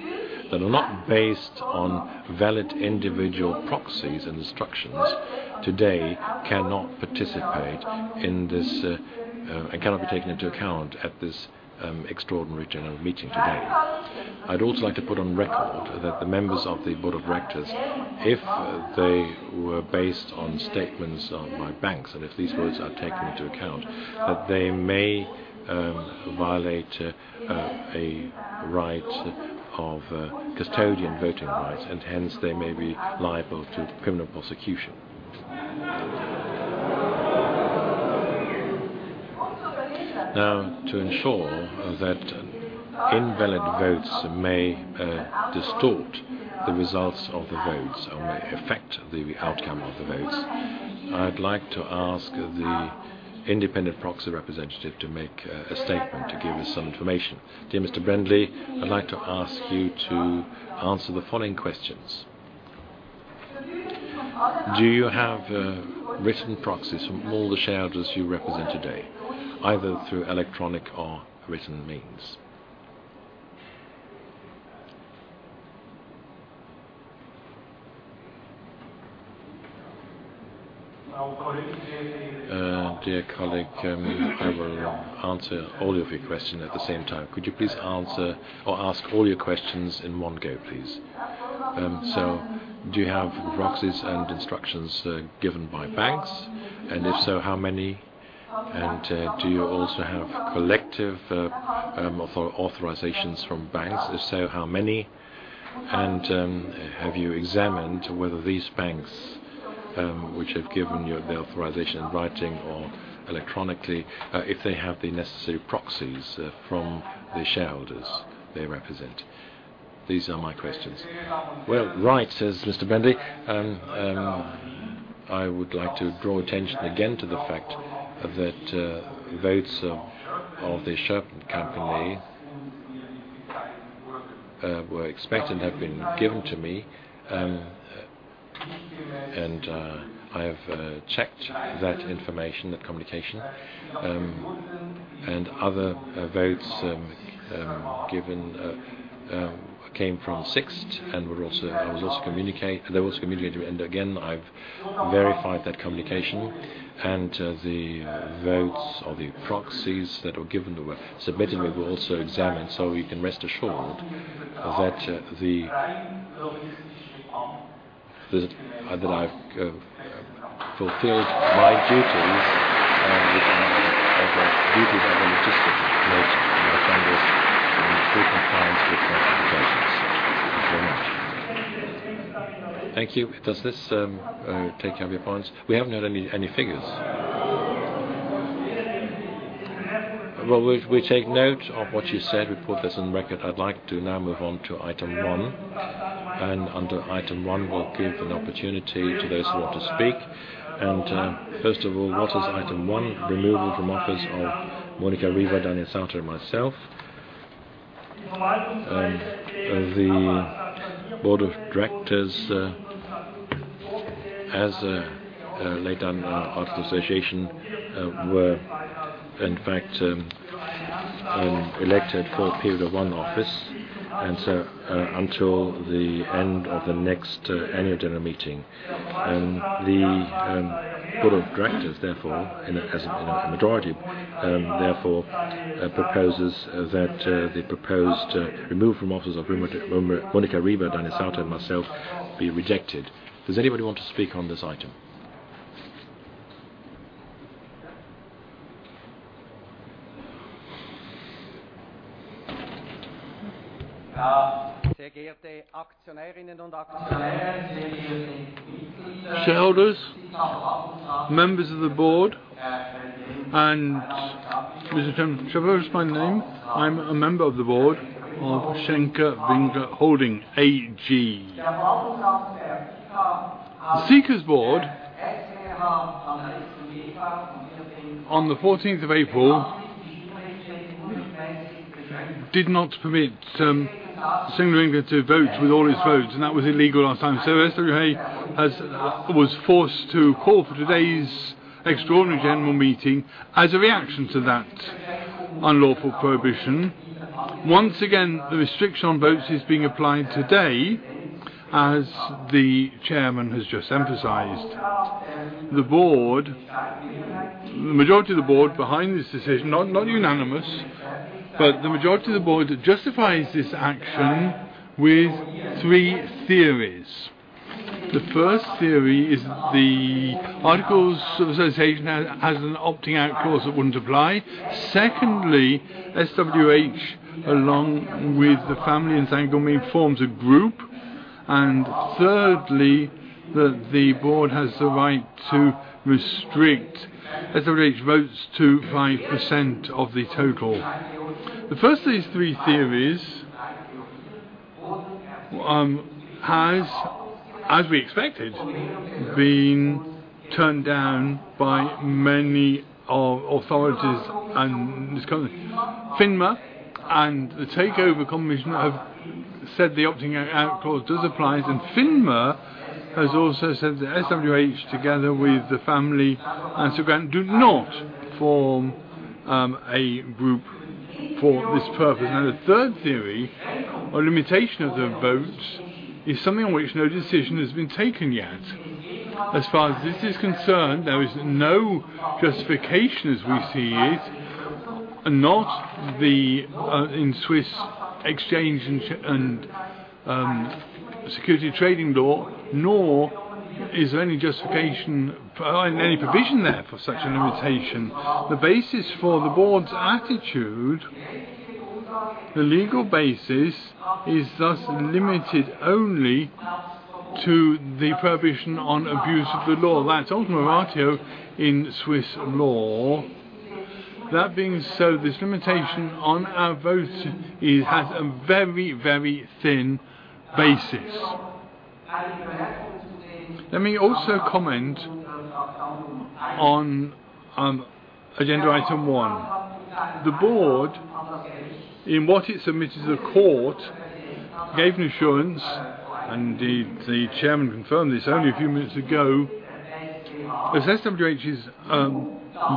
Speaker 21: that are not based on valid individual proxies and instructions today cannot be taken into account at this extraordinary general meeting today. I'd also like to put on record that the members of the board of directors, if they were based on statements of my banks, and if these votes are taken into account, that they may violate a custodian voting right, and hence they may be liable to criminal prosecution. To ensure that invalid votes may distort the results of the votes, or may affect the outcome of the votes, I'd like to ask the independent proxy representative to make a statement to give us some information. Dear Mr. Brändli, I'd like to ask you to answer the following questions. Do you have written proxies from all the shareholders you represent today, either through electronic or written means? Dear colleague, I will answer all of your questions at the same time. Could you please ask all your questions in one go, please? Do you have proxies and instructions given by banks? If so, how many? Do you also have collective authorizations from banks? If so, how many? Have you examined whether these banks, which have given you their authorization in writing or electronically, if they have the necessary proxies from the shareholders they represent? These are my questions.
Speaker 1: Right, says Mr. Brändli. I would like to draw attention again to the fact that votes of the Schoepf Company were expected and have been given to me, and I have checked that information, that communication. Other votes given came from Sixt and they were also communicated, again, I've verified that communication. The votes or the proxies that were given that were submitted, we've also examined. You can rest assured that I've fulfilled my duties as a duty of a logistic nature, and I found this in full compliance with my obligations. Thank you very much. Thank you. Does this take care of your points? We haven't had any figures. We take note of what you said. We put this on record. I'd like to now move on to item one. Under item one, we'll give an opportunity to those who want to speak. First of all, what is item one? Removal from office of Monika Ribar, Dani Sauter, and myself. The board of directors, as laid down by the articles of association, were in fact elected for a period of one office, until the end of the next annual general meeting. The board of directors, therefore, in a majority, therefore proposes that the proposed removal from offices of Monika Ribar, Dani Sauter, and myself be rejected. Does anybody want to speak on this item? Shareholders, members of the board, Mr. Trevor is my name. I am a member of the board of Schenker-Winkler Holding AG. Sika AG's board, on the 14th of April, did not permit Schenker-Winkler to vote with all its votes. That was illegal last time. SWH was forced to call for today's extraordinary general meeting as a reaction to that unlawful prohibition. Once again, the restriction on votes is being applied today. As the chairman has just emphasized, the majority of the board behind this decision, not unanimous, but the majority of the board justifies this action with three theories. The first theory is the articles of association has an opting out clause that would not apply. Secondly, SWH, along with the family and Saint-Gobain, forms a group. Thirdly, that the board has the right to restrict SWH votes to 5% of the total. The first of these three theories has, as we expected, been turned down by many authorities and FINMA. The Takeover Commission have said the opting out clause does apply. FINMA has also said that SWH, together with the family and Saint-Gobain, do not form a group for this purpose. The third theory, a limitation of the vote, is something on which no decision has been taken yet. As far as this is concerned, there is no justification as we see it, not in Swiss exchange and security trading law, nor is there any justification and any provision there for such a limitation. The basis for the board's attitude, the legal basis, is thus limited only to the prohibition on abuse of the law. That is in Swiss law. That being so, this limitation on our vote has a very, very thin basis. Let me also comment on agenda item one. The board, in what it submitted to the court, gave an assurance, indeed, the chairman confirmed this only a few minutes ago, that SWH's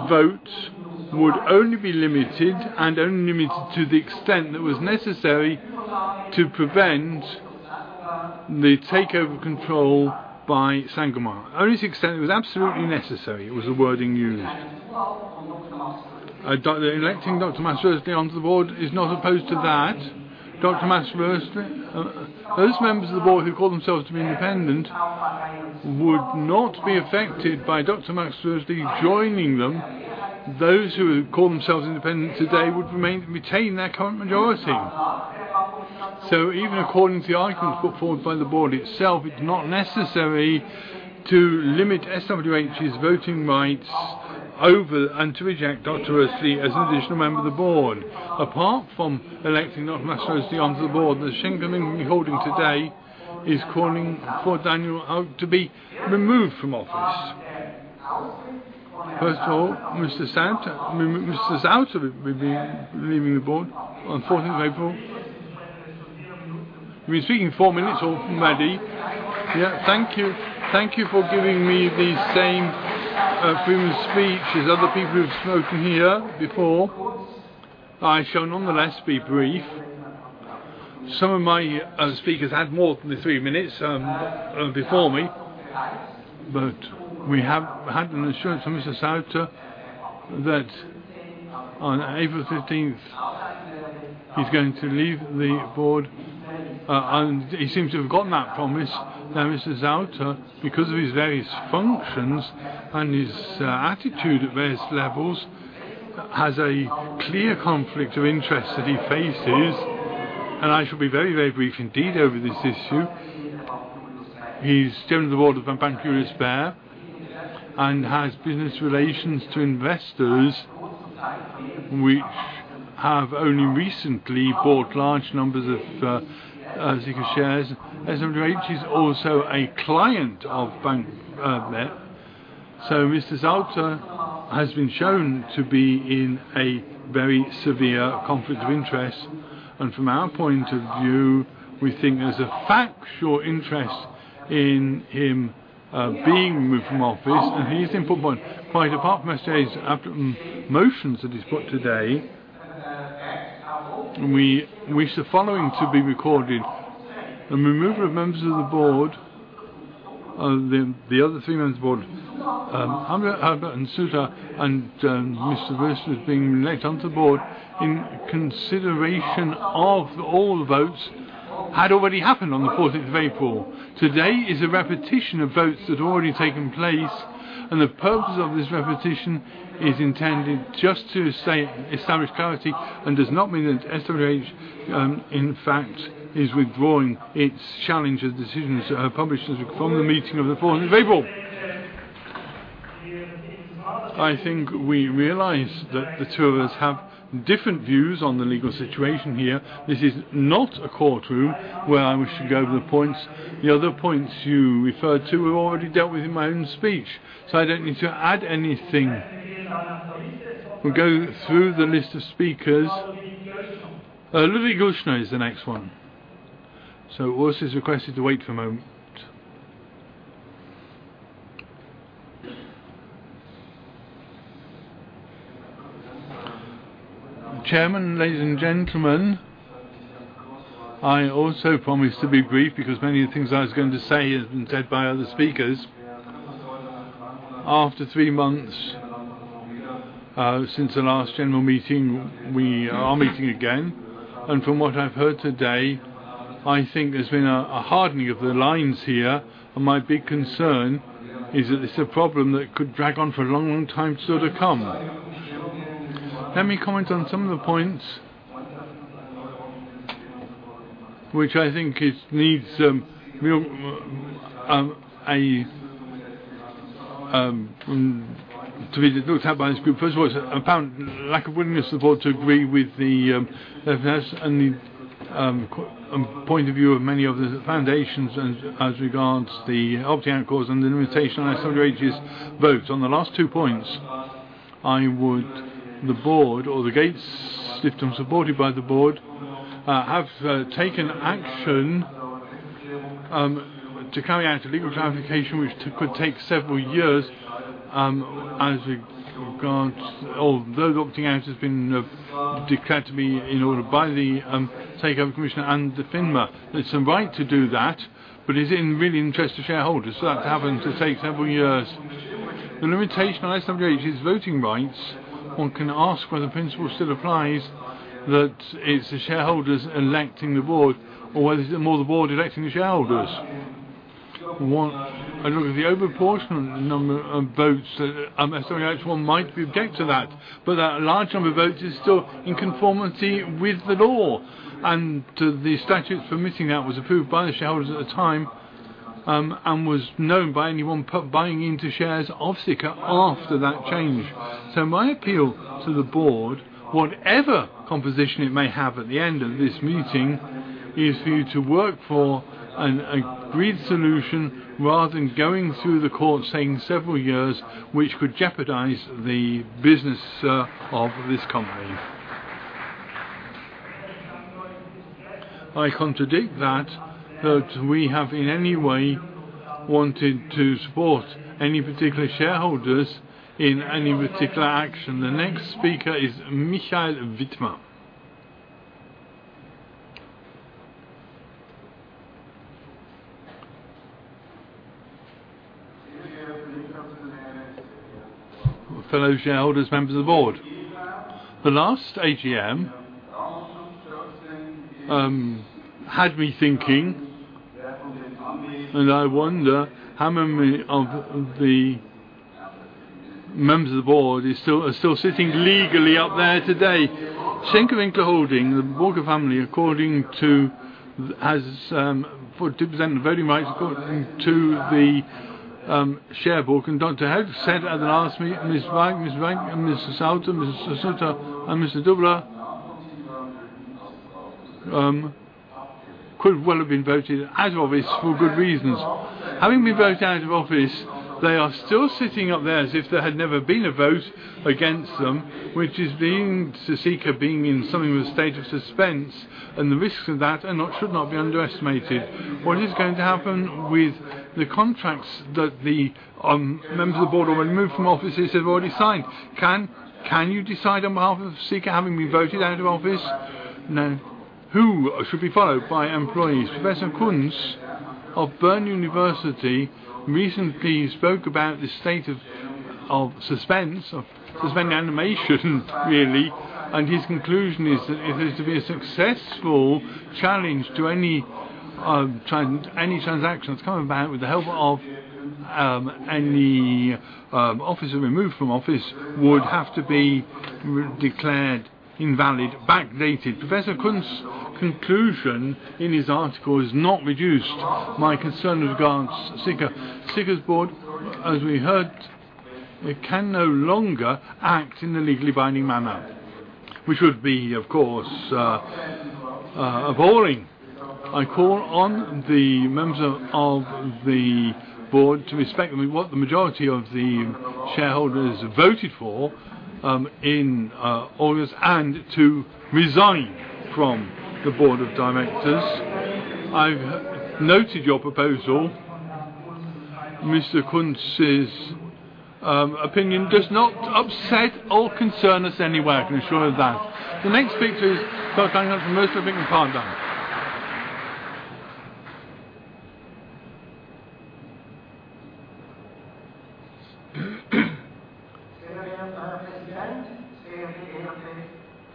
Speaker 1: vote would only be limited, and only limited to the extent that was necessary to prevent the takeover control by Saint-Gobain. Only to the extent it was absolutely necessary was the wording used. Electing Dr. Max Roesle onto the board is not opposed to that. Those members of the board who call themselves to be independent would not be affected by Dr. Max Roesle joining them. Those who call themselves independent today would retain their current majority. Even according to the arguments put forward by the board itself, it is not necessary to limit SWH's voting rights over, and to reject Dr. Roesle as an additional member of the board. Apart from electing Dr. Max Roesle onto the board, the holding today is calling for Daniel Sauter to be removed from office. First of all, Mr. Sauter will be leaving the board on the 4th of April. We have been speaking 4 minutes already. Thank you for giving me the same few minutes speech as other people who have spoken here before. I shall nonetheless be brief. Some of my speakers had more than the 3 minutes before me. We have had an assurance from Mr. Sauter that on April 15th, he is going to leave the board, and he seems to have gotten that promise. Mr. Sauter, because of his various functions and his attitude at various levels, has a clear conflict of interest that he faces, and I shall be very, very brief indeed over this issue. He is still on the board of Bank J. Safra, and has business relations to investors which have only recently bought large numbers of Sika shares. SWH is also a client of Bank J. Safra. Mr. Sauter has been shown to be in a very severe conflict of interest. From our point of view, we think there's a factual interest in him being removed from office, and he's apart from motions that he's put today, we wish the following to be recorded. The removal of members of the board, the other three members of the board, Herbert and Sauter, and Mr. Roesle being elected onto the board in consideration of all the votes, had already happened on the 14th of April. Today is a repetition of votes that had already taken place. The purpose of this repetition is intended just to establish clarity, does not mean that SWH, in fact, is withdrawing its challenge of decisions published from the meeting of the 14th of April. I think we realize that the two of us have different views on the legal situation here. This is not a courtroom where I wish to go over the other points you referred to. We've already dealt with it in my own speech, so I don't need to add anything. We'll go through the list of speakers. Ludwig Auschner is the next one. Auschner is requested to wait for a moment.
Speaker 22: Chairman, ladies and gentlemen, I also promise to be brief because many of the things I was going to say have been said by other speakers. After three months since the last general meeting, we are meeting again. From what I've heard today, I think there's been a hardening of the lines here. My big concern is that it's a problem that could drag on for a long, long time still to come. Let me comment on some of the points, which I think needs to be looked at by this group. First of all, it's apparent lack of willingness of the board to agree with the events and the point of view of many of the foundations as regards the opting out clause and the limitation on SWH's vote. On the last two points, I would, the board or the gates, if supported by the board, have taken action to carry out a legal clarification, which could take several years, as regards, although the opting out has been declared to be in order by the Swiss Takeover Board and the FINMA. There's some right to do that, but is it really in the interest of shareholders for that to happen, to take several years? The limitation on SWH's voting rights, one can ask whether the principle still applies, that it's the shareholders electing the board, or whether is it more the board electing the shareholders? One, I look at the over-proportionate number of votes, an SWH one might object to that, but that large number of votes is still in conformity with the law. The statute for missing that was approved by the shareholders at the time, and was known by anyone buying into shares of Sika after that change. My appeal to the board, whatever composition it may have at the end of this meeting, is for you to work for an agreed solution rather than going through the court, saying several years, which could jeopardize the business of this company. I contradict that we have in any way wanted to support any particular shareholders in any particular action. The next speaker is Michael Wittmer.
Speaker 23: Fellow shareholders, members of the board. The last AGM had me thinking, and I wonder how many of the members of the board are still sitting legally up there today. Schenker-Winkler Holding, the Burkard family, according to, has 42% of the voting rights according to the sharebook, and Dr. Hälg said at the last meeting, Ms. Weink, Mr. Sauter, Mr. Sauter, and Mr. Dubler could well have been voted out of office for good reasons. Having been voted out of office, they are still sitting up there as if there had never been a vote against them, which is leading to Sika being in something of a state of suspense, and the risks of that should not be underestimated. What is going to happen with the contracts that the members of the board who were removed from office have already signed? Can you decide on behalf of Sika, having been voted out of office? No. Who should be followed by employees? Professor Kunz of University of Bern recently spoke about the state of suspense, of suspended animation really, and his conclusion is that if there's to be a successful challenge to any transactions coming about with the help of any officer removed from office would have to be declared invalid, backdated. Professor Kunz's conclusion in his article has not reduced my concern with regards to Sika. Sika's board, as we heard, it can no longer act in a legally binding manner, which would be, of course, appalling. I call on the members of the board to respect what the majority of the shareholders voted for in August and to resign from the board of directors.
Speaker 1: I've noted your proposal. Mr. Kunz's opinion does not upset or concern us in any way, I can assure you of that. The next speaker is [Wolfgang from Wolf & Partner.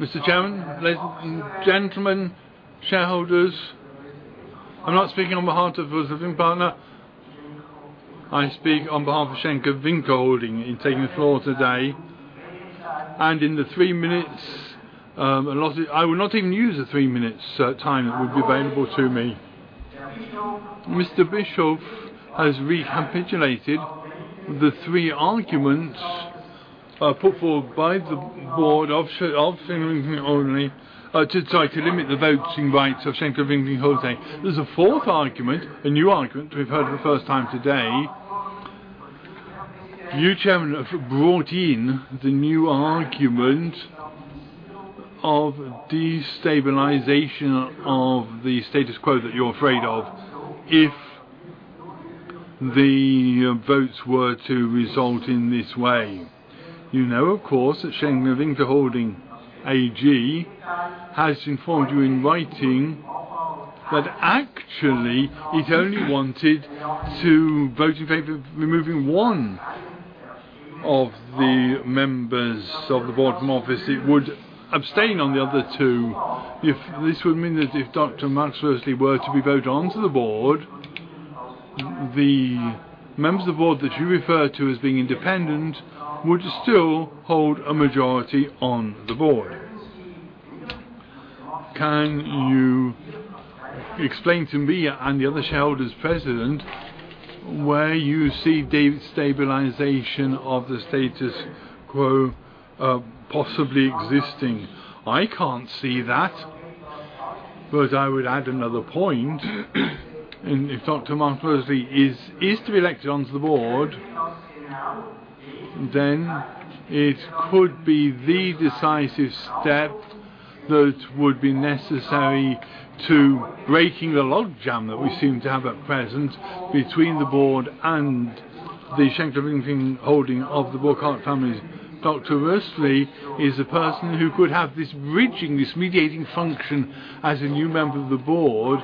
Speaker 1: Mr. Chairman, ladies and gentlemen, shareholders, I'm not speaking on behalf of Wolf & Partner. I speak on behalf of Schenker-Winkler Holding in taking the floor today, and in the three minutes, I will not even use the three minutes time that will be available to me. Mr. Bischoff has recapitulated the three arguments put forward by the board of only to try to limit the voting rights of Schenker-Winkler Holding. There's a fourth argument, a new argument we've heard for the first time today. You, Chairman, have brought in the new argument of destabilization of the status quo that you're afraid of if the votes were to result in this way. You know, of course, that Schenker-Winkler Holding AG has informed you in writing that actually it only wanted to vote in favor of removing one of the members of the board from office. It would abstain on the other two. This would mean that if Dr. Max Roesle were to be voted onto the board, the members of the board that you refer to as being independent would still hold a majority on the board. Can you explain to me and the other shareholders present where you see stabilization of the status quo possibly existing? I can't see that. I would add another point. If Dr. Max Roesle is to be elected onto the board, then it could be the decisive step that would be necessary to breaking the logjam that we seem to have at present between the board and the Schenker-Winkler Holding of the Burkard family. Dr. Max Roesle is a person who could have this bridging, this mediating function as a new member of the board,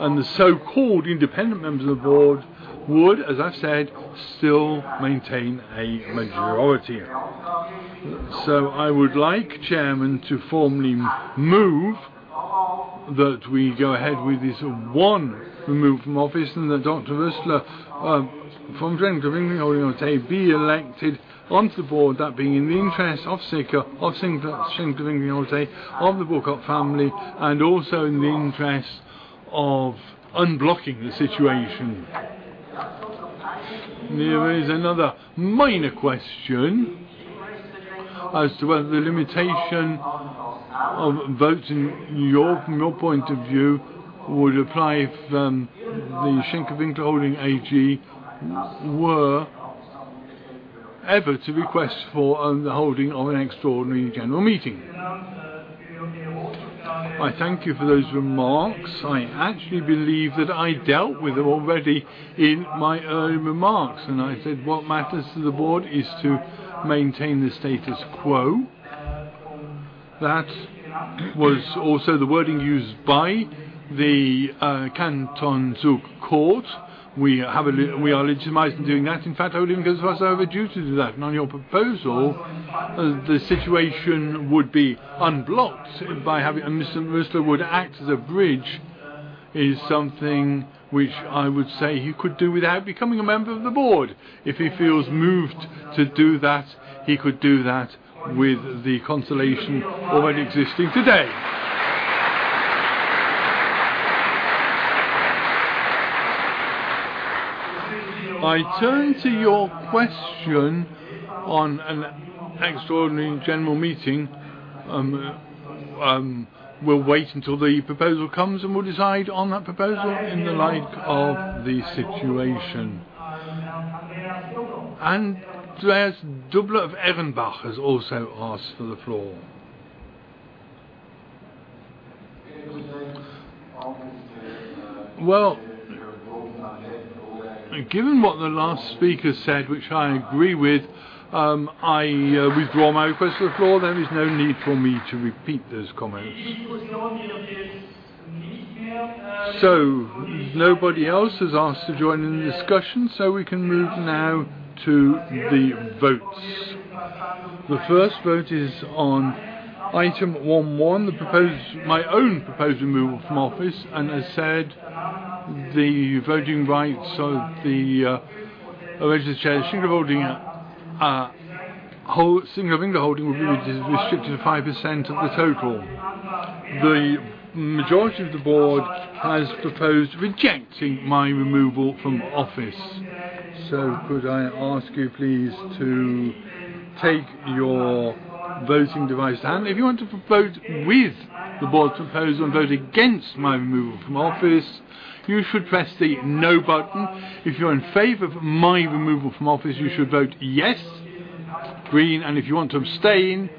Speaker 1: and the so-called independent members of the board would, as I said, still maintain a majority. I would like, Chairman, to formally move that we go ahead with this one removal from office, and that Dr. Max Roesle from Schenker-Winkler Holding AG be elected onto the board, that being in the interest of Sika, of Schenker-Winkler Holding AG, of the Burkard family, and also in the interest of unblocking the situation. There is another minor question as to whether the limitation of voting from your point of view would apply if the Schenker-Winkler Holding AG were ever to request for the holding of an extraordinary general meeting. I thank you for those remarks. I actually believe that I dealt with them already in my early remarks, I said what matters to the board is to maintain the status quo. That was also the wording used by the Canton Zug court. We are legitimized in doing that. In fact, Holding AG has duties to do that. On your proposal, the situation would be unblocked by having-- Mr. Roesle would act as a bridge is something which I would say he could do without becoming a member of the board. If he feels moved to do that, he could do that with the constellation already existing today. I turn to your question on an extraordinary general meeting. We'll wait until the proposal comes, and we'll decide on that proposal in the light of the situation. Andreas Dubler of Erlenbach has also asked for the floor.
Speaker 24: Given what the last speaker said, which I agree with, I withdraw my request to the floor. There is no need for me to repeat those comments. Nobody else has asked to join in the discussion, so we can move now to the votes. The first vote is on item 1.1, my own proposed removal from office. As said, the voting rights of the registered Schenker-Winkler Holding AG would be restricted to 5% of the total. The majority of the board has proposed rejecting my removal from office. Could I ask you please to take your voting device in hand. If you want to vote with the board's proposal and vote against my removal from office, you should press the No button. If you're in favor of my removal from office, you should vote Yes, green, and if you want to abstain,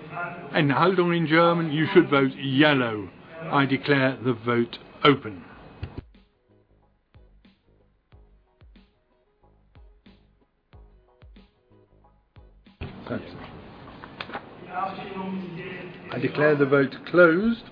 Speaker 24: "enhalten" German, you should vote yellow. I declare the vote open. I declare the vote closed.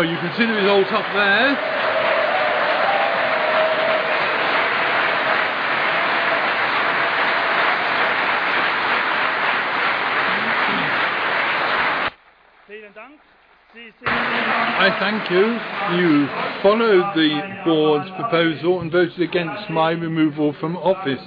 Speaker 24: Well, you continue to hold up there. I thank you. You followed the board's proposal and voted against my removal from office,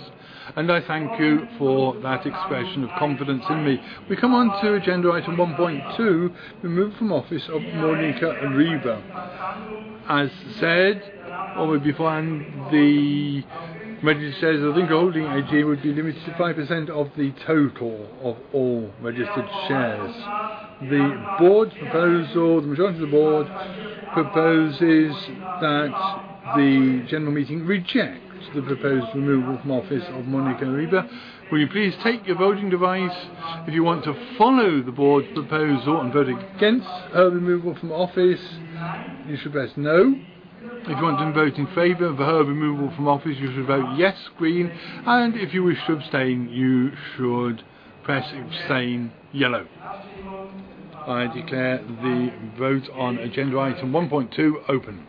Speaker 24: and I thank you for that expression of confidence in me. We come on to agenda item 1.2, removal from office of Monika Ribar. As said, or before, the registered shares of the holding AG would be limited to 5% of the total of all registered shares. The majority of the board proposes that the general meeting rejects the proposed removal from office of Monika Ribar. Will you please take your voting device? If you want to follow the board's proposal and vote against her removal from office, you should press No.
Speaker 1: If you want to vote in favor of her removal from office, you should vote Yes, green, and if you wish to abstain, you should press Abstain, yellow. I declare the vote on agenda item 1.2 open.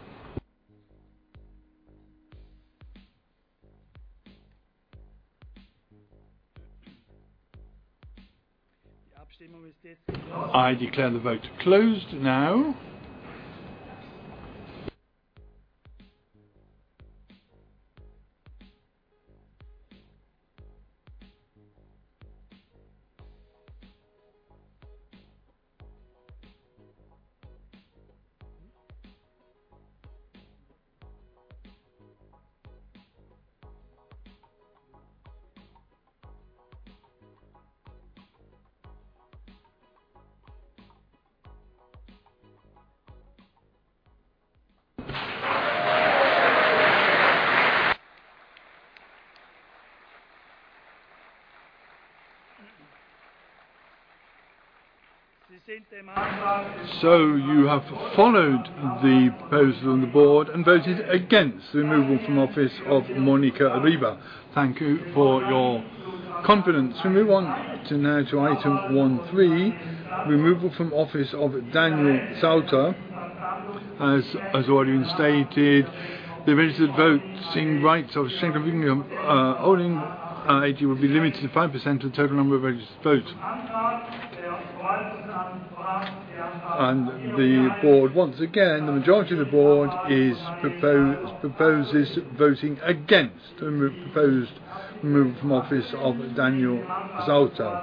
Speaker 1: I declare the vote closed now. You have followed the proposal on the board and voted against the removal from office of Monika Ribar. Thank you for your confidence. We move on now to item 1.3, removal from office of Daniel Sauter. As already stated, the registered voting rights of Schenker-Winkler Holding AG will be limited to 5% of the total number of registered votes. Once again, the majority of the board proposes voting against the proposed removal from office of Daniel Sauter.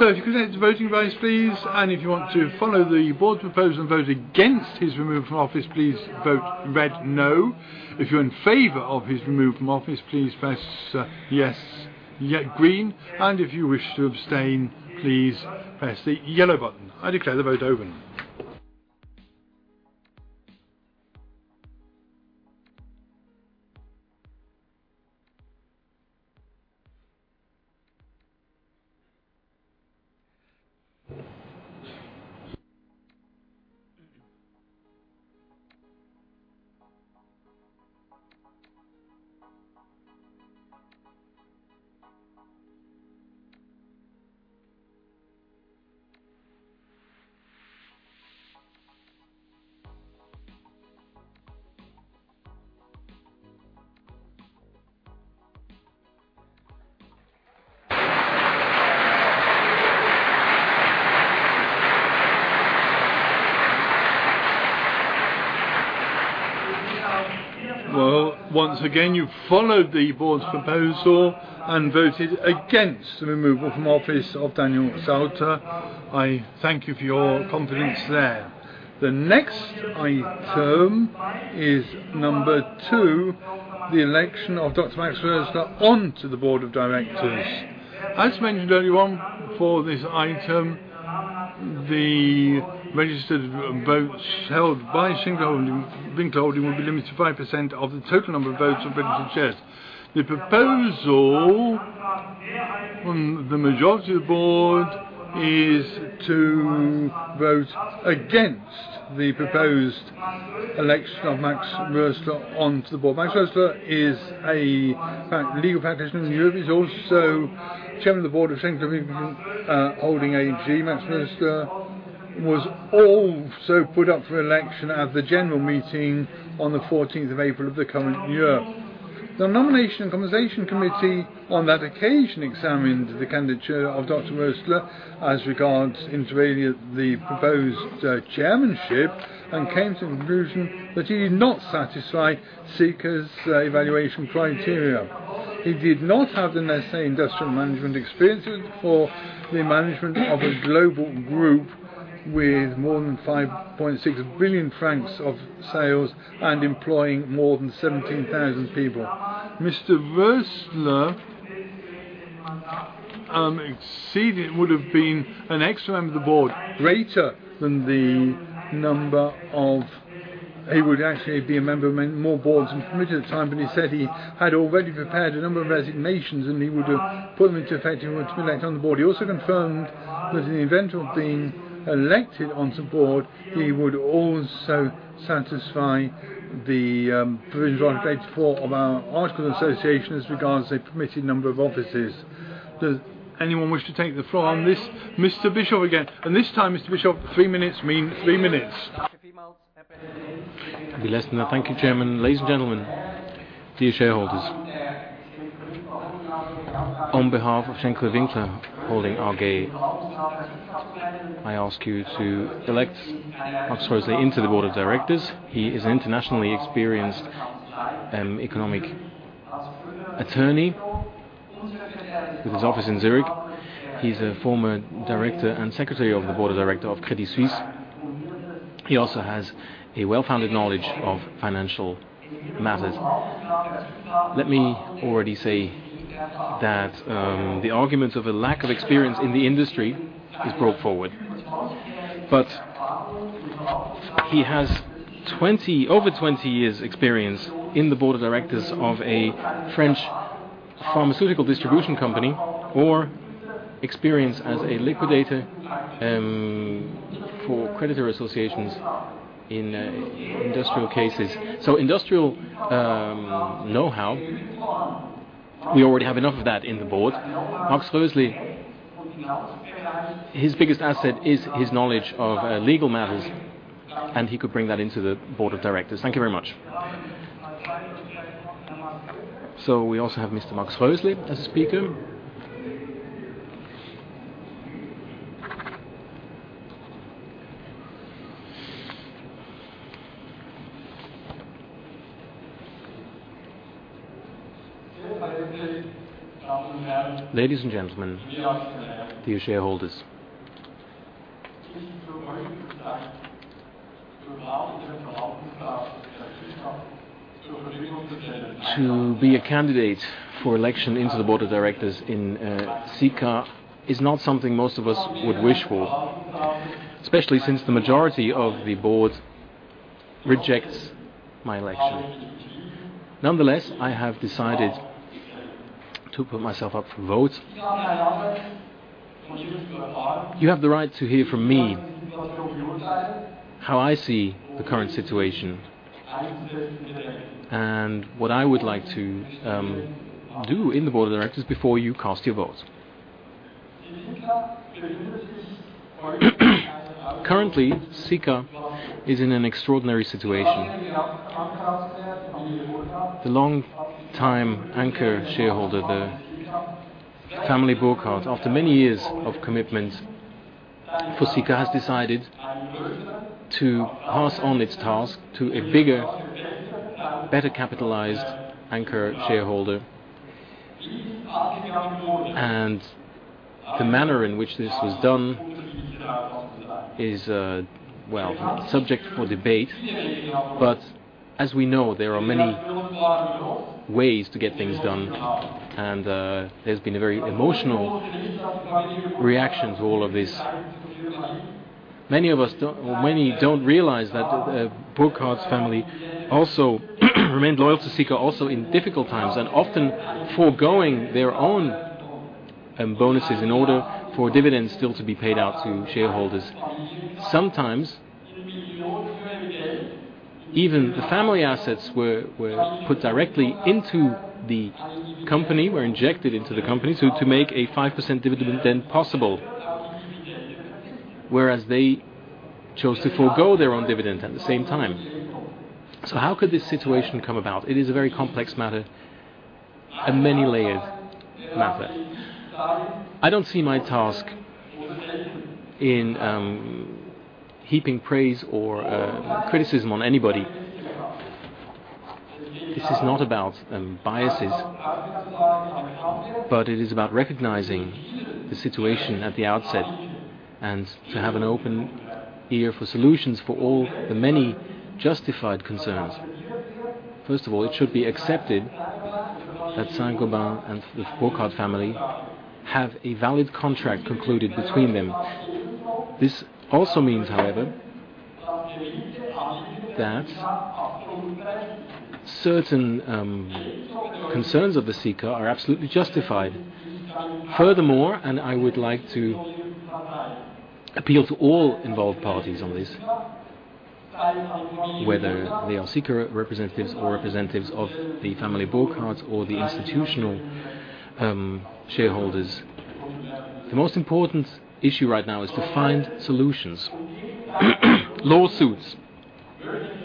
Speaker 1: If you could take the voting device, please, and if you want to follow the board's proposal and vote against his removal from office, please vote Red, No. If you're in favor of his removal from office, please press Yes, green, and if you wish to abstain, please press the yellow button. I declare the vote open. Once again, you've followed the board's proposal and voted against the removal from office of Daniel Sauter. I thank you for your confidence there. The next item is number 2, the election of Dr. Max Roesle onto the board of directors. As mentioned earlier on, for this item, the registered votes held by Schenker-Winkler Holding will be limited to 5% of the total number of votes of registered shares. The proposal from the majority of the board is to vote against the proposed election of Max Roesle onto the board. Max Roesle is a legal practitioner in Europe. He's also chairman of the board of Schenker-Winkler Holding AG. Max Roesle was also put up for election at the general meeting on the 14th of April of the current year. The nomination and compensation committee on that occasion examined the candidature of Dr. Roesle as regards entering the proposed chairmanship and came to the conclusion that he did not satisfy Sika's evaluation criteria. He did not have the necessary industrial management experience for the management of a global group with more than 5.6 billion francs of sales and employing more than 17,000 people. Mr. Roesle would've been an extra member of the board, greater than the number of He would actually be a member of many more boards than permitted at the time, but he said he had already prepared a number of resignations, and he would've put them into effect if he were to be elected on the board. He also confirmed that in the event of being elected onto board, he would also satisfy the provision of Article 4 of our articles of association as regards the permitted number of offices. Does anyone wish to take the floor on this? Mr. Bischoff again. This time, Mr. Bischoff, three minutes means three minutes.
Speaker 25: Thank you, Chairman. Ladies and gentlemen, dear shareholders. On behalf of Schenker-Winkler Holding AG, I ask you to elect Max Roesle into the board of directors. He is an internationally experienced economic attorney with his office in Zurich. He is a former director and secretary of the board of director of Credit Suisse. He also has a well-founded knowledge of financial matters. Let me already say that the argument of a lack of experience in the industry is brought forward, but he has over 20 years experience in the board of directors of a French pharmaceutical distribution company, or experience as a liquidator for creditor associations in industrial cases. Industrial knowhow, we already have enough of that in the board. Max Roesle, his biggest asset is his knowledge of legal matters, he could bring that into the board of directors. Thank you very much.
Speaker 1: We also have Mr. Max Roesle as a speaker.
Speaker 26: Ladies and gentlemen, dear shareholders. To be a candidate for election into the board of directors in Sika is not something most of us would wish for, especially since the majority of the board rejects my election. Nonetheless, I have decided to put myself up for vote. You have the right to hear from me how I see the current situation, and what I would like to do in the board of directors before you cast your vote. Currently, Sika is in an extraordinary situation. The long-time anchor shareholder, the family Burkard, after many years of commitment for Sika, has decided to pass on its task to a bigger, better capitalized anchor shareholder. The manner in which this was done is subject for debate. As we know, there are many ways to get things done, and there's been a very emotional reaction to all of this. Many don't realize that the Burkard family remained loyal to Sika also in difficult times, and often foregoing their own bonuses in order for dividends still to be paid out to shareholders. Sometimes, even the family assets were put directly into the company, were injected into the company to make a 5% dividend then possible, whereas they chose to forego their own dividend at the same time. How could this situation come about? It is a very complex matter, a many-layered matter. I don't see my task in heaping praise or criticism on anybody. This is not about biases, but it is about recognizing the situation at the outset and to have an open ear for solutions for all the many justified concerns. First of all, it should be accepted that Saint-Gobain and the Burkard family have a valid contract concluded between them. This also means, however, that certain concerns of Sika are absolutely justified. I would like to appeal to all involved parties on this, whether they are Sika representatives or representatives of the Burkard family or the institutional shareholders, the most important issue right now is to find solutions. Lawsuits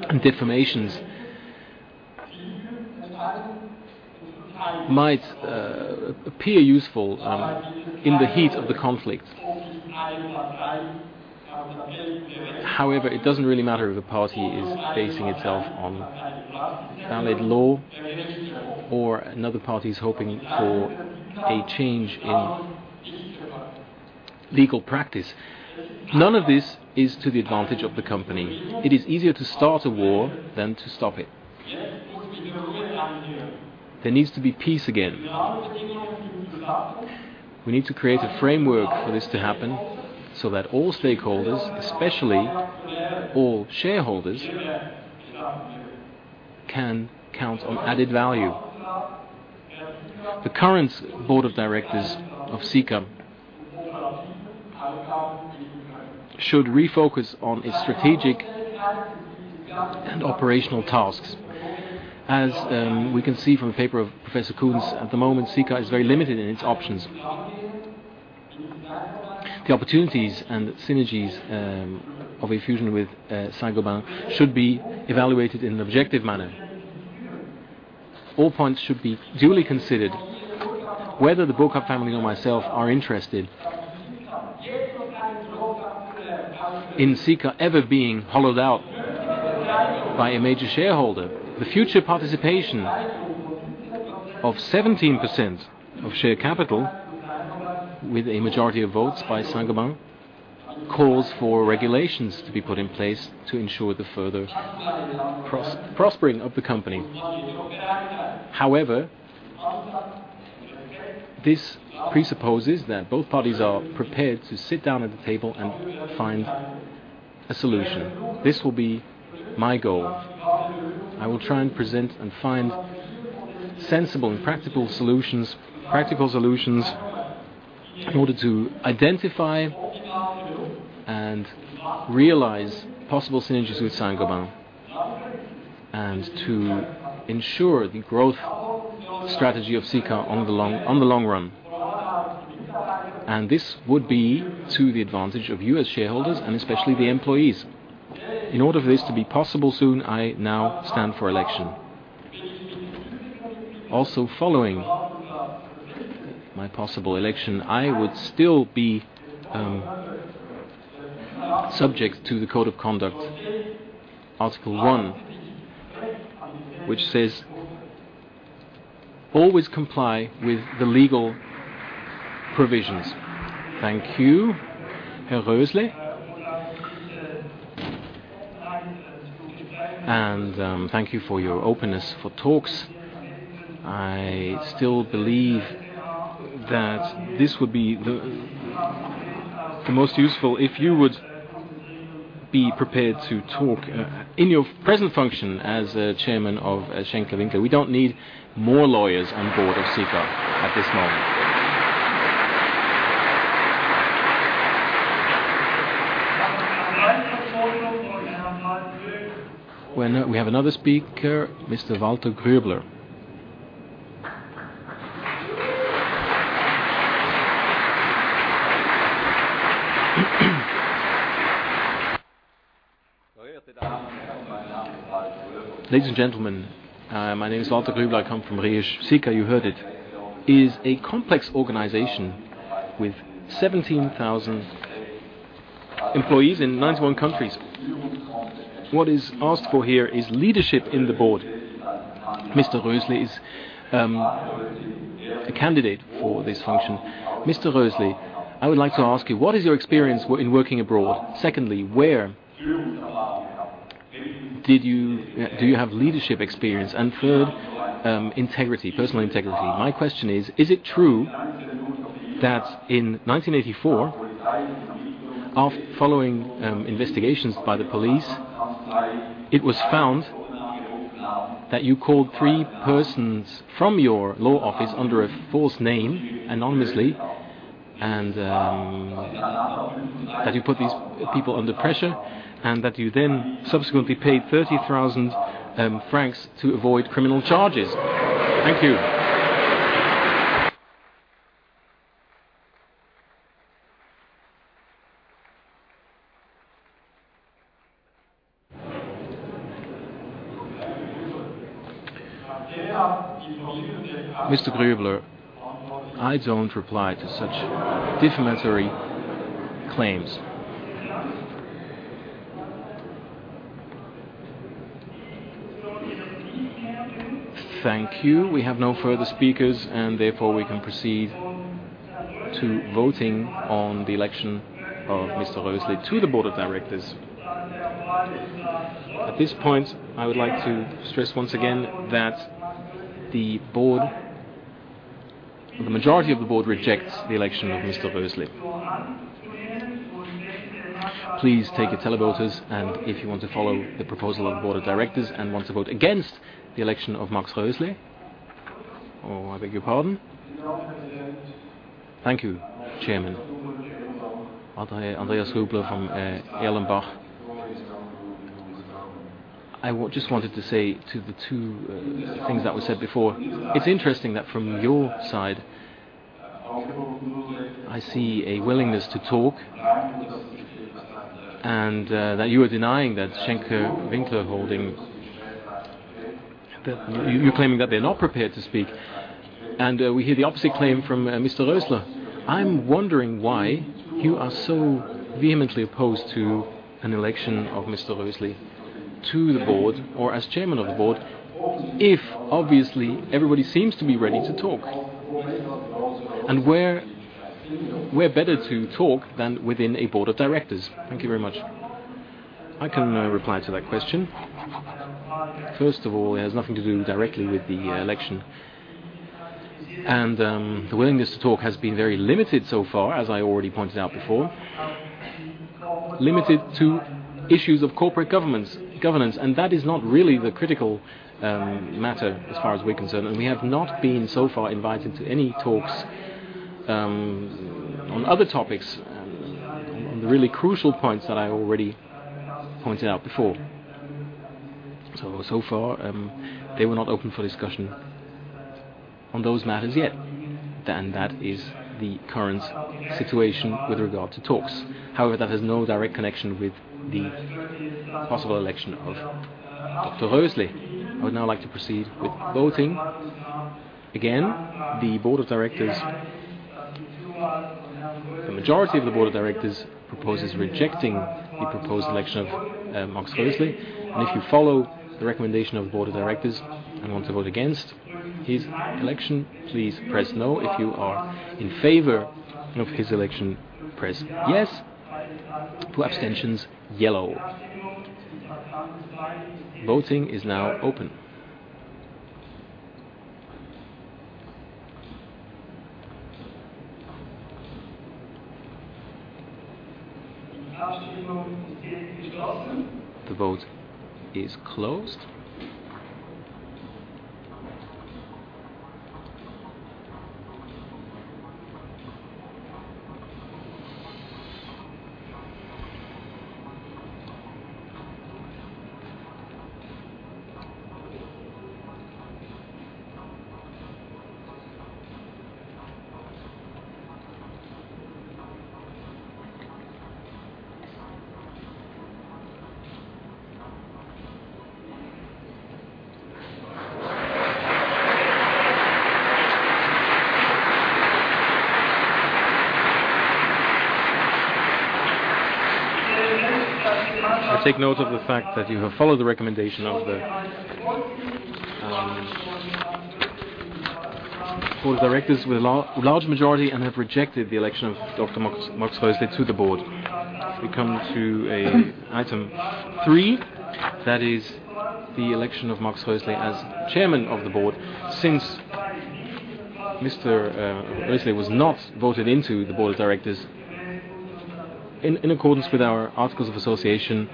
Speaker 26: and defamations might appear useful in the heat of the conflict. It doesn't really matter if a party is basing itself on valid law or another party is hoping for a change in legal practice. None of this is to the advantage of the company. It is easier to start a war than to stop it. There needs to be peace again. We need to create a framework for this to happen so that all stakeholders, especially all shareholders, can count on added value. The current board of directors of Sika should refocus on its strategic and operational tasks. As we can see from the paper of Professor Kunz, at the moment, Sika is very limited in its options. The opportunities and synergies of a fusion with Saint-Gobain should be evaluated in an objective manner. All points should be duly considered, whether the Burkard family or myself are interested in Sika ever being hollowed out by a major shareholder. The future participation of 17% of share capital with a majority of votes by Saint-Gobain calls for regulations to be put in place to ensure the further prospering of the company. This presupposes that both parties are prepared to sit down at the table and find a solution. This will be my goal. I will try and present and find sensible and practical solutions in order to identify and realize possible synergies with Saint-Gobain, and to ensure the growth strategy of Sika on the long run. This would be to the advantage of you as shareholders, and especially the employees. In order for this to be possible soon, I now stand for election. Also following my possible election, I would still be subject to the code of conduct, Article 1, which says, "Always comply with the legal provisions."
Speaker 1: Thank you, head Roesle. Thank you for your openness for talks. I still believe that this would be the most useful if you would be prepared to talk in your present function as Chairman of Schenker-Winkler. We don't need more lawyers on board of Sika at this moment. We have another speaker, Mr. Walter Grüebler.
Speaker 27: Ladies and gentlemen, my name is Walter Grüebler. I come from Riehen. Sika, you heard it, is a complex organization with 17,000 employees in 91 countries. What is asked for here is leadership in the board. Mr. Roesle is a candidate for this function. Mr. Roesle, I would like to ask you, what is your experience in working abroad? Secondly, where do you have leadership experience? Third, integrity, personal integrity. My question is: Is it true that in 1984, following investigations by the police, it was found that you called three persons from your law office under a false name, anonymously, and that you put these people under pressure, and that you then subsequently paid 30,000 francs to avoid criminal charges?
Speaker 26: Thank you. Mr. Grüebler, I don't reply to such defamatory claims. Thank you.
Speaker 1: We have no further speakers. Therefore, we can proceed to voting on the election of Mr. Roesle to the board of directors. At this point, I would like to stress once again that the majority of the board rejects the election of Mr. Roesle. Please take your televoters, and if you want to follow the proposal of the board of directors and want to vote against the election of Max Roesle.
Speaker 24: Oh, I beg your pardon. Thank you, Chairman. Andreas Dubler from Erlenbach. I just wanted to say to the two things that were said before, it is interesting that from your side, I see a willingness to talk and that you are denying that Schenker-Winkler Holding. You are claiming that they are not prepared to speak. We hear the opposite claim from Mr. Roesle. I am wondering why you are so vehemently opposed to an election of Mr. Roesle to the board or as chairman of the board if obviously everybody seems to be ready to talk. Where better to talk than within a board of directors? Thank you very much. I can reply to that question. First of all, it has nothing to do directly with the election. The willingness to talk has been very limited so far, as I already pointed out before, limited to issues of corporate governance, and that is not really the critical matter as far as we are concerned. We have not been so far invited to any talks on other topics, on the really crucial points that I already pointed out before. So far, they were not open for discussion on those matters yet. That is the current situation with regard to talks.
Speaker 1: However, that has no direct connection with the possible election of Dr. Roesle. I would now like to proceed with voting. Again, the majority of the board of directors proposes rejecting the proposed election of Max Roesle. If you follow the recommendation of the board of directors and want to vote against his election, please press No. If you are in favor of his election, press Yes. Two abstentions, yellow. Voting is now open. The voting is now open. The vote is closed. I take note of the fact that you have followed the recommendation of the board of directors with a large majority and have rejected the election of Dr. Max Roesle to the board. We come to item three, that is the election of Max Roesle as chairman of the board. Since Mr. Roesle was not voted into the board of directors, in accordance with our articles of association,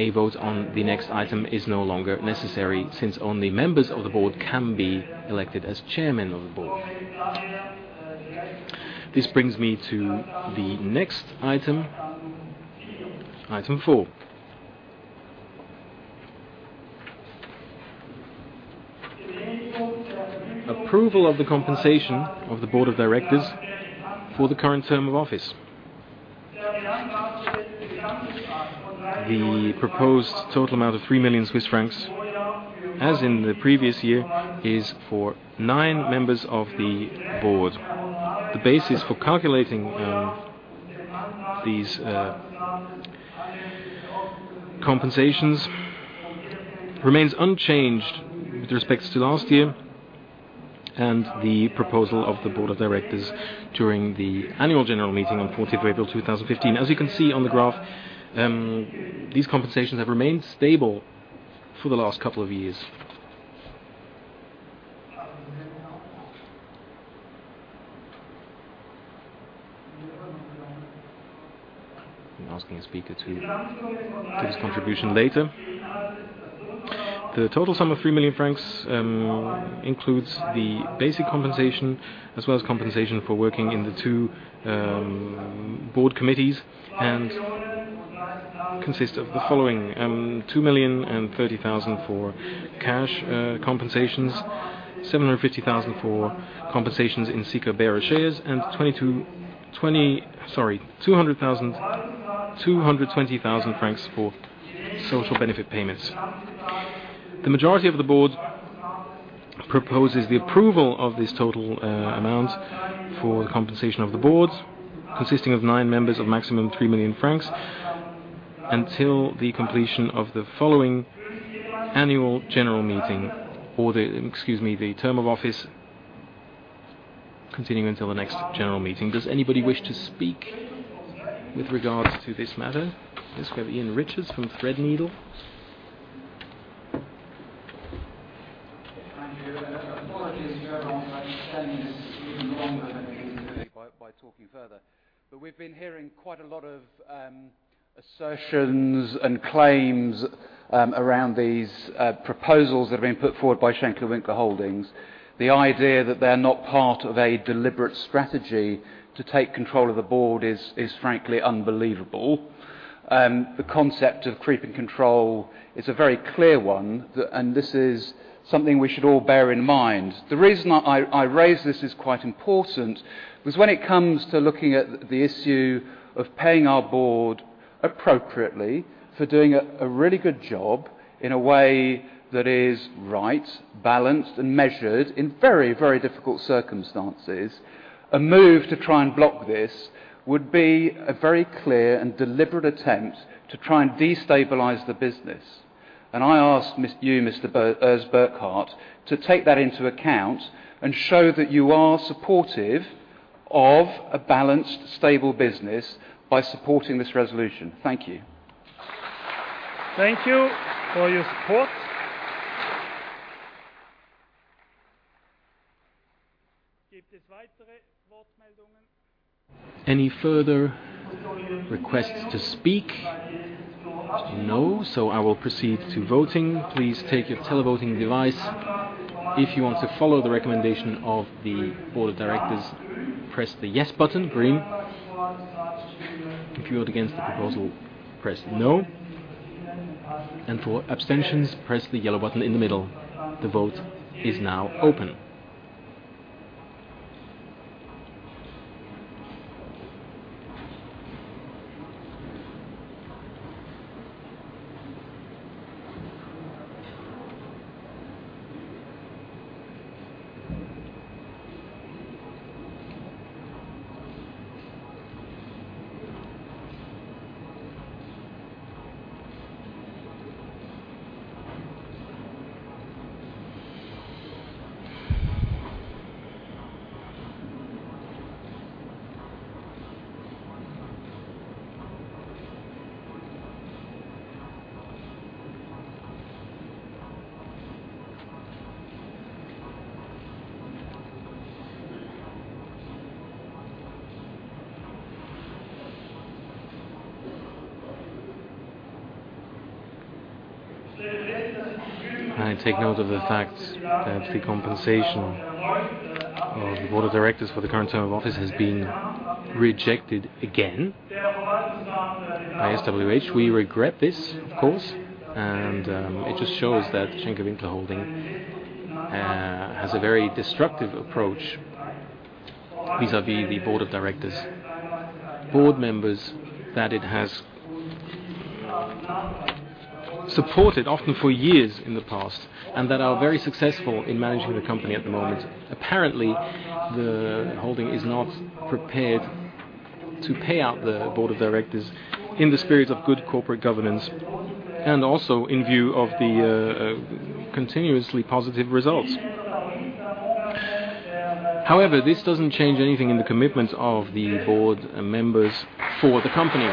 Speaker 1: a vote on the next item is no longer necessary, since only members of the board can be elected as chairman of the board. This brings me to the next item. Item four. Approval of the compensation of the board of directors for the current term of office. The proposed total amount of 3 million Swiss francs, as in the previous year, is for nine members of the board. The basis for calculating these compensations remains unchanged with respects to last year, and the proposal of the board of directors during the annual general meeting on 14th April 2015. As you can see on the graph, these compensations have remained stable for the last couple of years. I'm asking a speaker to his contribution later. The total sum of 3 million francs includes the basic compensation as well as compensation for working in the two board committees, and consists of the following: 2,030,000 for cash compensations, 750,000 for compensations in Sika bearer shares, and 220,000 francs for social benefit payments. The majority of the board proposes the approval of this total amount for the compensation of the board, consisting of nine members of maximum 3 million francs, until the completion of the following annual general meeting, or the term of office continuing until the next general meeting. Does anybody wish to speak with regards to this matter? Let's go to Iain Richards from Threadneedle.
Speaker 19: Thank you. Apologies to everyone for extending this even longer than it is already by talking further. We've been hearing quite a lot of assertions and claims around these proposals that have been put forward by Schenker-Winkler Holdings. The idea that they're not part of a deliberate strategy to take control of the board is frankly unbelievable. The concept of creeping control is a very clear one, and this is something we should all bear in mind. The reason I raise this as quite important was when it comes to looking at the issue of paying our board appropriately for doing a really good job in a way that is right, balanced, and measured in very difficult circumstances, a move to try and block this would be a very clear and deliberate attempt to try and destabilize the business. I ask you, Mr. Urs Burkard, to take that into account and show that you are supportive of a balanced, stable business by supporting this resolution. Thank you.
Speaker 1: Thank you for your support. Any further requests to speak? No, I will proceed to voting. Please take your televoting device. If you want to follow the recommendation of the board of directors, press the Yes button, green. If you vote against the proposal, press "No," and for abstentions, press the yellow button in the middle. The vote is now open. I take note of the fact that the compensation of the board of directors for the current term of office has been rejected again by SWH. We regret this, of course. It just shows that the Schenker-Winkler Holding has a very destructive approach vis-à-vis the board of directors. Board members that it has supported, often for years in the past, and that are very successful in managing the company at the moment. Apparently, the holding is not prepared to pay out the board of directors in the spirit of good corporate governance and also in view of the continuously positive results. This doesn't change anything in the commitment of the board members for the company.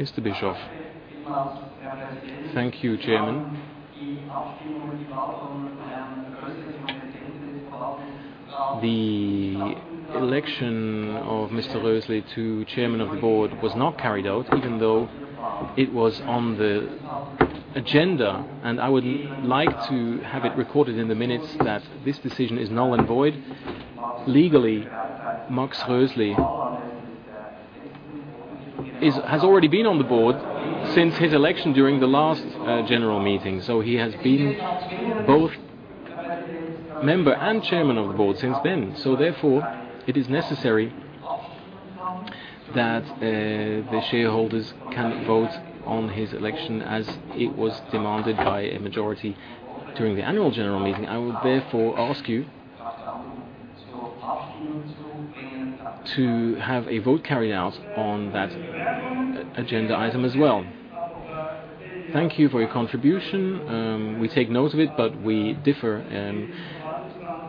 Speaker 1: Mr. Bischoff.
Speaker 25: Thank you, Chairman. The election of Mr. Roesle to chairman of the board was not carried out, even though it was on the agenda. I would like to have it recorded in the minutes that this decision is null and void. Legally, Max Roesle has already been on the board since his election during the last annual general meeting. He has been both member and chairman of the board since then. Therefore, it is necessary that the shareholders can vote on his election as it was demanded by a majority during the annual general meeting. I would therefore ask you to have a vote carried out on that agenda item as well. Thank you for your contribution. We take note of it. We differ.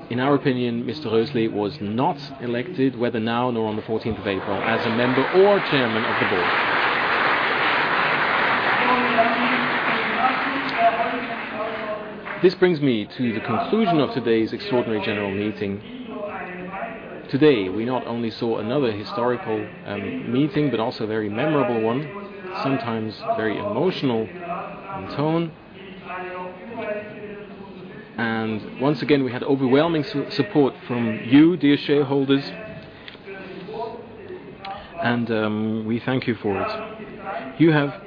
Speaker 25: In our opinion, Mr. Roesle was not elected, whether now nor on the 14th of April, as a member or chairman of the board.
Speaker 1: This brings me to the conclusion of today's extraordinary general meeting. Today, we not only saw another historical meeting, but also a very memorable one, sometimes very emotional in tone. Once again, we had overwhelming support from you, dear shareholders. We thank you for it. You have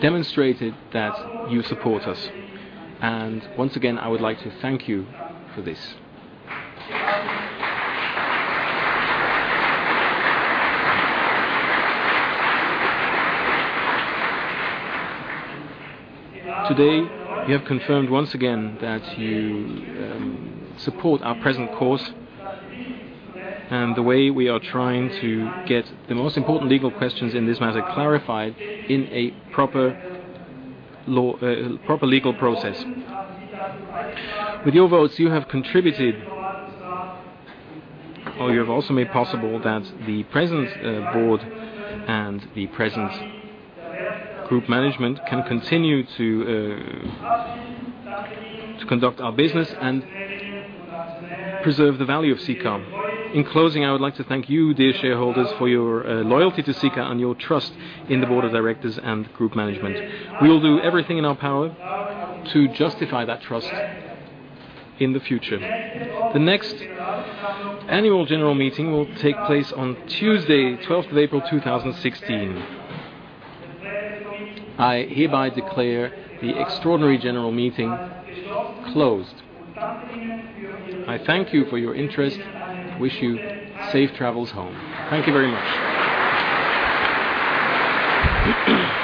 Speaker 1: demonstrated that you support us. Once again, I would like to thank you for this. Today, you have confirmed once again that you support our present course and the way we are trying to get the most important legal questions in this matter clarified in a proper legal process. With your votes, you have also made possible that the present board and the present group management can continue to conduct our business and preserve the value of Sika. In closing, I would like to thank you, dear shareholders, for your loyalty to Sika and your trust in the board of directors and group management. We will do everything in our power to justify that trust in the future. The next annual general meeting will take place on Tuesday, 12th of April 2016. I hereby declare the extraordinary general meeting closed. I thank you for your interest and wish you safe travels home. Thank you very much.